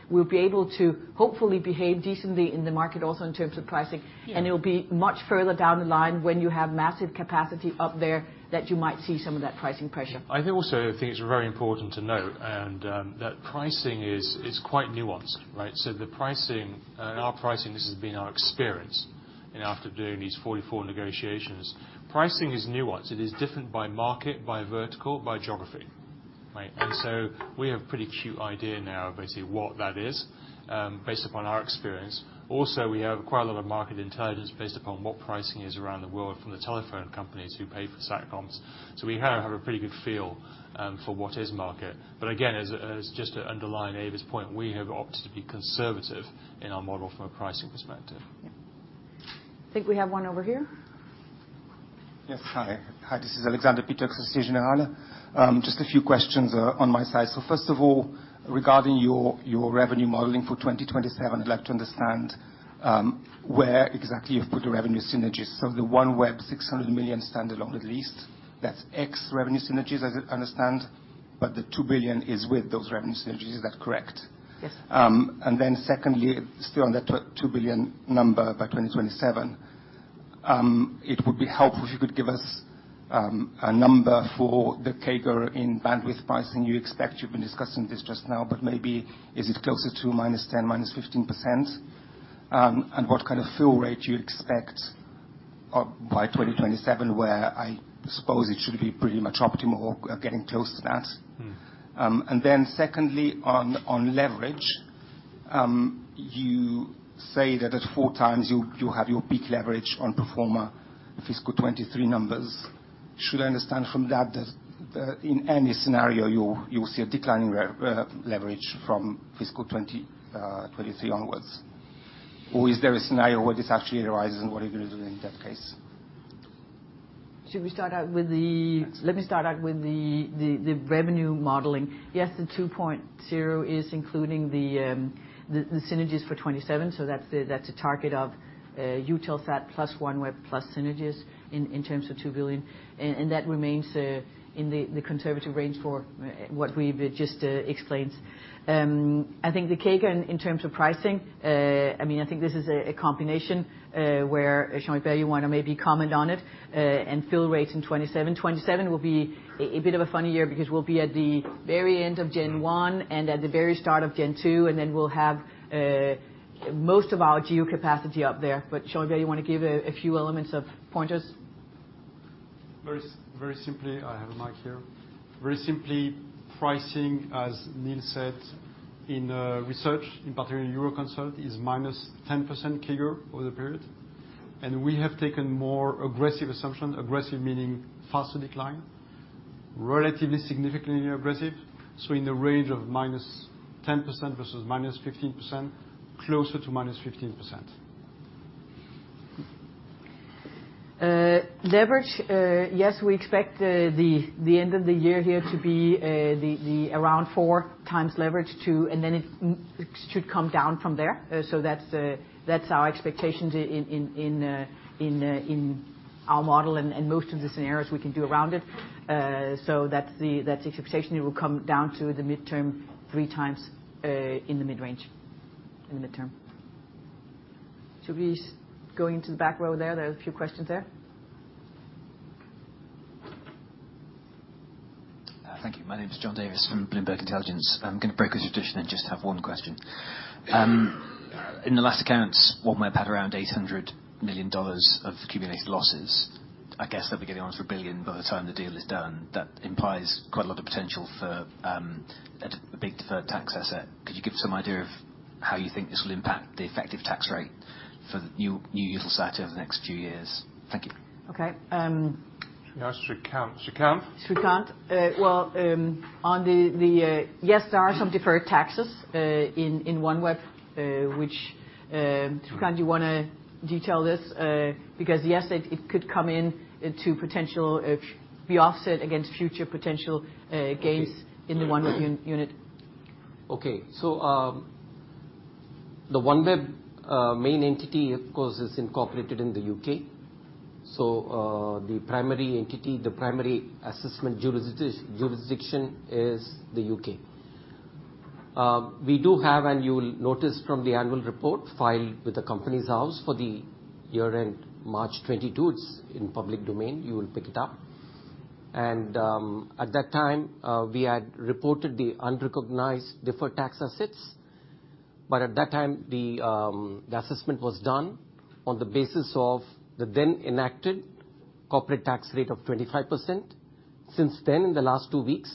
[SPEAKER 2] we'll be able to hopefully behave decently in the market also in terms of pricing.
[SPEAKER 8] Yeah.
[SPEAKER 2] It'll be much further down the line when you have massive capacity up there that you might see some of that pricing pressure.
[SPEAKER 4] I think it's very important to note that pricing is quite nuanced, right? So the pricing and our pricing, this has been our experience, and after doing these 44 negotiations. Pricing is nuanced. It is different by market, by vertical, by geography, right? We have pretty acute idea now of actually what that is, based upon our experience. Also, we have quite a lot of market intelligence based upon what pricing is around the world from the telephone companies who pay for SatComs. So we have a pretty good feel for what is market. Again, as just to underline Eva's point, we have opted to be conservative in our model from a pricing perspective.
[SPEAKER 2] Yeah. I think we have one over here.
[SPEAKER 13] Yes. Hi. This is Alexander Peterc from Société Générale. Just a few questions on my side. Regarding your revenue modeling for 2027, I'd like to understand where exactly you've put the revenue synergies. The OneWeb $600 million standalone at least, that's ex revenue synergies, as I understand, but the $2 billion is with those revenue synergies. Is that correct?
[SPEAKER 2] Yes.
[SPEAKER 13] Secondly, still on that 2 billion number by 2027, it would be helpful if you could give us a number for the CAGR in bandwidth pricing you expect. You've been discussing this just now, but maybe is it closer to -10% to -15%? What kind of fill rate do you expect by 2027, where I suppose it should be pretty much optimal or getting close to that.
[SPEAKER 2] Mm-hmm.
[SPEAKER 13] Secondly, on leverage, you say that at 4 times you have your peak leverage on pro forma fiscal 2023 numbers. Should I understand from that that in any scenario you will see a decline in leverage from fiscal 2023 onwards? Or is there a scenario where this actually arises, and what are you going to do in that case?
[SPEAKER 2] Should we start out with the?
[SPEAKER 13] Yes.
[SPEAKER 2] Let me start out with the revenue modeling. Yes, the 2.0 is including the synergies for 2027, so that's a target of Eutelsat plus OneWeb plus synergies in terms of 2 billion. That remains in the conservative range for what we've just explained. I think the CAGR in terms of pricing. I mean, I think this is a combination where Jean-Yves, you wanna maybe comment on it and fill rates in 2027. 2027 will be a bit of a funny year because we'll be at the very end of Gen-1 and at the very start of Gen-2, and then we'll have most of our GEO capacity up there. Jean-Yves, you want to give a few elements of pointers?
[SPEAKER 3] Very simply, I have a mic here. Very simply, pricing, as Neil said in research, in particular Euroconsult, is -10% CAGR over the period. We have taken more aggressive assumption, aggressive meaning faster decline, relatively significantly aggressive, so in the range of -10% versus -15%, closer to -15%.
[SPEAKER 2] Leverage, yes, we expect the end of the year here to be around four times leverage, and then it should come down from there. That's our expectations in our model and most of the scenarios we can do around it. That's the expectation. It will come down to the mid-term three times in the mid-range, in the mid-term. Should we go into the back row there? There are a few questions there.
[SPEAKER 14] Thank you. My name is John Davies from Bloomberg Intelligence. I'm gonna break with tradition and just have one question. In the last accounts, OneWeb had around $800 million of accumulated losses. I guess they'll be getting almost $1 billion by the time the deal is done. That implies quite a lot of potential for a big deferred tax asset. Could you give some idea of how you think this will impact the effective tax rate for new Eutelsat over the next few years? Thank you.
[SPEAKER 2] Okay.
[SPEAKER 3] Srikanth.
[SPEAKER 2] Srikanth. Well, yes, there are some deferred taxes in OneWeb, which, Srikanth, do you wanna detail this? Because yes, it could come into potential be offset against future potential gains-
[SPEAKER 14] Okay.
[SPEAKER 2] in the OneWeb unit.
[SPEAKER 9] Okay. The OneWeb main entity, of course, is incorporated in the U.K. T.he primary entity, the primary assessment jurisdiction is the U.K. We do have, and you will notice from the annual report filed with Companies House for the year-end March 2022, it's in public domain, you will pick it up. At that time, we had reported the unrecognized deferred tax assets. At that time, the assessment was done on the basis of the then enacted corporate tax rate of 25%. Since then, in the last two weeks,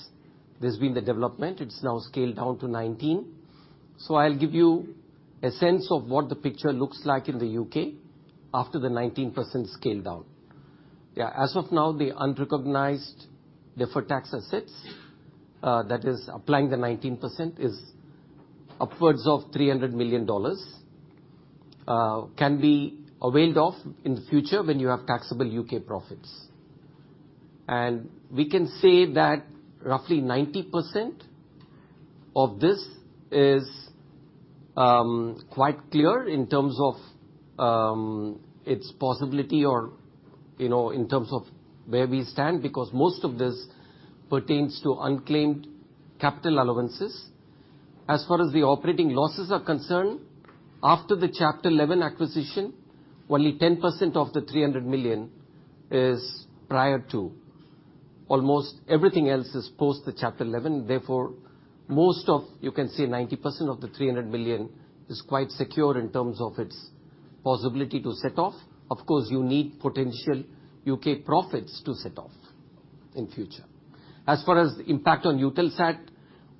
[SPEAKER 9] there's been the development. It's now scaled down to 19%. I'll give you a sense of what the picture looks like in the U.K. after the 19% scale down. Yeah, as of now, the unrecognized deferred tax assets, that is applying the 19% is upwards of $300 million, can be availed of in the future when you have taxable U.K. profits. We can say that roughly 90% of this is quite clear in terms of its possibility or, you know, in terms of where we stand, because most of this pertains to unclaimed capital allowances. As far as the operating losses are concerned, after the Chapter 11 acquisition, only 10% of the $300 million is prior to. Almost everything else is post the Chapter 11. Therefore, most of, you can say 90% of the $300 million is quite secure in terms of its possibility to set off. Of course, you need potential U.K. profits to set off in future. As far as impact on Eutelsat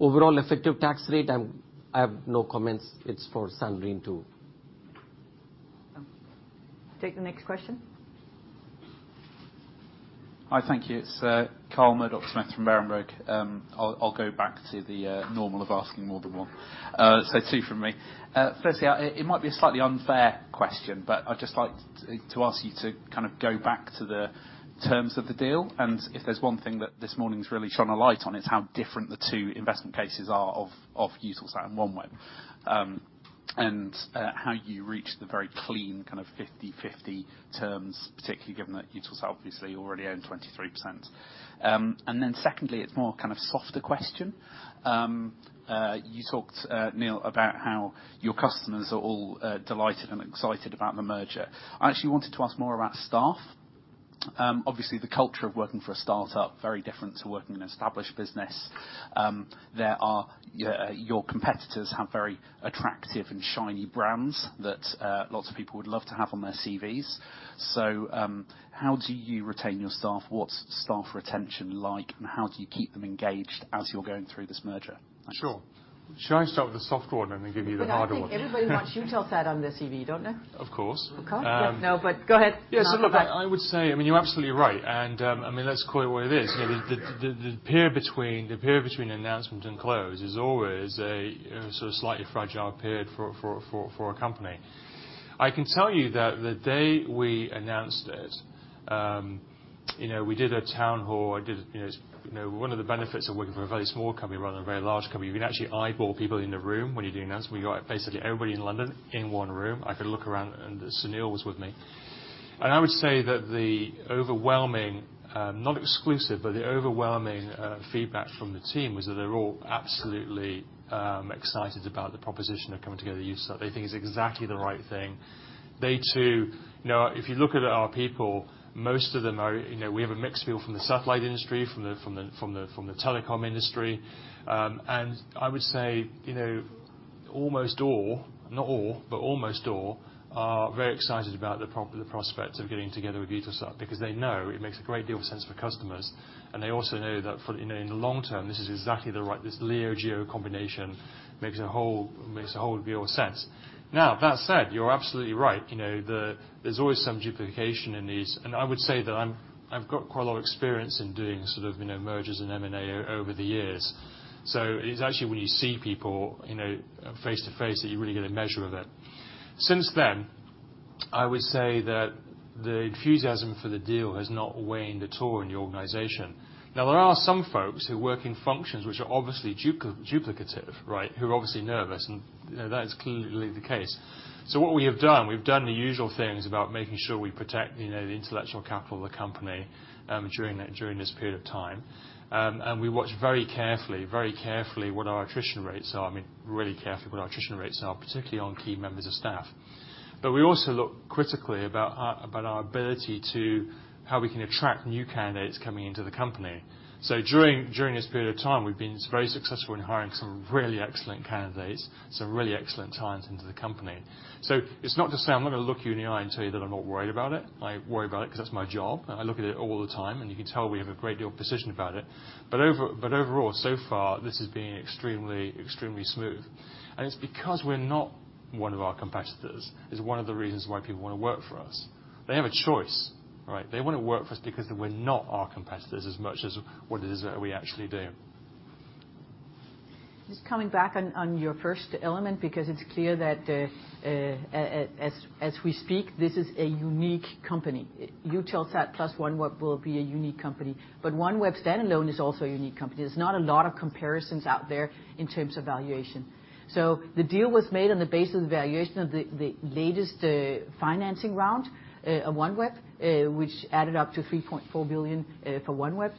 [SPEAKER 9] overall effective tax rate, I have no comments. It's for Sandrine to.
[SPEAKER 2] Take the next question.
[SPEAKER 15] Hi, thank you. It's Carl Murdock-Smith from Berenberg. I'll go back to the normal of asking more than one. So two from me. Firstly, it might be a slightly unfair question, but I'd just like to ask you to kind of go back to the terms of the deal. If there's one thing that this morning's really shone a light on, it's how different the two investment cases are of Eutelsat and OneWeb. How you reached the very clean kind of 50/50 terms, particularly given that Eutelsat obviously already own 23%. And then secondly, it's more kind of softer question. You talked, Neil, about how your customers are all delighted and excited about the merger. I actually wanted to ask more about staff. Obviously the culture of working for a startup very different to working in an established business. There are your competitors have very attractive and shiny brands that lots of people would love to have on their CVs. How do you retain your staff? What's staff retention like, and how do you keep them engaged as you're going through this merger?
[SPEAKER 4] Sure. Should I start with the soft one and then give you the hard one?
[SPEAKER 2] I think everybody wants Eutelsat on their CV, don't they?
[SPEAKER 4] Of course.
[SPEAKER 2] Of course. No, but go ahead.
[SPEAKER 4] Yeah. Look, I would say, I mean, you're absolutely right. I mean, let's call it what it is. You know, the period between announcement and close is always a sort of slightly fragile period for a company. I can tell you that the day we announced it, you know, we did a town hall. I did, you know. One of the benefits of working for a very small company rather than a very large company, you can actually eyeball people in the room when you're doing announcements. We got basically everybody in London in one room. I could look around, and Sunil was with me. I would say that the overwhelming, not exclusive, but the overwhelming feedback from the team was that they're all absolutely excited about the proposition of coming together with Eutelsat. They think it's exactly the right thing. You know, if you look at our people, most of them are, you know, we have a mixed feel from the satellite industry, from the telecom industry. I would say, you know, almost all, not all, but almost all are very excited about the prospects of getting together with Eutelsat because they know it makes a great deal of sense for customers. They also know that for, you know, in the long-term, this is exactly the right, this LEO GEO combination makes a whole deal of sense. Now, that said, you're absolutely right. You know, there's always some duplication in these. I would say that I've got quite a lot of experience in doing sort of, you know, mergers and M&A over the years. It's actually when you see people, you know, face-to-face that you really get a measure of it. Since then, I would say that the enthusiasm for the deal has not waned at all in the organization. Now, there are some folks who work in functions which are obviously duplicative, right, who are obviously nervous, and you know, that is clearly the case. What we have done, we've done the usual things about making sure we protect, you know, the intellectual capital of the company, during this period of time. We watch very carefully what our attrition rates are. I mean, really carefully what our attrition rates are, particularly on key members of staff. We also look critically about our ability to how we can attract new candidates coming into the company. During this period of time, we've been very successful in hiring some really excellent candidates, some really excellent talent into the company. It's not to say I'm not going to look you in the eye and tell you that I'm not worried about it. I worry about it 'cause that's my job, and I look at it all the time, and you can tell we have a great deal of precision about it. Overall, so far this has been extremely smooth. It's because we're not one of our competitors is one of the reasons why people want to work for us. They have a choice, right? They want to work for us because we're not like our competitors as much as what it is that we actually do.
[SPEAKER 2] Just coming back on your first element, because it's clear that as we speak, this is a unique company. Eutelsat plus OneWeb will be a unique company. OneWeb standalone is also a unique company. There's not a lot of comparisons out there in terms of valuation. The deal was made on the basis of valuation of the latest financing round of OneWeb, which added up to $3.4 billion for OneWeb.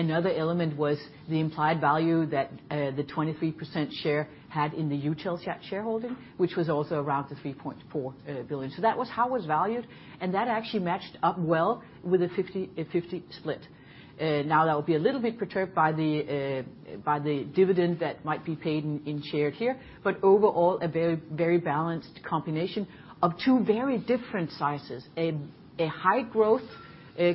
[SPEAKER 2] Another element was the implied value that the 23% share had in the Eutelsat shareholding, which was also around the $3.4 billion. That was how it was valued, and that actually matched up well with a 50/50 split. Now that would be a little bit perturbed by the by the dividend that might be paid in shares here, but overall, a very balanced combination of two very different sizes. A high growth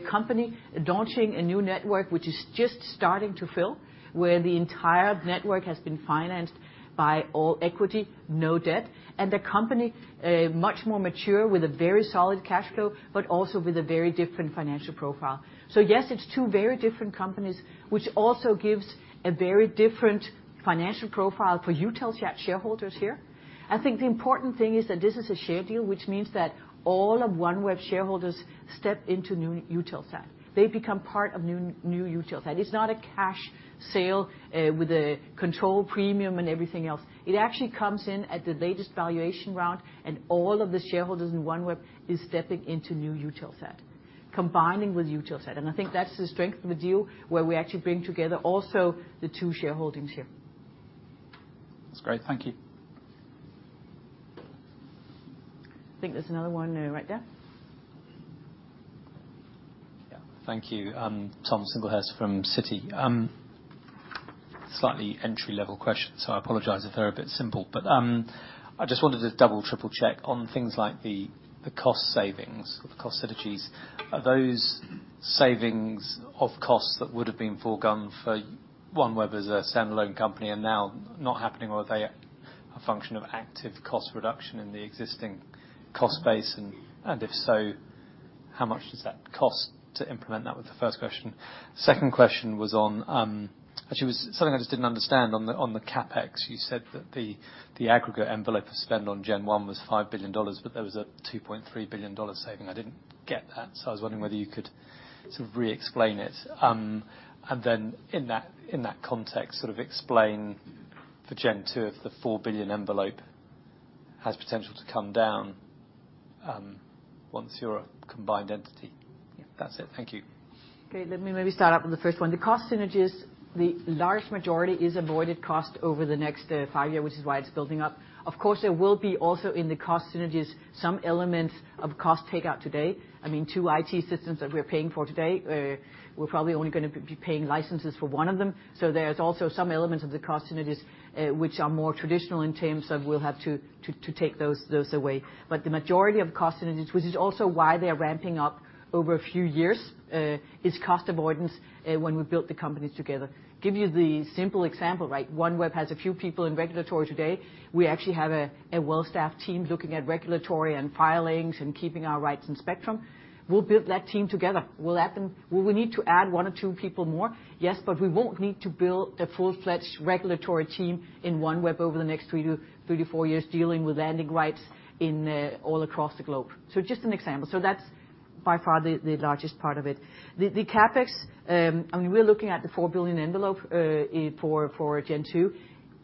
[SPEAKER 2] company launching a new network, which is just starting to fill, where the entire network has been financed by all equity, no debt, and a company much more mature with a very solid cash flow, but also with a very different financial profile. Yes, it's two very different companies, which also gives a very different financial profile for Eutelsat shareholders here. I think the important thing is that this is a share deal, which means that all of OneWeb shareholders step into new Eutelsat. They become part of new Eutelsat. It's not a cash sale with a control premium and everything else. It actually comes in at the latest valuation round, and all of the shareholders in OneWeb is stepping into new Eutelsat, combining with Eutelsat. I think that's the strength of the deal, where we actually bring together also the two shareholdings here.
[SPEAKER 15] That's great. Thank you.
[SPEAKER 2] I think there's another one, right there.
[SPEAKER 16] Yeah. Thank you. Tom Singlehurst from Citi. Slightly entry-level question, so I apologize if they're a bit simple. I just wanted to double, triple-check on things like the cost savings or the cost synergies. Are those savings of costs that would have been forgone for OneWeb as a standalone company and now not happening, or are they a function of active cost reduction in the existing cost base? And if so, how much does that cost to implement that? That was the first question. Second question was on, actually, it was something I just didn't understand on the CapEx. You said that the aggregate envelope spend on Gen-1 was $5 billion, but there was a $2.3 billion saving. I didn't get that, so I was wondering whether you could sort of re-explain it. In that context, sort of explain the Gen-2 of the 4 billion envelope. Has potential to come down, once you're a combined entity.
[SPEAKER 2] Yeah.
[SPEAKER 16] That's it. Thank you.
[SPEAKER 2] Okay. Let me maybe start off with the first one. The cost synergies, the large majority is avoided cost over the next five-year, which is why it's building up. Of course, there will be also in the cost synergies some elements of cost takeout today. I mean, two IT systems that we are paying for today, we're probably only gonna be paying licenses for one of them. So there's also some elements of the cost synergies, which are more traditional in terms of we'll have to take those away. But the majority of cost synergies, which is also why they're ramping up over a few years, is cost avoidance, when we built the companies together. Give you the simple example, right? OneWeb has a few people in regulatory today. We actually have a well-staffed team looking at regulatory and filings and keeping our rights in spectrum. We'll build that team together. We'll add them. Will we need to add one or two people more? Yes, but we won't need to build a full-fledged regulatory team in OneWeb over the next three to four years dealing with landing rights in all across the globe. Just an example. That's by far the largest part of it. The CapEx, I mean, we're looking at the $4 billion envelope for Gen-2.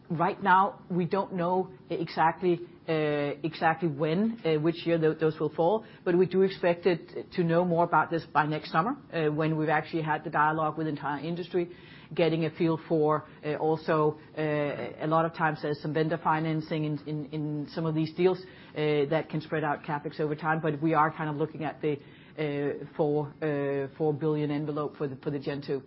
[SPEAKER 2] Right now, we don't know exactly when, which year those will fall, but we do expect it to know more about this by next summer, when we've actually had the dialogue with the entire industry, getting a feel for, also, a lot of times there's some vendor financing in some of these deals, that can spread out CapEx over time. But we are kind of looking at the $4 billion envelope for the Gen-2.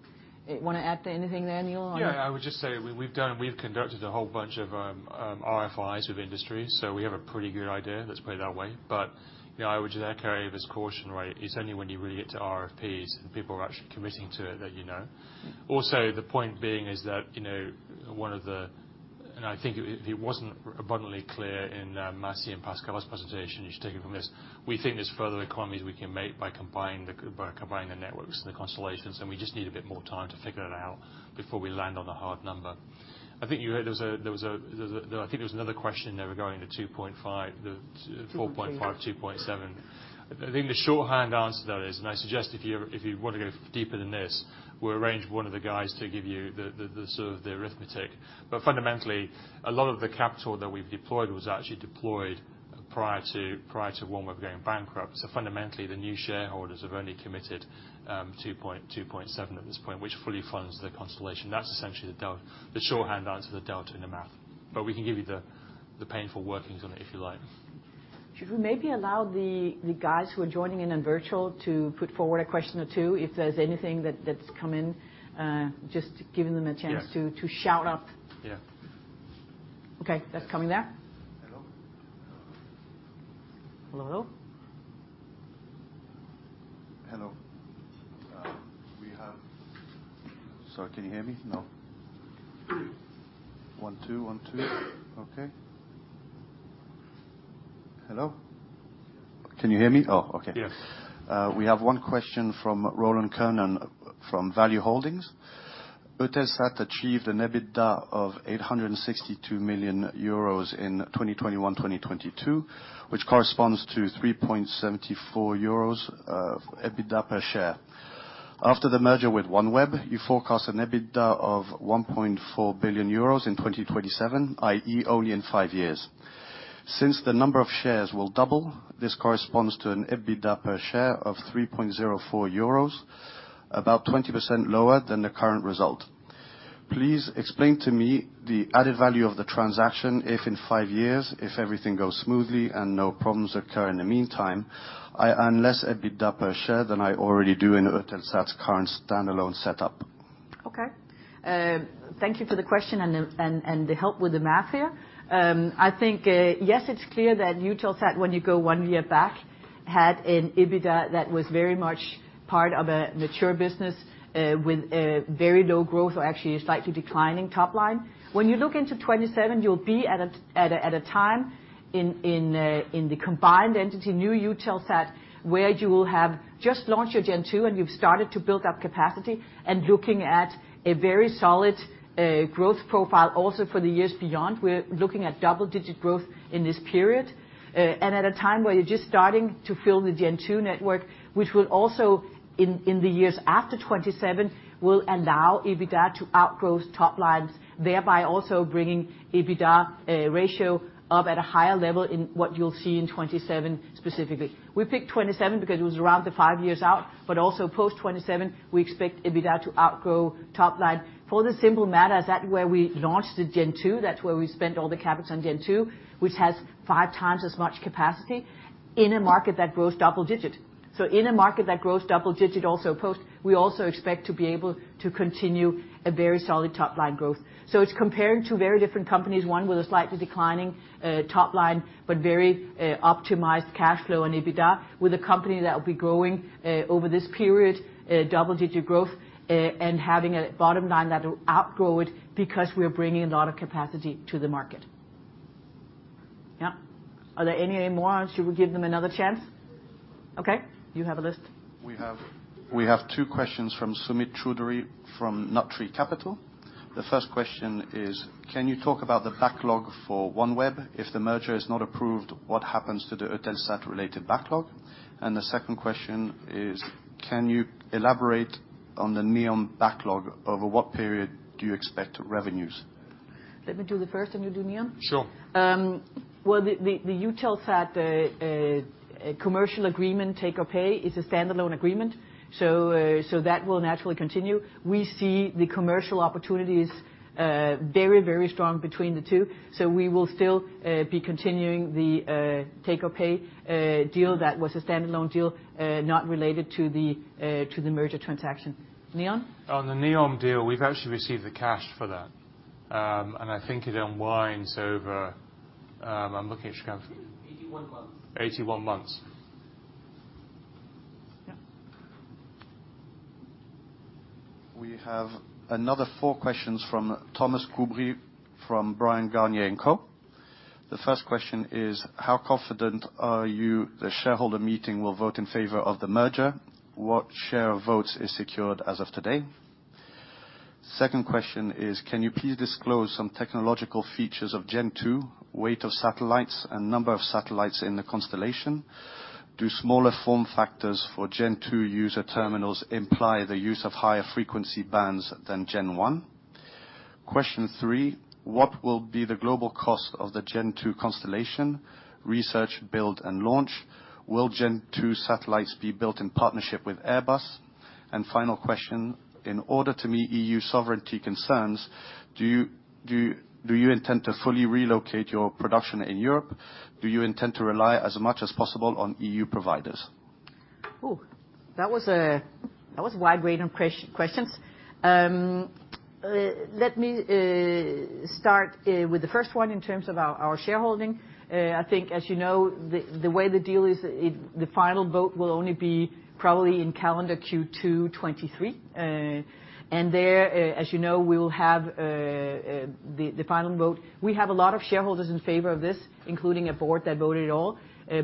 [SPEAKER 2] Wanna add to anything there, Neil, on-
[SPEAKER 4] Yeah, I would just say we've conducted a whole bunch of RFIs with industry, so we have a pretty good idea. Let's put it that way. You know, I would just carry this caution, right? It's only when you really get to RFPs and people are actually committing to it that you know. Also, the point being is that, you know, one of the I think if it wasn't abundantly clear in Massi and Pascal's presentation, you should take it from this. We think there's further economies we can make by combining the networks and the constellations, and we just need a bit more time to figure that out before we land on a hard number. I think you heard there was a. I think there was another question there regarding the $2.5, the $4.5, $2.7. I think the shorthand answer to that is. I suggest if you wanna go deeper than this, we'll arrange one of the guys to give you the sort of arithmetic. Fundamentally, a lot of the capital that we've deployed was actually deployed prior to OneWeb going bankrupt. Fundamentally, the new shareholders have only committed $2.7 at this point, which fully funds the constellation. That's essentially the shorthand answer to the delta in the math. We can give you the painful workings on it, if you like.
[SPEAKER 2] Should we maybe allow the guys who are joining in on virtual to put forward a question or two, if there's anything that's come in, just giving them a chance?
[SPEAKER 4] Yeah.
[SPEAKER 2] To show up?
[SPEAKER 4] Yeah.
[SPEAKER 2] Okay. That's coming there.
[SPEAKER 17] Hello?
[SPEAKER 2] Hello.
[SPEAKER 18] Hello. Sorry, can you hear me? No. One, two. Okay. Hello? Can you hear me? Oh, okay.
[SPEAKER 4] Yes.
[SPEAKER 18] We have one question from Roland Kernen from Value-Holdings AG. Eutelsat achieved an EBITDA of 862 million euros in 2021/2022, which corresponds to 3.74 euros of EBITDA per share. After the merger with OneWeb, you forecast an EBITDA of 1.4 billion euros in 2027, i.e., only in five years. Since the number of shares will double, this corresponds to an EBITDA per share of 3.04 euros, about 20% lower than the current result. Please explain to me the added value of the transaction if in five years, if everything goes smoothly and no problems occur in the meantime, I earn less EBITDA per share than I already do in Eutelsat's current standalone setup.
[SPEAKER 2] Okay. Thank you for the question and the help with the math here. I think, yes, it's clear that Eutelsat, when you go one year back, had an EBITDA that was very much part of a mature business, with a very low growth or actually a slightly declining top line. When you look into 2027, you'll be at a time in the combined entity, new Eutelsat, where you will have just launched your Gen-2 and you've started to build up capacity and looking at a very solid growth profile also for the years beyond. We're looking at double-digit growth in this period. At a time where you're just starting to fill the Gen-2 network, which will also, in the years after 2027, will allow EBITDA to outgrow top lines, thereby also bringing EBITDA ratio up at a higher level in what you'll see in 2027 specifically. We picked 2027 because it was around the five years out, but also post 2027, we expect EBITDA to outgrow top line for the simple matter that where we launched the Gen-2, that's where we spent all the CapEx on Gen-2, which has five times as much capacity in a market that grows double-digit. In a market that grows double-digit also post, we also expect to be able to continue a very solid top-line growth. It's comparing two very different companies, one with a slightly declining top line, but very optimized cash flow and EBITDA, with a company that will be growing over this period, double-digit growth, and having a bottom line that will outgrow it because we're bringing a lot of capacity to the market. Yeah. Are there any more? Should we give them another chance? Okay. You have a list.
[SPEAKER 4] We have two questions from Sumit Choudhury from Nut Tree Capital. The first question is, can you talk about the backlog for OneWeb? If the merger is not approved, what happens to the Eutelsat-related backlog? The second question is, can you elaborate-
[SPEAKER 18] On the NEOM backlog, over what period do you expect revenues?
[SPEAKER 2] Let me do the first, and you do NEOM?
[SPEAKER 4] Sure.
[SPEAKER 2] Well, the Eutelsat commercial agreement take-or-pay is a standalone agreement, so that will naturally continue. We see the commercial opportunity is very strong between the two, so we will still be continuing the take-or-pay deal that was a standalone deal, not related to the merger transaction. NEOM?
[SPEAKER 4] On the NEOM deal, we've actually received the cash for that. I think it unwinds over. I'm looking at Søren.
[SPEAKER 18] 81 months. 81 months.
[SPEAKER 2] Yeah.
[SPEAKER 18] We have another four questions from Thomas Coudry from Bryan, Garnier & Co. The first question is: How confident are you the shareholder meeting will vote in favor of the merger? What share of votes is secured as of today? Second question is: Can you please disclose some technological features Gen-2, weight of satellites, and number of satellites in the constellation? Do smaller form factors Gen-2 user terminals imply the use of higher frequency bands than Gen-1? Question three: What will be the global cost of Gen-2 constellation, research, build, and launch? Gen-2 satellites be built in partnership with Airbus? Final question: In order to meet EU sovereignty concerns, do you intend to fully relocate your production in Europe? Do you intend to rely as much as possible on EU providers?
[SPEAKER 2] That was a wide range of questions. Let me start with the first one in terms of our shareholding. I think, as you know, the way the deal is, the final vote will only be probably in calendar Q2 2023. There, as you know, we will have the final vote. We have a lot of shareholders in favor of this, including a board that voted it all.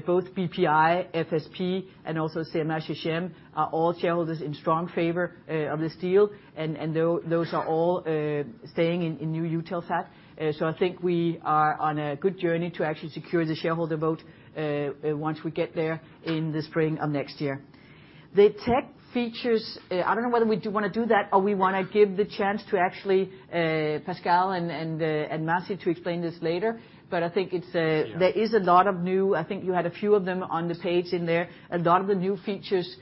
[SPEAKER 2] Both BPI, FSP, and also CMA CGM are all shareholders in strong favor of this deal, and those are all staying in new Eutelsat. I think we are on a good journey to actually secure the shareholder vote once we get there in the spring of next year. The tech features, I don't know whether we do want to do that or we wanna give the chance to actually Pascal and Massi to explain this later. I think it's
[SPEAKER 5] Sure
[SPEAKER 2] There is a lot of new. I think you had a few of them on the page in there. A lot of the new features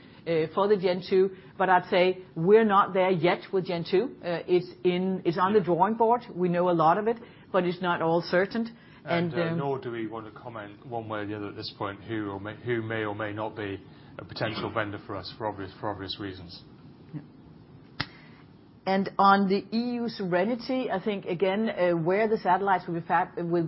[SPEAKER 2] for Gen-2, but I'd say we're not there yet with Gen-2. It's on the drawing board. We know a lot of it, but it's not all certain.
[SPEAKER 4] Nor do we want to comment one way or the other at this point who may or may not be a potential vendor for us, for obvious reasons.
[SPEAKER 2] Yeah. On the EU sovereignty, I think, again, where the satellites will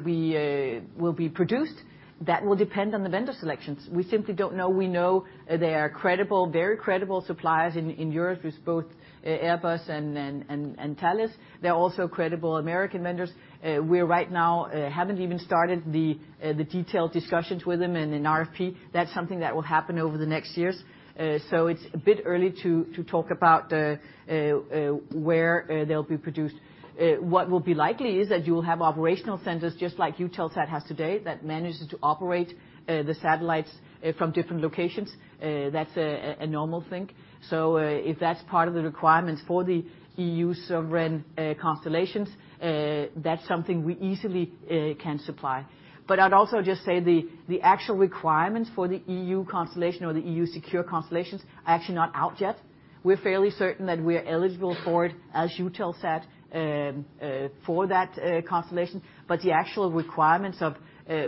[SPEAKER 2] be produced, that will depend on the vendor selections. We simply don't know. We know they are credible, very credible suppliers in Europe with both Airbus and Thales. There are also credible American vendors. We right now haven't even started the detailed discussions with them and an RFP. That's something that will happen over the next years. So it's a bit early to talk about where they'll be produced. What will be likely is that you'll have operational centers just like Eutelsat has today that manages to operate the satellites from different locations. That's a normal thing. If that's part of the requirements for the EU sovereign constellations, that's something we easily can supply. I'd also just say the actual requirements for the EU constellation or the EU secure constellations are actually not out yet. We're fairly certain that we're eligible for it as Eutelsat for that constellation, but the actual requirements of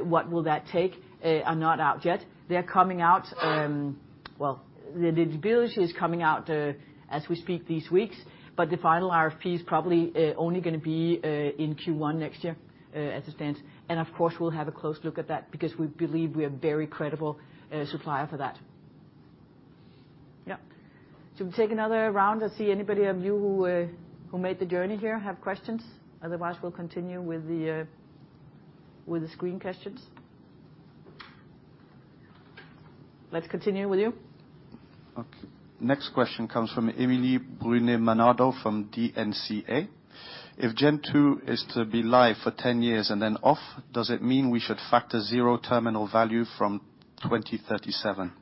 [SPEAKER 2] what will that take are not out yet. They're coming out. The eligibility is coming out as we speak these weeks, but the final RFP is probably only gonna be in Q1 next year at this stage. Of course, we'll have a close look at that because we believe we're a very credible supplier for that. Yeah. Should we take another round and see anybody of you who made the journey here have questions? Otherwise, we'll continue with the screen questions. Let's continue with you.
[SPEAKER 18] Okay. Next question comes from Emilie Brunet-Manardo from DNCA. Gen-2 is to be live for 10 years and then off, does it mean we should factor zero terminal value from 2037?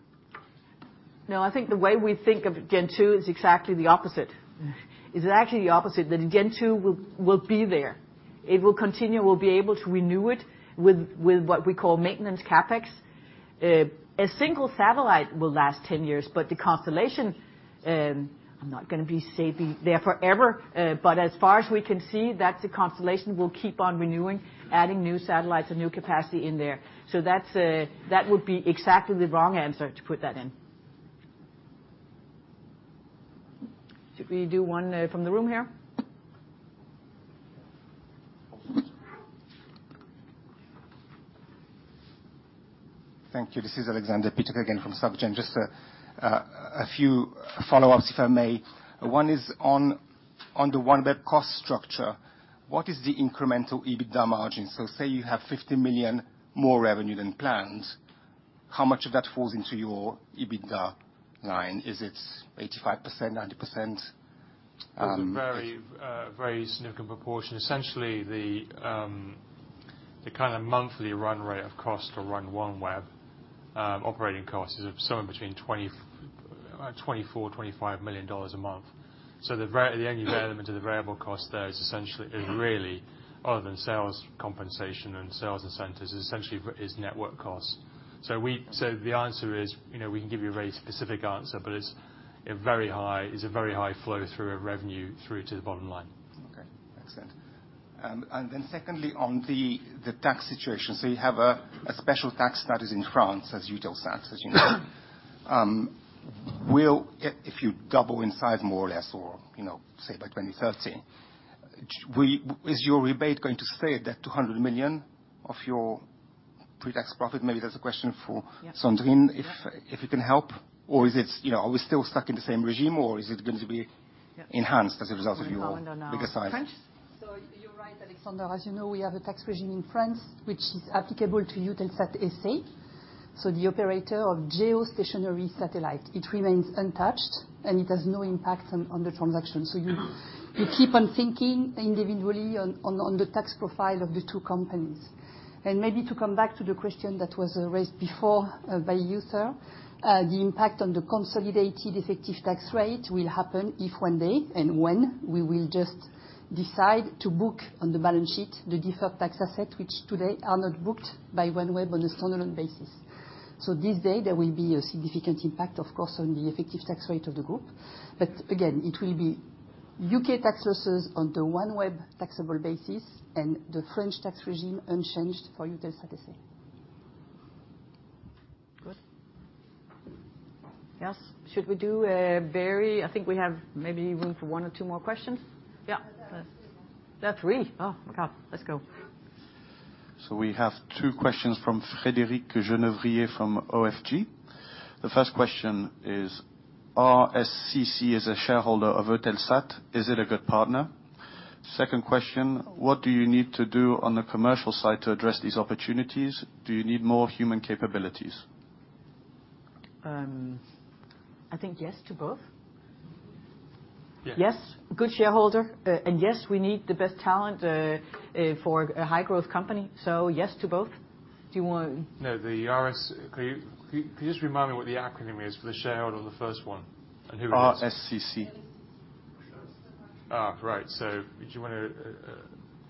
[SPEAKER 2] No, I think the way we think Gen-2 is exactly the opposite. It's actually the opposite, that Gen-2 will be there. It will continue. We'll be able to renew it with what we call maintenance CapEx. A single satellite will last 10 years, but the constellation, I'm not gonna be saying be there forever, but as far as we can see, that the constellation will keep on renewing, adding new satellites and new capacity in there. So that's, that would be exactly the wrong answer to put that in. Should we do one from the room here?
[SPEAKER 13] Thank you. This is Alexander Peterc again from Societe Generale. Just a few follow-ups, if I may. One is on the OneWeb cost structure, what is the incremental EBITDA margin? So say you have $50 million more revenue than planned, how much of that falls into your EBITDA line? Is it 85%, 90%?
[SPEAKER 4] It's a very significant proportion. Essentially, the kind of monthly run rate of cost to run OneWeb, operating costs is somewhere between $24-$25 million a month. The only variable to the variable cost there is essentially, really, other than sales compensation and sales incentives, essentially is network costs. The answer is, you know, we can give you a very specific answer, but it's a very high flow through our revenue through to the bottom line.
[SPEAKER 13] Okay, excellent. Secondly on the tax situation, so you have a special tax that is in France as Eutelsat, as you know. If you double in size more or less, or you know, say by 2030, is your rebate going to stay at that 200 million of your pre-tax profit? Maybe that's a question for Sandrine, if you can help. Is it, you know, are we still stuck in the same regime, or is it going to be enhanced as a result of your bigger size?
[SPEAKER 8] You're right, Alexander. As you know, we have a tax regime in France which is applicable to Eutelsat SA, so the operator geostationary satellite. It remains untouched, and it has no impact on the transaction. You keep on thinking individually on the tax profile of the two companies. Maybe to come back to the question that was raised before, by you, sir, the impact on the consolidated effective tax rate will happen if one day, and when, we will just decide to book on the balance sheet the deferred tax asset, which today are not booked by OneWeb on a standalone basis. This day, there will be a significant impact, of course, on the effective tax rate of the group. Again, it will be U.K. tax losses on the OneWeb taxable basis and the French tax regime unchanged for Eutelsat the same.
[SPEAKER 2] Good. Yes. I think we have maybe room for one or two more questions. Yeah.
[SPEAKER 4] We have three more.
[SPEAKER 2] That's three? Oh, my God. Let's go.
[SPEAKER 18] We have two questions from Frédéric Genevrier from OFG. The first question is, RSCC is a shareholder of Eutelsat. Is it a good partner? Second question: What do you need to do on the commercial side to address these opportunities? Do you need more human capabilities?
[SPEAKER 2] I think yes to both.
[SPEAKER 4] Yeah.
[SPEAKER 2] Yes, good shareholder, and yes, we need the best talent for a high-growth company. Yes to both. Do you want-
[SPEAKER 4] No. Could you just remind me what the acronym is for the shareholder on the first one, and who it is?
[SPEAKER 18] RSCC.
[SPEAKER 4] Do you wanna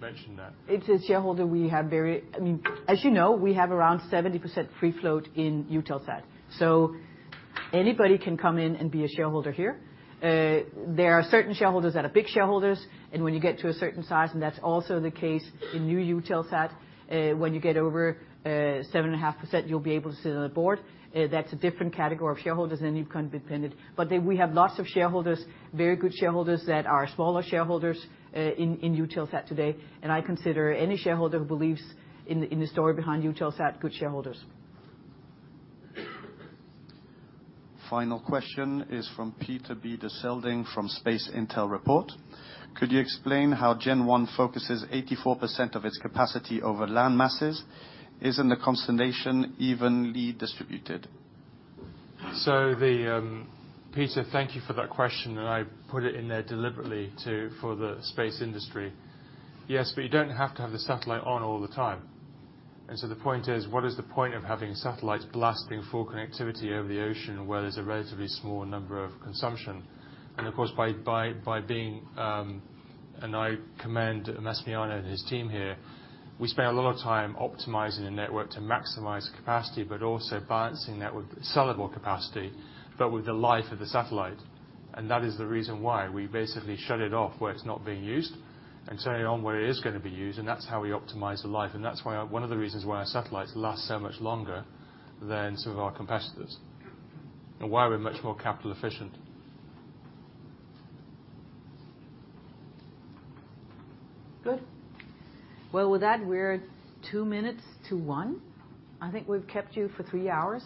[SPEAKER 4] mention that?
[SPEAKER 2] It's a shareholder we have. I mean, as you know, we have around 70% free float in Eutelsat. Anybody can come in and be a shareholder here. There are certain shareholders that are big shareholders, and when you get to a certain size, and that's also the case in new Eutelsat, when you get over 7.5%, you'll be able to sit on the board. That's a different category of shareholders, and you can't be dependent. We have lots of shareholders, very good shareholders that are smaller shareholders, in Eutelsat today, and I consider any shareholder who believes in the story behind Eutelsat good shareholders.
[SPEAKER 18] Final question is from Peter B. de Selding from Space Intel Report. Could you explain how Gen-1 focuses 84% of its capacity over land masses? Isn't the constellation evenly distributed?
[SPEAKER 4] Peter, thank you for that question. I put it in there deliberately to, for the space industry. Yes, but you don't have to have the satellite on all the time. The point is, what is the point of having satellites blasting full connectivity over the ocean where there's a relatively small number of consumers? Of course, I commend Massimiliano and his team here. We spend a lot of time optimizing the network to maximize capacity, but also balancing that with sellable capacity, but with the life of the satellite. That is the reason why we basically shut it off where it's not being used and turn it on where it is gonna be used, and that's how we optimize the life. That's why, one of the reasons why our satellites last so much longer than some of our competitors, and why we're much more capital efficient.
[SPEAKER 2] Good. Well, with that, we're two minutes to one. I think we've kept you for three hours.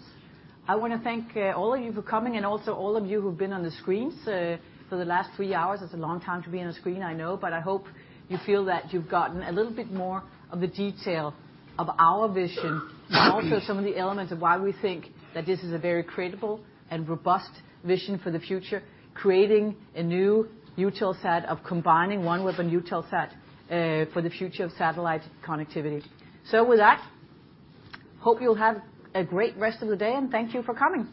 [SPEAKER 2] I wanna thank all of you for coming and also all of you who've been on the screens for the last three hours. It's a long time to be on a screen, I know, but I hope you feel that you've gotten a little bit more of the detail of our vision and also some of the elements of why we think that this is a very credible and robust vision for the future, creating a new Eutelsat of combining OneWeb and Eutelsat for the future of satellite connectivity. With that, hope you'll have a great rest of the day, and thank you for coming.